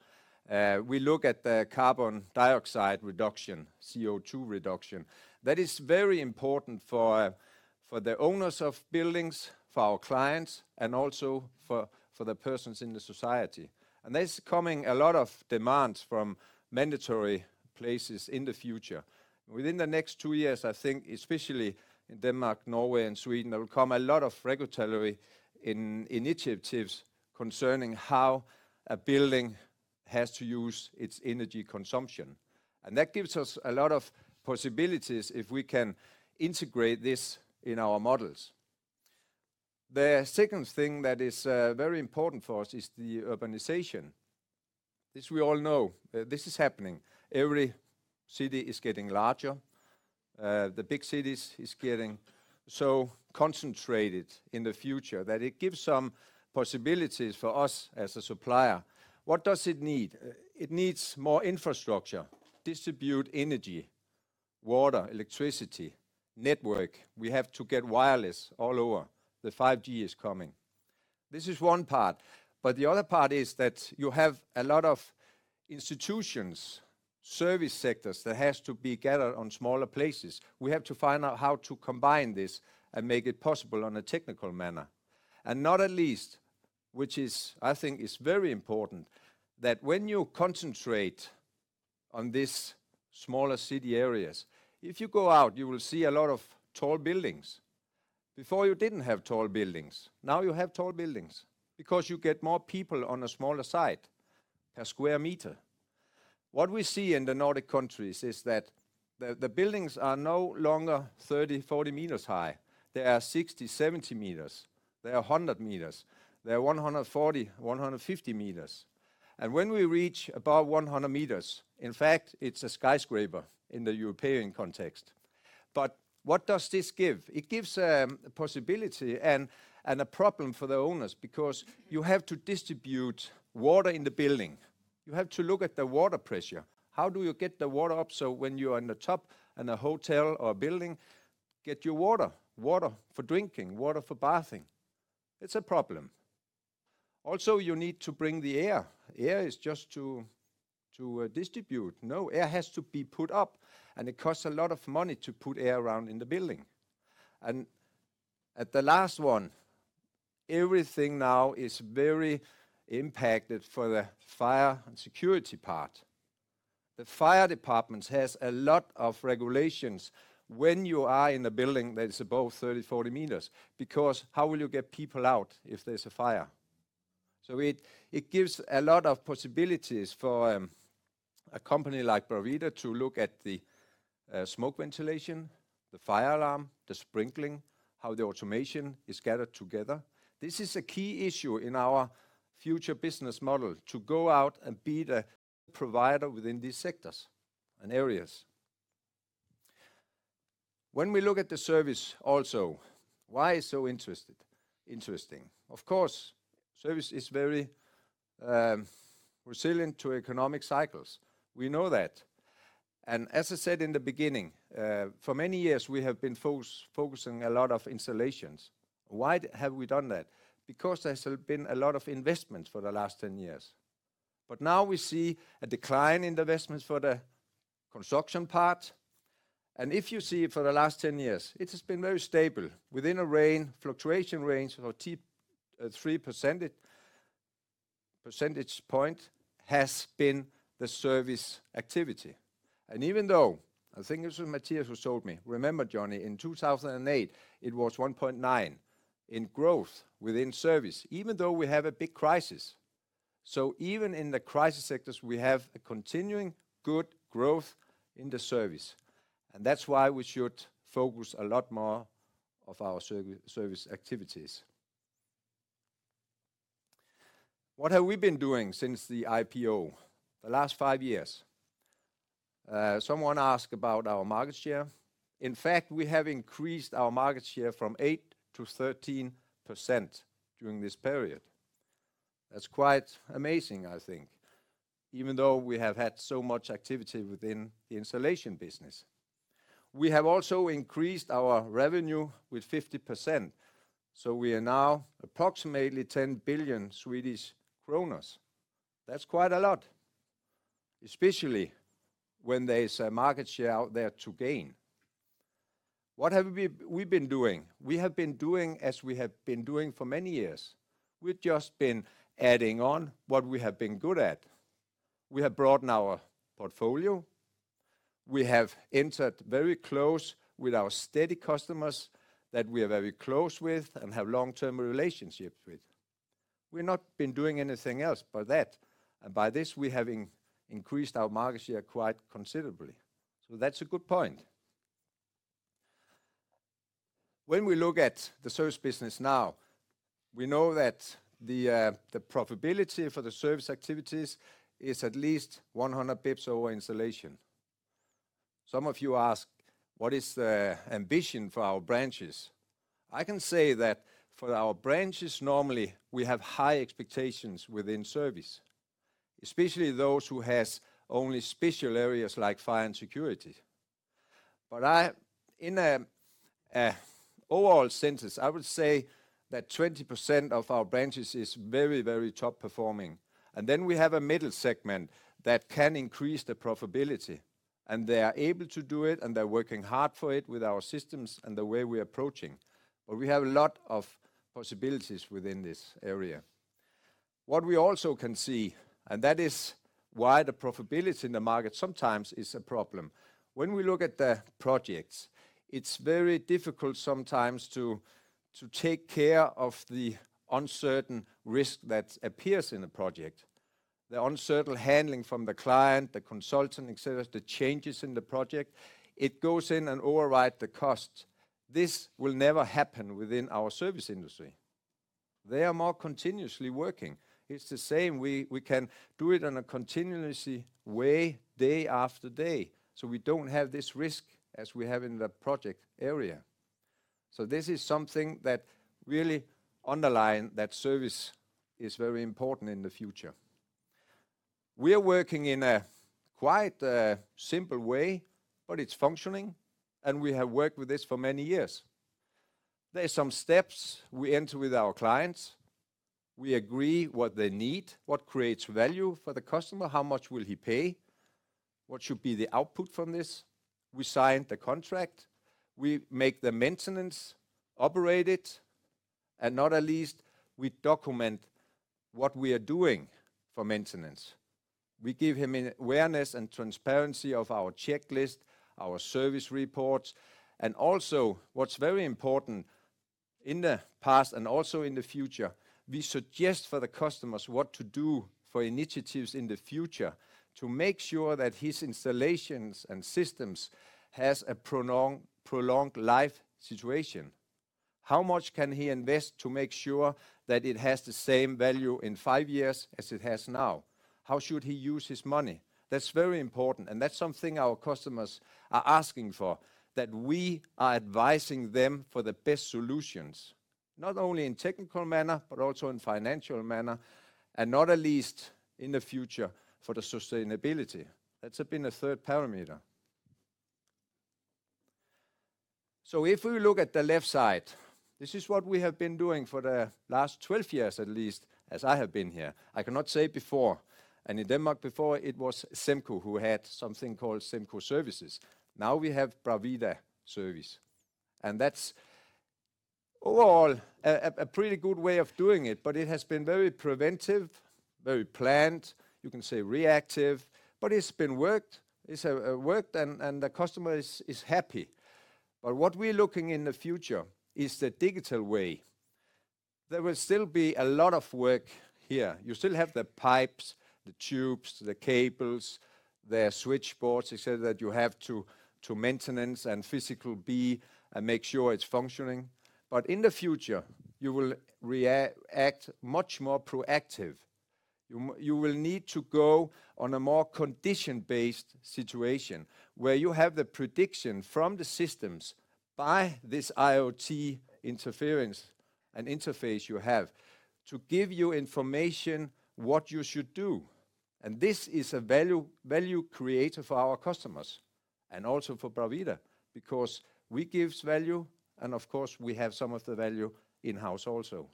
We look at the carbon dioxide reduction, CO2 reduction. That is very important for the owners of buildings, for our clients and also for the persons in the society. And there's coming a lot of demand from mandatory places in the future. Within the next 2 years, I think, especially in Denmark, Norway and Sweden, there will come a lot of regulatory initiatives concerning how a building has to use its energy consumption. And that gives us a lot of possibilities if we can integrate this in our models. The second thing that is very important for us is the urbanization. As we all know, this is happening. Every city is getting larger. The big cities is getting so concentrated in the future that it gives some possibilities for us as a supplier. What does it need? It needs more infrastructure, distribute energy, water, electricity, network. We have to get wireless all over. The 5 gs is coming. This is one part. But the other part is that you have a lot of institutions, service sectors that has to be gathered on smaller places. We have to find out how to combine this and make it possible on a technical manner. And not at least, which is I think is very important, that when you concentrate on this smaller city areas, if you go out, you will see a lot of tall buildings. Before, you didn't have tall buildings. Now you have tall buildings because you get more people on a smaller site per square meter. What we see in the Nordic countries is that the buildings are no longer 30, 40 meters high. They are 60, 70 meters. They are 100 meters, they are 140, 150 meters. And when we reach above 100 meters, in fact, it's a skyscraper in the European context. But what does this give? It gives a possibility and a problem for the owners because you have to distribute water in the building. You have to look at the water pressure. How do you get the water up so when you're in the top and a hotel or building, get your water, water for drinking, water for bathing. It's a problem. Also, you need to bring the air. Air is just to distribute. No, air has to be put up, and it costs a lot of money to put air around in the building. And at the last one, everything now is very impacted for the fire and security part. The fire department has a lot of regulations when you are in a building that is above 30, 40 meters because how will you get people out if there's a fire? So it gives a lot of possibilities for a company like Pravida to look at the smoke ventilation, the fire alarm, the sprinkling, how the automation is gathered together. This is a key issue in our future business model to go out and be the provider within these sectors and areas. When we look at the Service also, why it's so interesting? Of course, Service is very resilient to economic cycles. We know that. And as I said in the beginning, for many years, we have been focusing a lot of installations. Why have we done that? Because there has been a lot of investments for the last 10 years. But now we see a decline in investments for the construction part. And if you see it for the last 10 years, it has been very stable, within a range, fluctuation range of 3 percentage point has been the service activity. And even though think it's what Matthias told me, remember, Johnny, in 2,008, it was 1.9% in growth within Service, even though we have a big crisis. So even in the crisis sectors, we have a continuing good growth in the Service, and that's why we should focus a lot more of our service activities. What have we been doing since the IPO? The last 5 years. Someone asked about our market share. In fact, we have increased our market share from 8% to 13% during this period. That's quite amazing, I think, even though we have had so much activity within the Insulation business. We have also increased our revenue with 50%. So we are now approximately 10,000,000,000 Swedish kronor. That's quite a lot, especially when there is a market share out there to gain. What have we been doing? We have been doing as we have been doing for many years. We've just been adding on what we have been good at. We have broadened our portfolio. We have entered very close with our steady customers that we are very close with and have long term relationships with. We've not been doing anything else but that. And by this, we have increased our market share quite considerably. So that's a good point. When we look at the Service business now, we know that the profitability for the Service activities is at least 100 bps over installation. Some of you ask what is the ambition for our branches. I can say that for our branches, normally, we have high expectations within Service, especially those who has only special areas like Fire and Security. But I in overall census, I would say that 20% of our branches is very, very top performing. And then we have a middle segment that can increase the profitability, and they are able to do it and they're working hard for it with our systems and the way we're approaching. But we have a lot of possibilities within this area. What we also can see, and that is why the profitability in the market sometimes is a problem. When we look at the projects, it's very difficult sometimes to take care of the uncertain risk that appears in the project. The uncertain handling from the client, the consultant, etcetera, the changes in the project, it goes in and override the costs. This will never happen within our service industry. They are more continuously working. It's the same. We can do it on a continuously way day after day. So we don't have this risk as we have in the project area. So this is something that really underline that service is very important in the future. We are working in a quite simple way, but it's functioning, and we have worked with this for many years. There are some steps we enter with our clients. We agree what they need, what creates value for the customer, how much will he pay, what should be the output from this, we signed the contract, we make the maintenance, operate it and not at least, we document what we are doing for maintenance. We give him an awareness and transparency of our checklist, our service reports. And also, what's very important, in the past and also in the future, we suggest for the customers what to do for initiatives in the future to make sure that his installations and systems has a prolonged life situation? How much can he invest to make sure that it has the same value in 5 years as it has now? How should he use his money? That's very important, and that's something our customers are asking for, that we are advising them for the best solutions, not only in technical manner, but also in financial manner and not at least in the future for the sustainability. That's been a third parameter. So if we look at the left side, this is what we have been doing for the last 12 years, at least, as I have been here. I cannot say before. And in Denmark before, it was Semco who had something called Semco Services. Now we have Bravida Service. And that's overall a pretty good way of doing it, but it has been very preventive, very planned, you can say reactive, but it's been worked. It's worked and the customer is happy. But what we're looking in the future is the digital way. There will still be a lot of work here. You still have the pipes, the tubes, the cables, the switchboards, etcetera, that you have to maintenance and physical be and make sure it's functioning. But in the future, you will react much more proactive. You will need to go on a more condition based situation, where you have the prediction from the systems by this IoT interference and interface you have to give you information what you should do. And this is a value creator for our customers and also for Pravida because we give value and of course, we have some of the value in house also.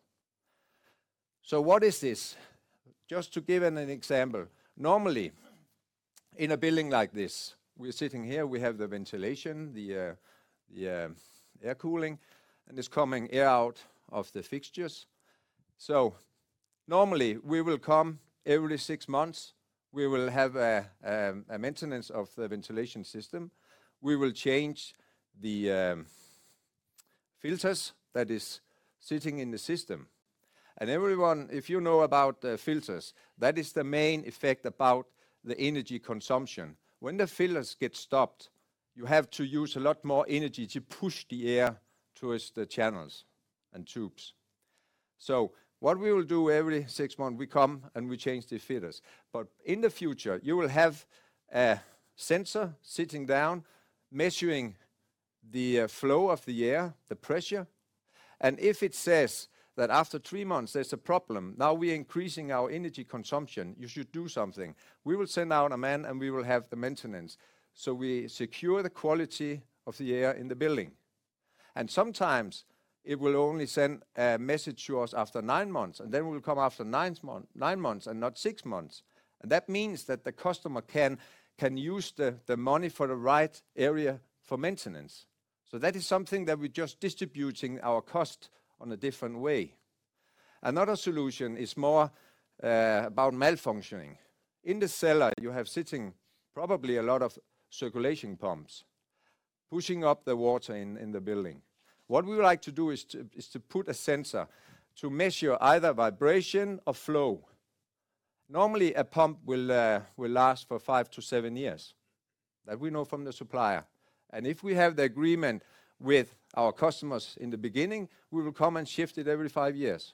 So what is this? Just to give an example. Normally, in a building like this, we're sitting here, we have the ventilation, the air cooling and it's coming air out of the fixtures. So normally, we will come every 6 months. We will have a maintenance of the ventilation system. We will change the filters that is sitting in the system. And everyone, if you know about filters, that is the main effect about the energy consumption. When the filters get stopped, you have to use a lot more energy to push the air towards the channels and tubes. So what we will do every 6 months, we come and we change the fitters. But in the future, you will have a sensor sitting down, measuring the flow of the air, the pressure. And if it says that after 3 months there's a problem, now we're increasing our energy consumption, you should do something. We will send out a man and we will have the maintenance. So we secure the quality of the air in the building. And sometimes, it will only send a message to us after 9 months and then it will come after 9 months and not 6 months. And that means that the customer can use the money for the right area for maintenance. So that is something that we're just distributing our cost on a different way. Another solution is more about malfunctioning. In the cellar, you have sitting probably a lot of circulation pumps pushing up the water in the building. What we would like to do is to put a sensor to measure either vibration or flow. Normally, a pump will last for 5 to 7 years, that we know from the supplier. And if we have the agreement with our customers in the beginning, we will come and shift it every 5 years.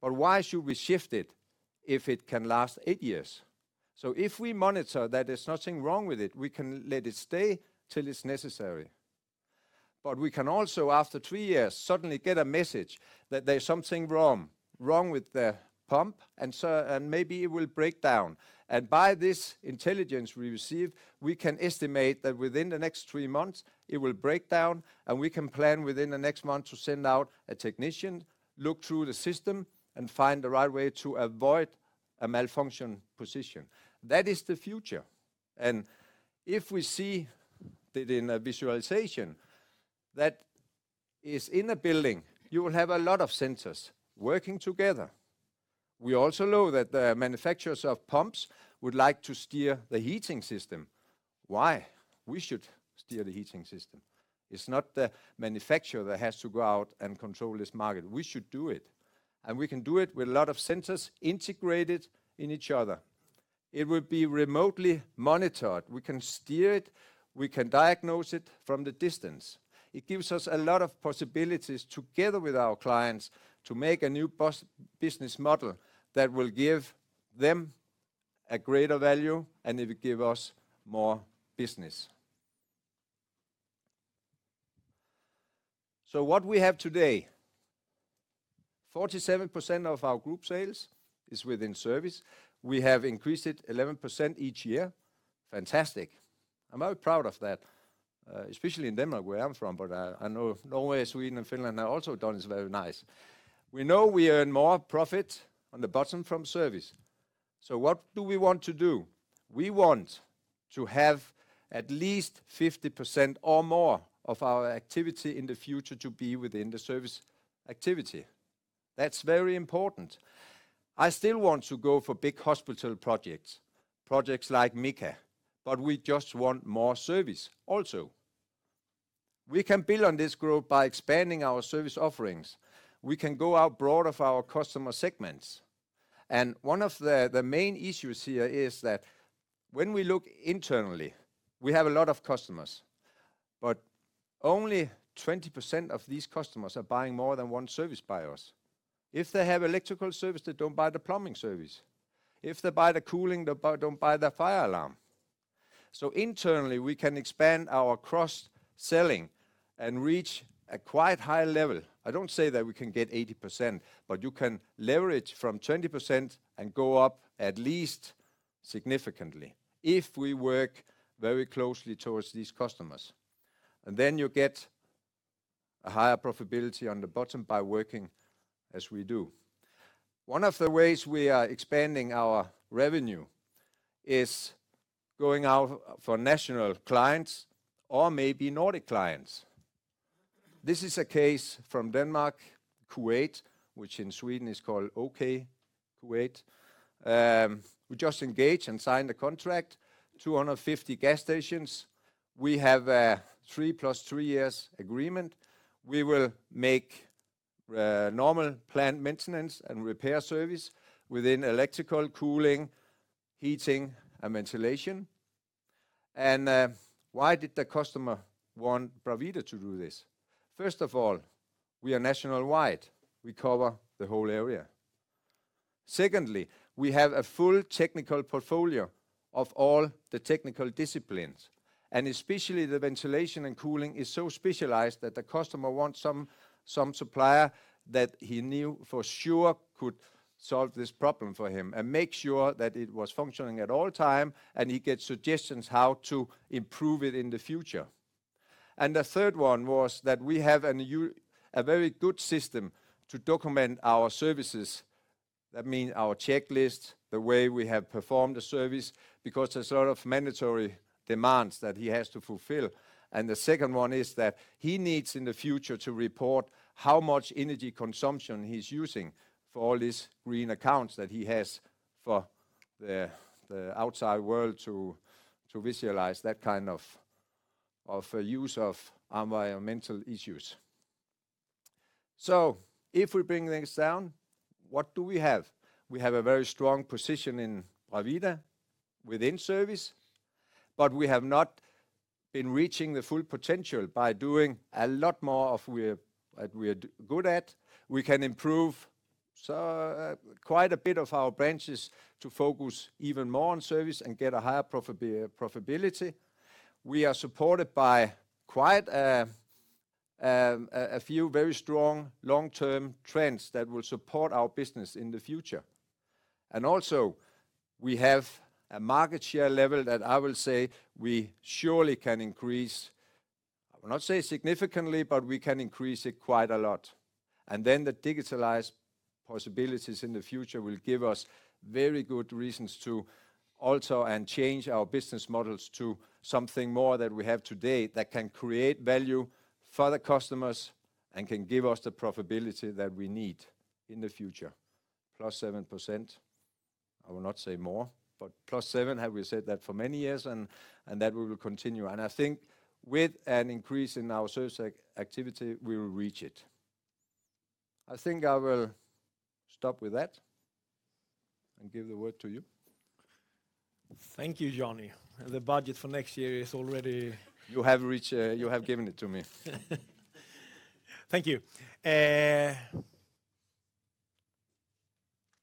But why should we shift it if it can last 8 years? So if we monitor that there's nothing wrong with it, we can let it stay till it's necessary. But we can also, after 3 years, suddenly get a message that there's something wrong with the pump and maybe it will break down. And by this intelligence we receive, we can estimate that within the next 3 months, it will break down and we can plan within the next month to send out a technician, look through the system and find the right way to avoid a malfunction position. That is the future. And if we see it in a visualization that is in a building, you will have a lot of sensors working together. We also know that the manufacturers of pumps would like to steer the heating system. Why? We should steer the heating system. It's not the manufacturer that has to go out and control this market. We should do it. And we can do it with a lot of centers integrated in each other. It would be remotely monitored. We can steer it. We can diagnose it from the distance. It gives us a lot of possibilities together with our clients to make a new business model that will give them a greater value and it will give us more business. So what we have today, 47% of our group sales is within Service. We have increased it 11% each year. Fantastic. I'm very proud of that, especially in Denmark, where I'm from, but I know Norway, Sweden and Finland are also done is very nice. We know we earn more profit on the bottom from service. So what do we want to do? We want to have at least 50% or more of our activity in the future to be within the service activity. That's very important. I still want to go for big hospital projects, projects like Mika, but we just want more service also. We can build on this growth by expanding our service offerings. We can go out broad of our customer segments. And one of the main issues here is that when we look internally, we have a lot of customers, but only 20% of these customers are buying more than one service by us. If they have electrical service, they don't buy the plumbing service. If they buy the cooling, they don't buy the fire alarm. So internally, we can expand our cross selling and reach a quite high level. I don't say that we can get 80%, but you can leverage from 20% and go up at least significantly, if we work very closely towards these customers. And then you get a higher profitability on the bottom by working as we do. One of the ways we are expanding our revenue is going out for national clients or maybe Nordic clients. This is a case from Denmark, Kuwait, which in Sweden is called Okay Kuwait. We just engaged and signed a contract, 250 gas stations. We have a 3 plus 3 years agreement. We will make normal plant maintenance and repair service within electrical, cooling, heating and ventilation. And why did the customer want BRAVITA to do this? First of all, we are nationwide. We cover the whole area. Secondly, we have a full technical portfolio of all the technical disciplines. And especially the ventilation and cooling is so specialized that the customer wants some supplier that he knew for sure could solve this problem for him and make sure that it was functioning at all time and he gets suggestions how to improve it in the future. And the third one was that we have a very good system to document our services. That means our checklist, the way we have performed the service because there's a lot of mandatory demands that he has to fulfill. And the second one is that he needs in the future to report how much energy consumption he's using for all these green accounts that he has for the outside world to visualize that kind of use of environmental issues. So if we bring things down, what do we have? We have a very strong position in BRAVEDA within Service, but we have not been reaching the full potential by doing a lot more of what we are good at. We can improve quite a bit of our branches to focus even more on service and get a higher profitability. We are supported by quite a few very strong long term trends that will support our business in the future. And also, we have a market share level that I will say we surely can increase I I will not say significantly, but we can increase it quite a lot. And then the digitalized possibilities in the future will give us very good reasons to alter and change our business models to something more that we have today that can create value for the customers and can give us the profitability that we need in the future. Plus 7%, I will not say more, but plus 7%, have we said that for many years, and that will continue. And I think with an increase in our service activity, we will reach it. I think I will stop with that and give the word to you. Thank you, Johnny. The budget for next year is already You have reached you have given it to me. Thank you.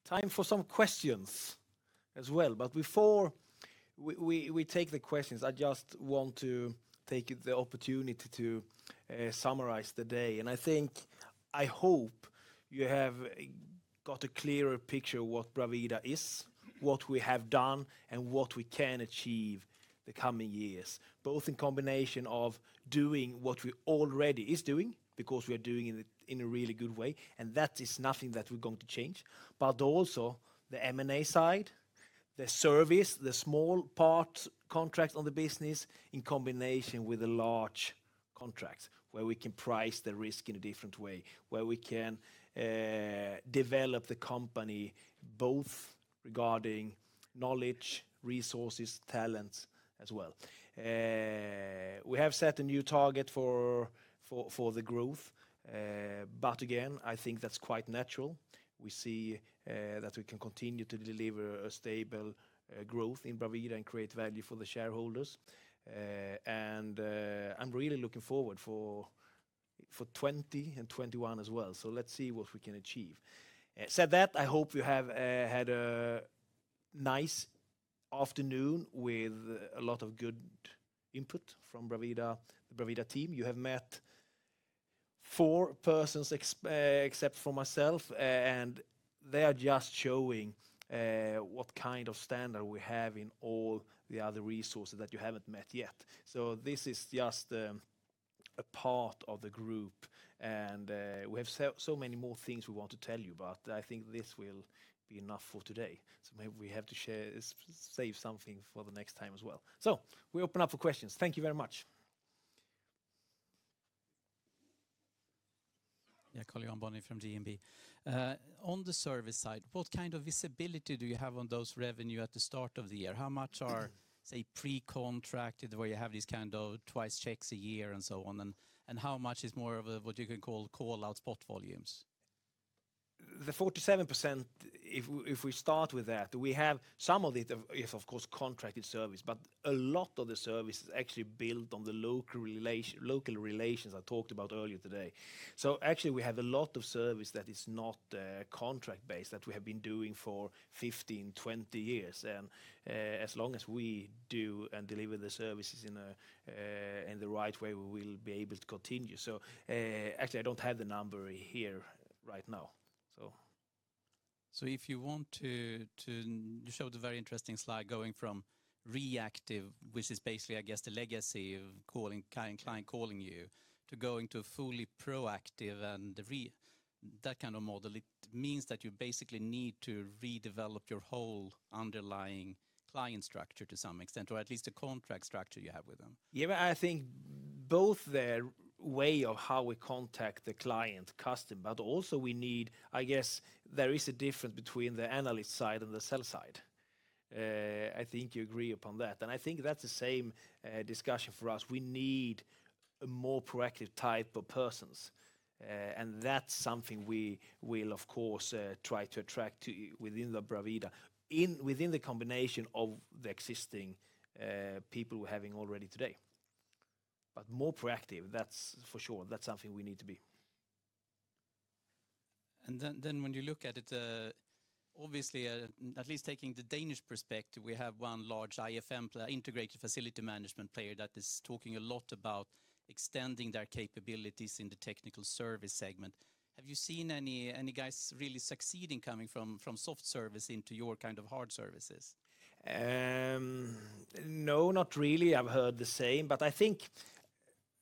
Time for some questions as well. But before we take the questions, I just want to take the opportunity to summarize the day. And I think I hope you have got a clearer picture of what BRAVIDA is, what we have done and what we can achieve the coming years, both in combination of doing what we already is doing because we are doing it in a really good way and that is nothing that we're going to change. But also the M and A side, the service, the small part contracts on the business in combination with the large contracts where we can price the risk in a different way, where we can develop the company both regarding knowledge, resources, talent as well. We have set a new target for the growth. But again, I think that's quite natural. We see that we can continue to deliver a stable growth in BRAVILIRA and create value for the shareholders. And I'm really looking forward for 'twenty and 'twenty one as well. So let's see what we can achieve. Said that, I hope you have had a nice afternoon with a lot of good input from BRAVIDA team. You have met 4 persons except for myself and they are just showing what kind of standard we have in all the other resources that you haven't met yet. So this is just a part of the group. And we have so many more things we want to tell you, but I think this will be enough for today. So maybe we have to share save something for the next time as well. So we open up for questions. Thank you very much. Yes. Karl Johan Bonnier from GMB. On the service side, what kind of visibility do you have on those revenue at the start of the year? How much are, say, pre contracted where you have these kind of twice checks a year and so on? And how much is more of what you can call out spot volumes? The 47%, if we start with that, we have some of it is, of course, contracted service, but a lot of the service is actually built on the local relations I talked about earlier today. So actually, we have a lot of service that is not contract based that we have been doing for 15, 20 years. And as long as we do and deliver the services in the right way, we will be able to continue. So actually, I don't have the number here right now. So if you want to show the very interesting slide going from reactive, which is basically, I guess, the legacy of calling client calling you to go into fully proactive and that kind of model. It means that you basically need to redevelop your whole underlying client structure to some extent or at least the contract structure you have with them? Yeah, but I think both their way of how we contact the client custom, but also we need I guess, there is a difference between the analyst side and the sell side. I think you agree upon that. And I think that's the same discussion for us. We need a more proactive type of persons, and that's something we will, of course, try to attract within the BRAVITA within the combination of the existing people we're having already today. But more proactive, that's for sure, that's something we need to be. And then when you look at it, obviously, at least taking the Danish perspective, we have 1 large IFM, integrated facility management player that is talking a lot about extending their capabilities in the technical service segment. Have you seen any guys really succeeding coming from soft service into your kind of hard services? No, not really. I've heard the same. But I think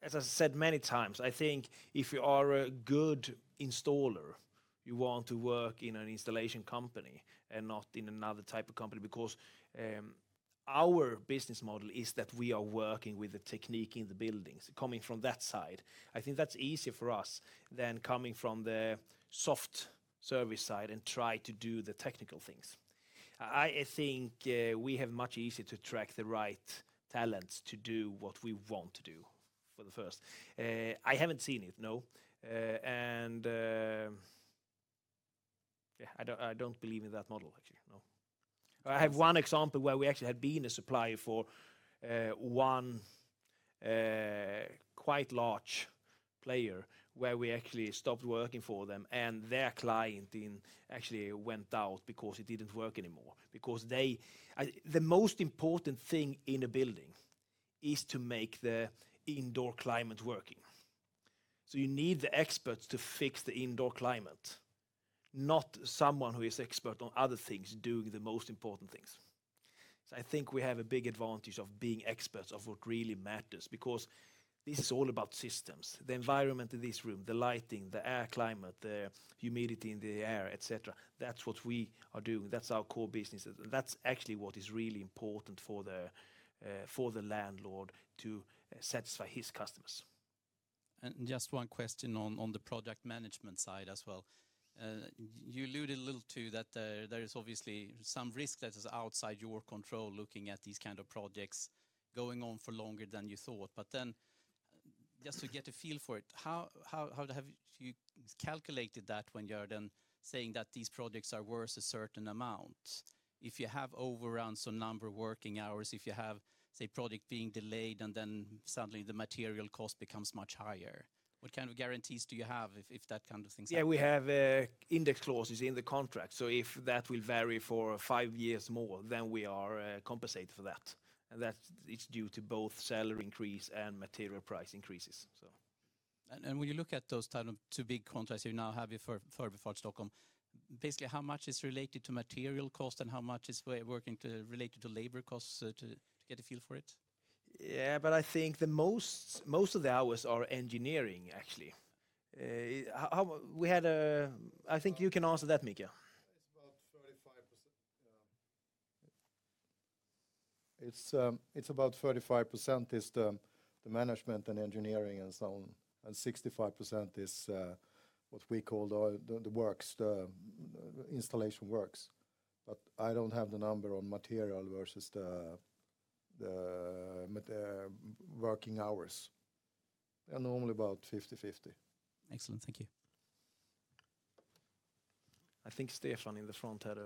as I said many times, I think if you are a good installer, you want to work in an installation company and not in another type of company because our business model is that we are working with the technique in the buildings coming from that side. I think that's easy for us than coming from the soft service side and try to do the technical things. I think we have much easier to track the right talents to do what we want to do for the first. I haven't seen it, no. And yes, I don't believe in that model actually, no. I have one example where we actually had been a supplier for 1 quite large player where we actually stopped working for them and their client actually went out because it didn't work anymore because they the most important thing in a building is to make the indoor climate working. So you need the experts to fix the indoor climate, not someone who is expert on other things doing the most important things. So I think we have a big advantage of being experts of what really matters because this is all about systems. The environment in this room, the lighting, the air climate, the humidity in the air, etcetera, that's what we are doing. That's our core business. That's actually what is really important for the landlord to satisfy his customers. And just one question on the product management side as well. You alluded a little to that there is obviously some risk that is outside your control looking at these kind of projects going on for longer than you thought. But then just to get a feel for it, how have you calculated that when you are then saying that these projects are worth a certain amount? If you have overruns or number of working hours, if you have, say, project being delayed and then suddenly the material cost becomes much higher? What kind of guarantees do you have if that kind of thing is Yes. We have index clauses in the contract. So if that will vary for years more, then we are compensated for that. And that's it's due to both seller increase and material price increases. And when you look at those 2 big contracts you now have before Stockholm, basically how much is related to material cost and how much is working to related to labor to get a feel for it? Yes. But I think the most of the hours are engineering actually. We had think you can answer that, Mikael. It's about 35%. It's about 35%, it's the management and engineering and so on, and 65% is what we call the works installation works. But I don't have the number on material versus the working hours. They're normally about fifty-fifty. Excellent. Thank you. I think Stefan in the front had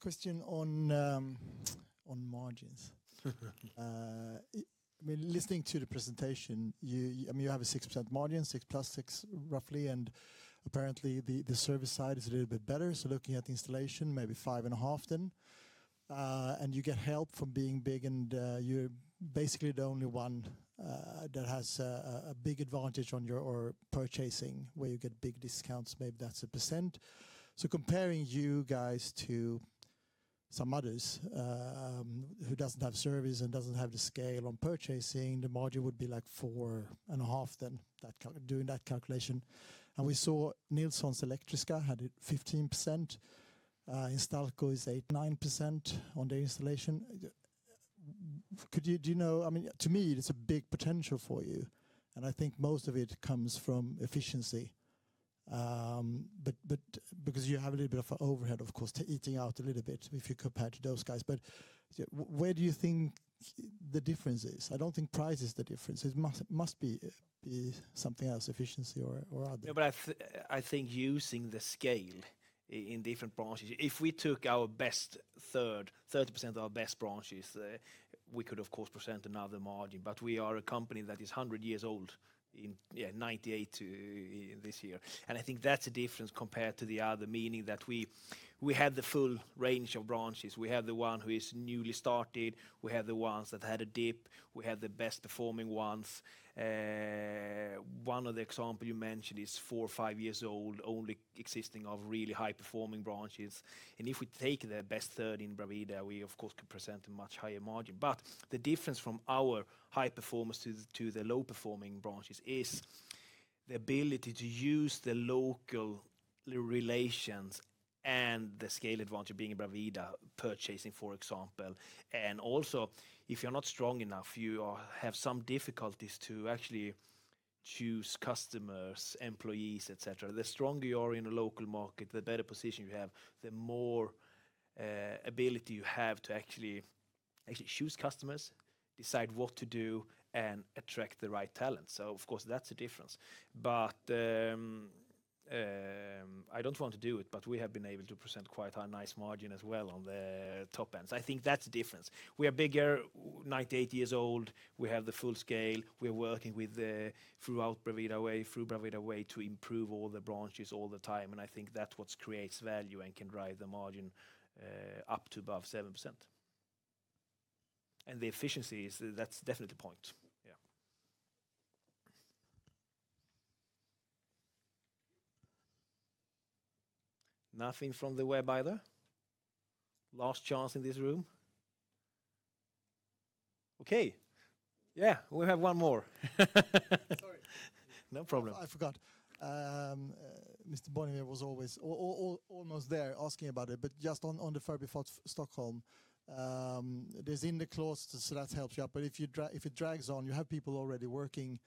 Question on margins. I mean, listening to the presentation, you have a 6% margin, 6% plus, 6% roughly and apparently the service side is a little bit better. So looking at installation, maybe 5.5% then. And you get help from being big and you're basically the only one that has a big advantage on your purchasing where you get big discounts, maybe that's a percent. So comparing you guys to some others who doesn't have service and doesn't have the scale on purchasing, the margin would be like 4.5% then doing that calculation. And we saw Nielsen's Elektriska had 15%, Instalco is 8%, 9% on the installation. Could you do you know I mean to me, it's a big potential for you and I think most of it comes from efficiency, But because you have a little bit of overhead, of course, to eating out a little bit if you compare to those guys. But where do you think the difference is? I don't think price is the difference. It must be something else, efficiency or other? Yes. But I think using the scale in different branches. If we took our best third, 30% of our best branches, we could, of course, present another margin. But we are a company that is 100 years old in, yes, 98 this year. And I think that's a difference compared to the other, meaning that we had the full range of branches. We have the one who is newly started. We have the ones that had a dip. We have the best performing ones. One of the example you mentioned is 4, 5 years old, only existing of really high performing branches. And if we take the best third in difference from our high performance to the low performing branches is the ability to use the local relations and the scale advantage of being a BRAVITA purchasing, for example. And also, if you're not strong enough, you have some difficulties to actually choose customers, employees, etcetera. The stronger you are in the local market, the better position you have, the more ability you have to actually choose customers, decide what to do and attract the right talent. So of course, that's the difference. But I don't want to do it, but we have been able to present quite a nice margin as well on the top end. So I think that's the difference. We are bigger, 9 to 8 years old. We have the full scale. We are working with the throughout Brawita Way through Brawita Way to improve all the branches all the time, and I think that's what creates value and can drive the margin up to above 7%. And the efficiencies, that's definitely the point, yes. Nothing from the web either? Last chance in this room? Okay. Yes, we have one more. Sorry. No problem. I forgot. Mr. Bonheur was always almost there asking about it, but just on the Furby Fox Stockholm, there's in the clause, so that helps you out. But if you drag if it drags on, you have people already working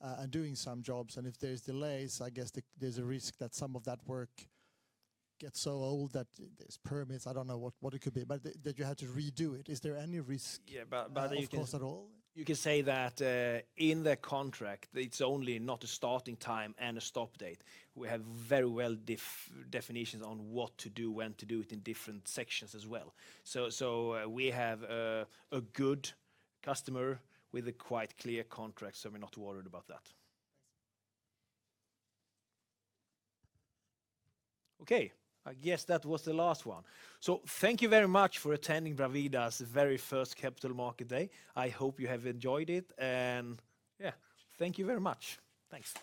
and doing some jobs. And if there's delays, I guess, there's a risk that some of that work gets so old that permits, I don't know what it could be, but that you had to redo it. Is there any risk of cost at all? You can say that in the contract, it's only not a starting time and a stop date. We have very well definitions on what to do, when to do it in different sections as well. So we have a good customer with a quite clear contract, so we're not worried about that. Okay. I guess that was the last one. So thank you very much for attending BRAVITA's very first Capital Market Day. I hope you have enjoyed it. And yes, thank you very much. Thanks.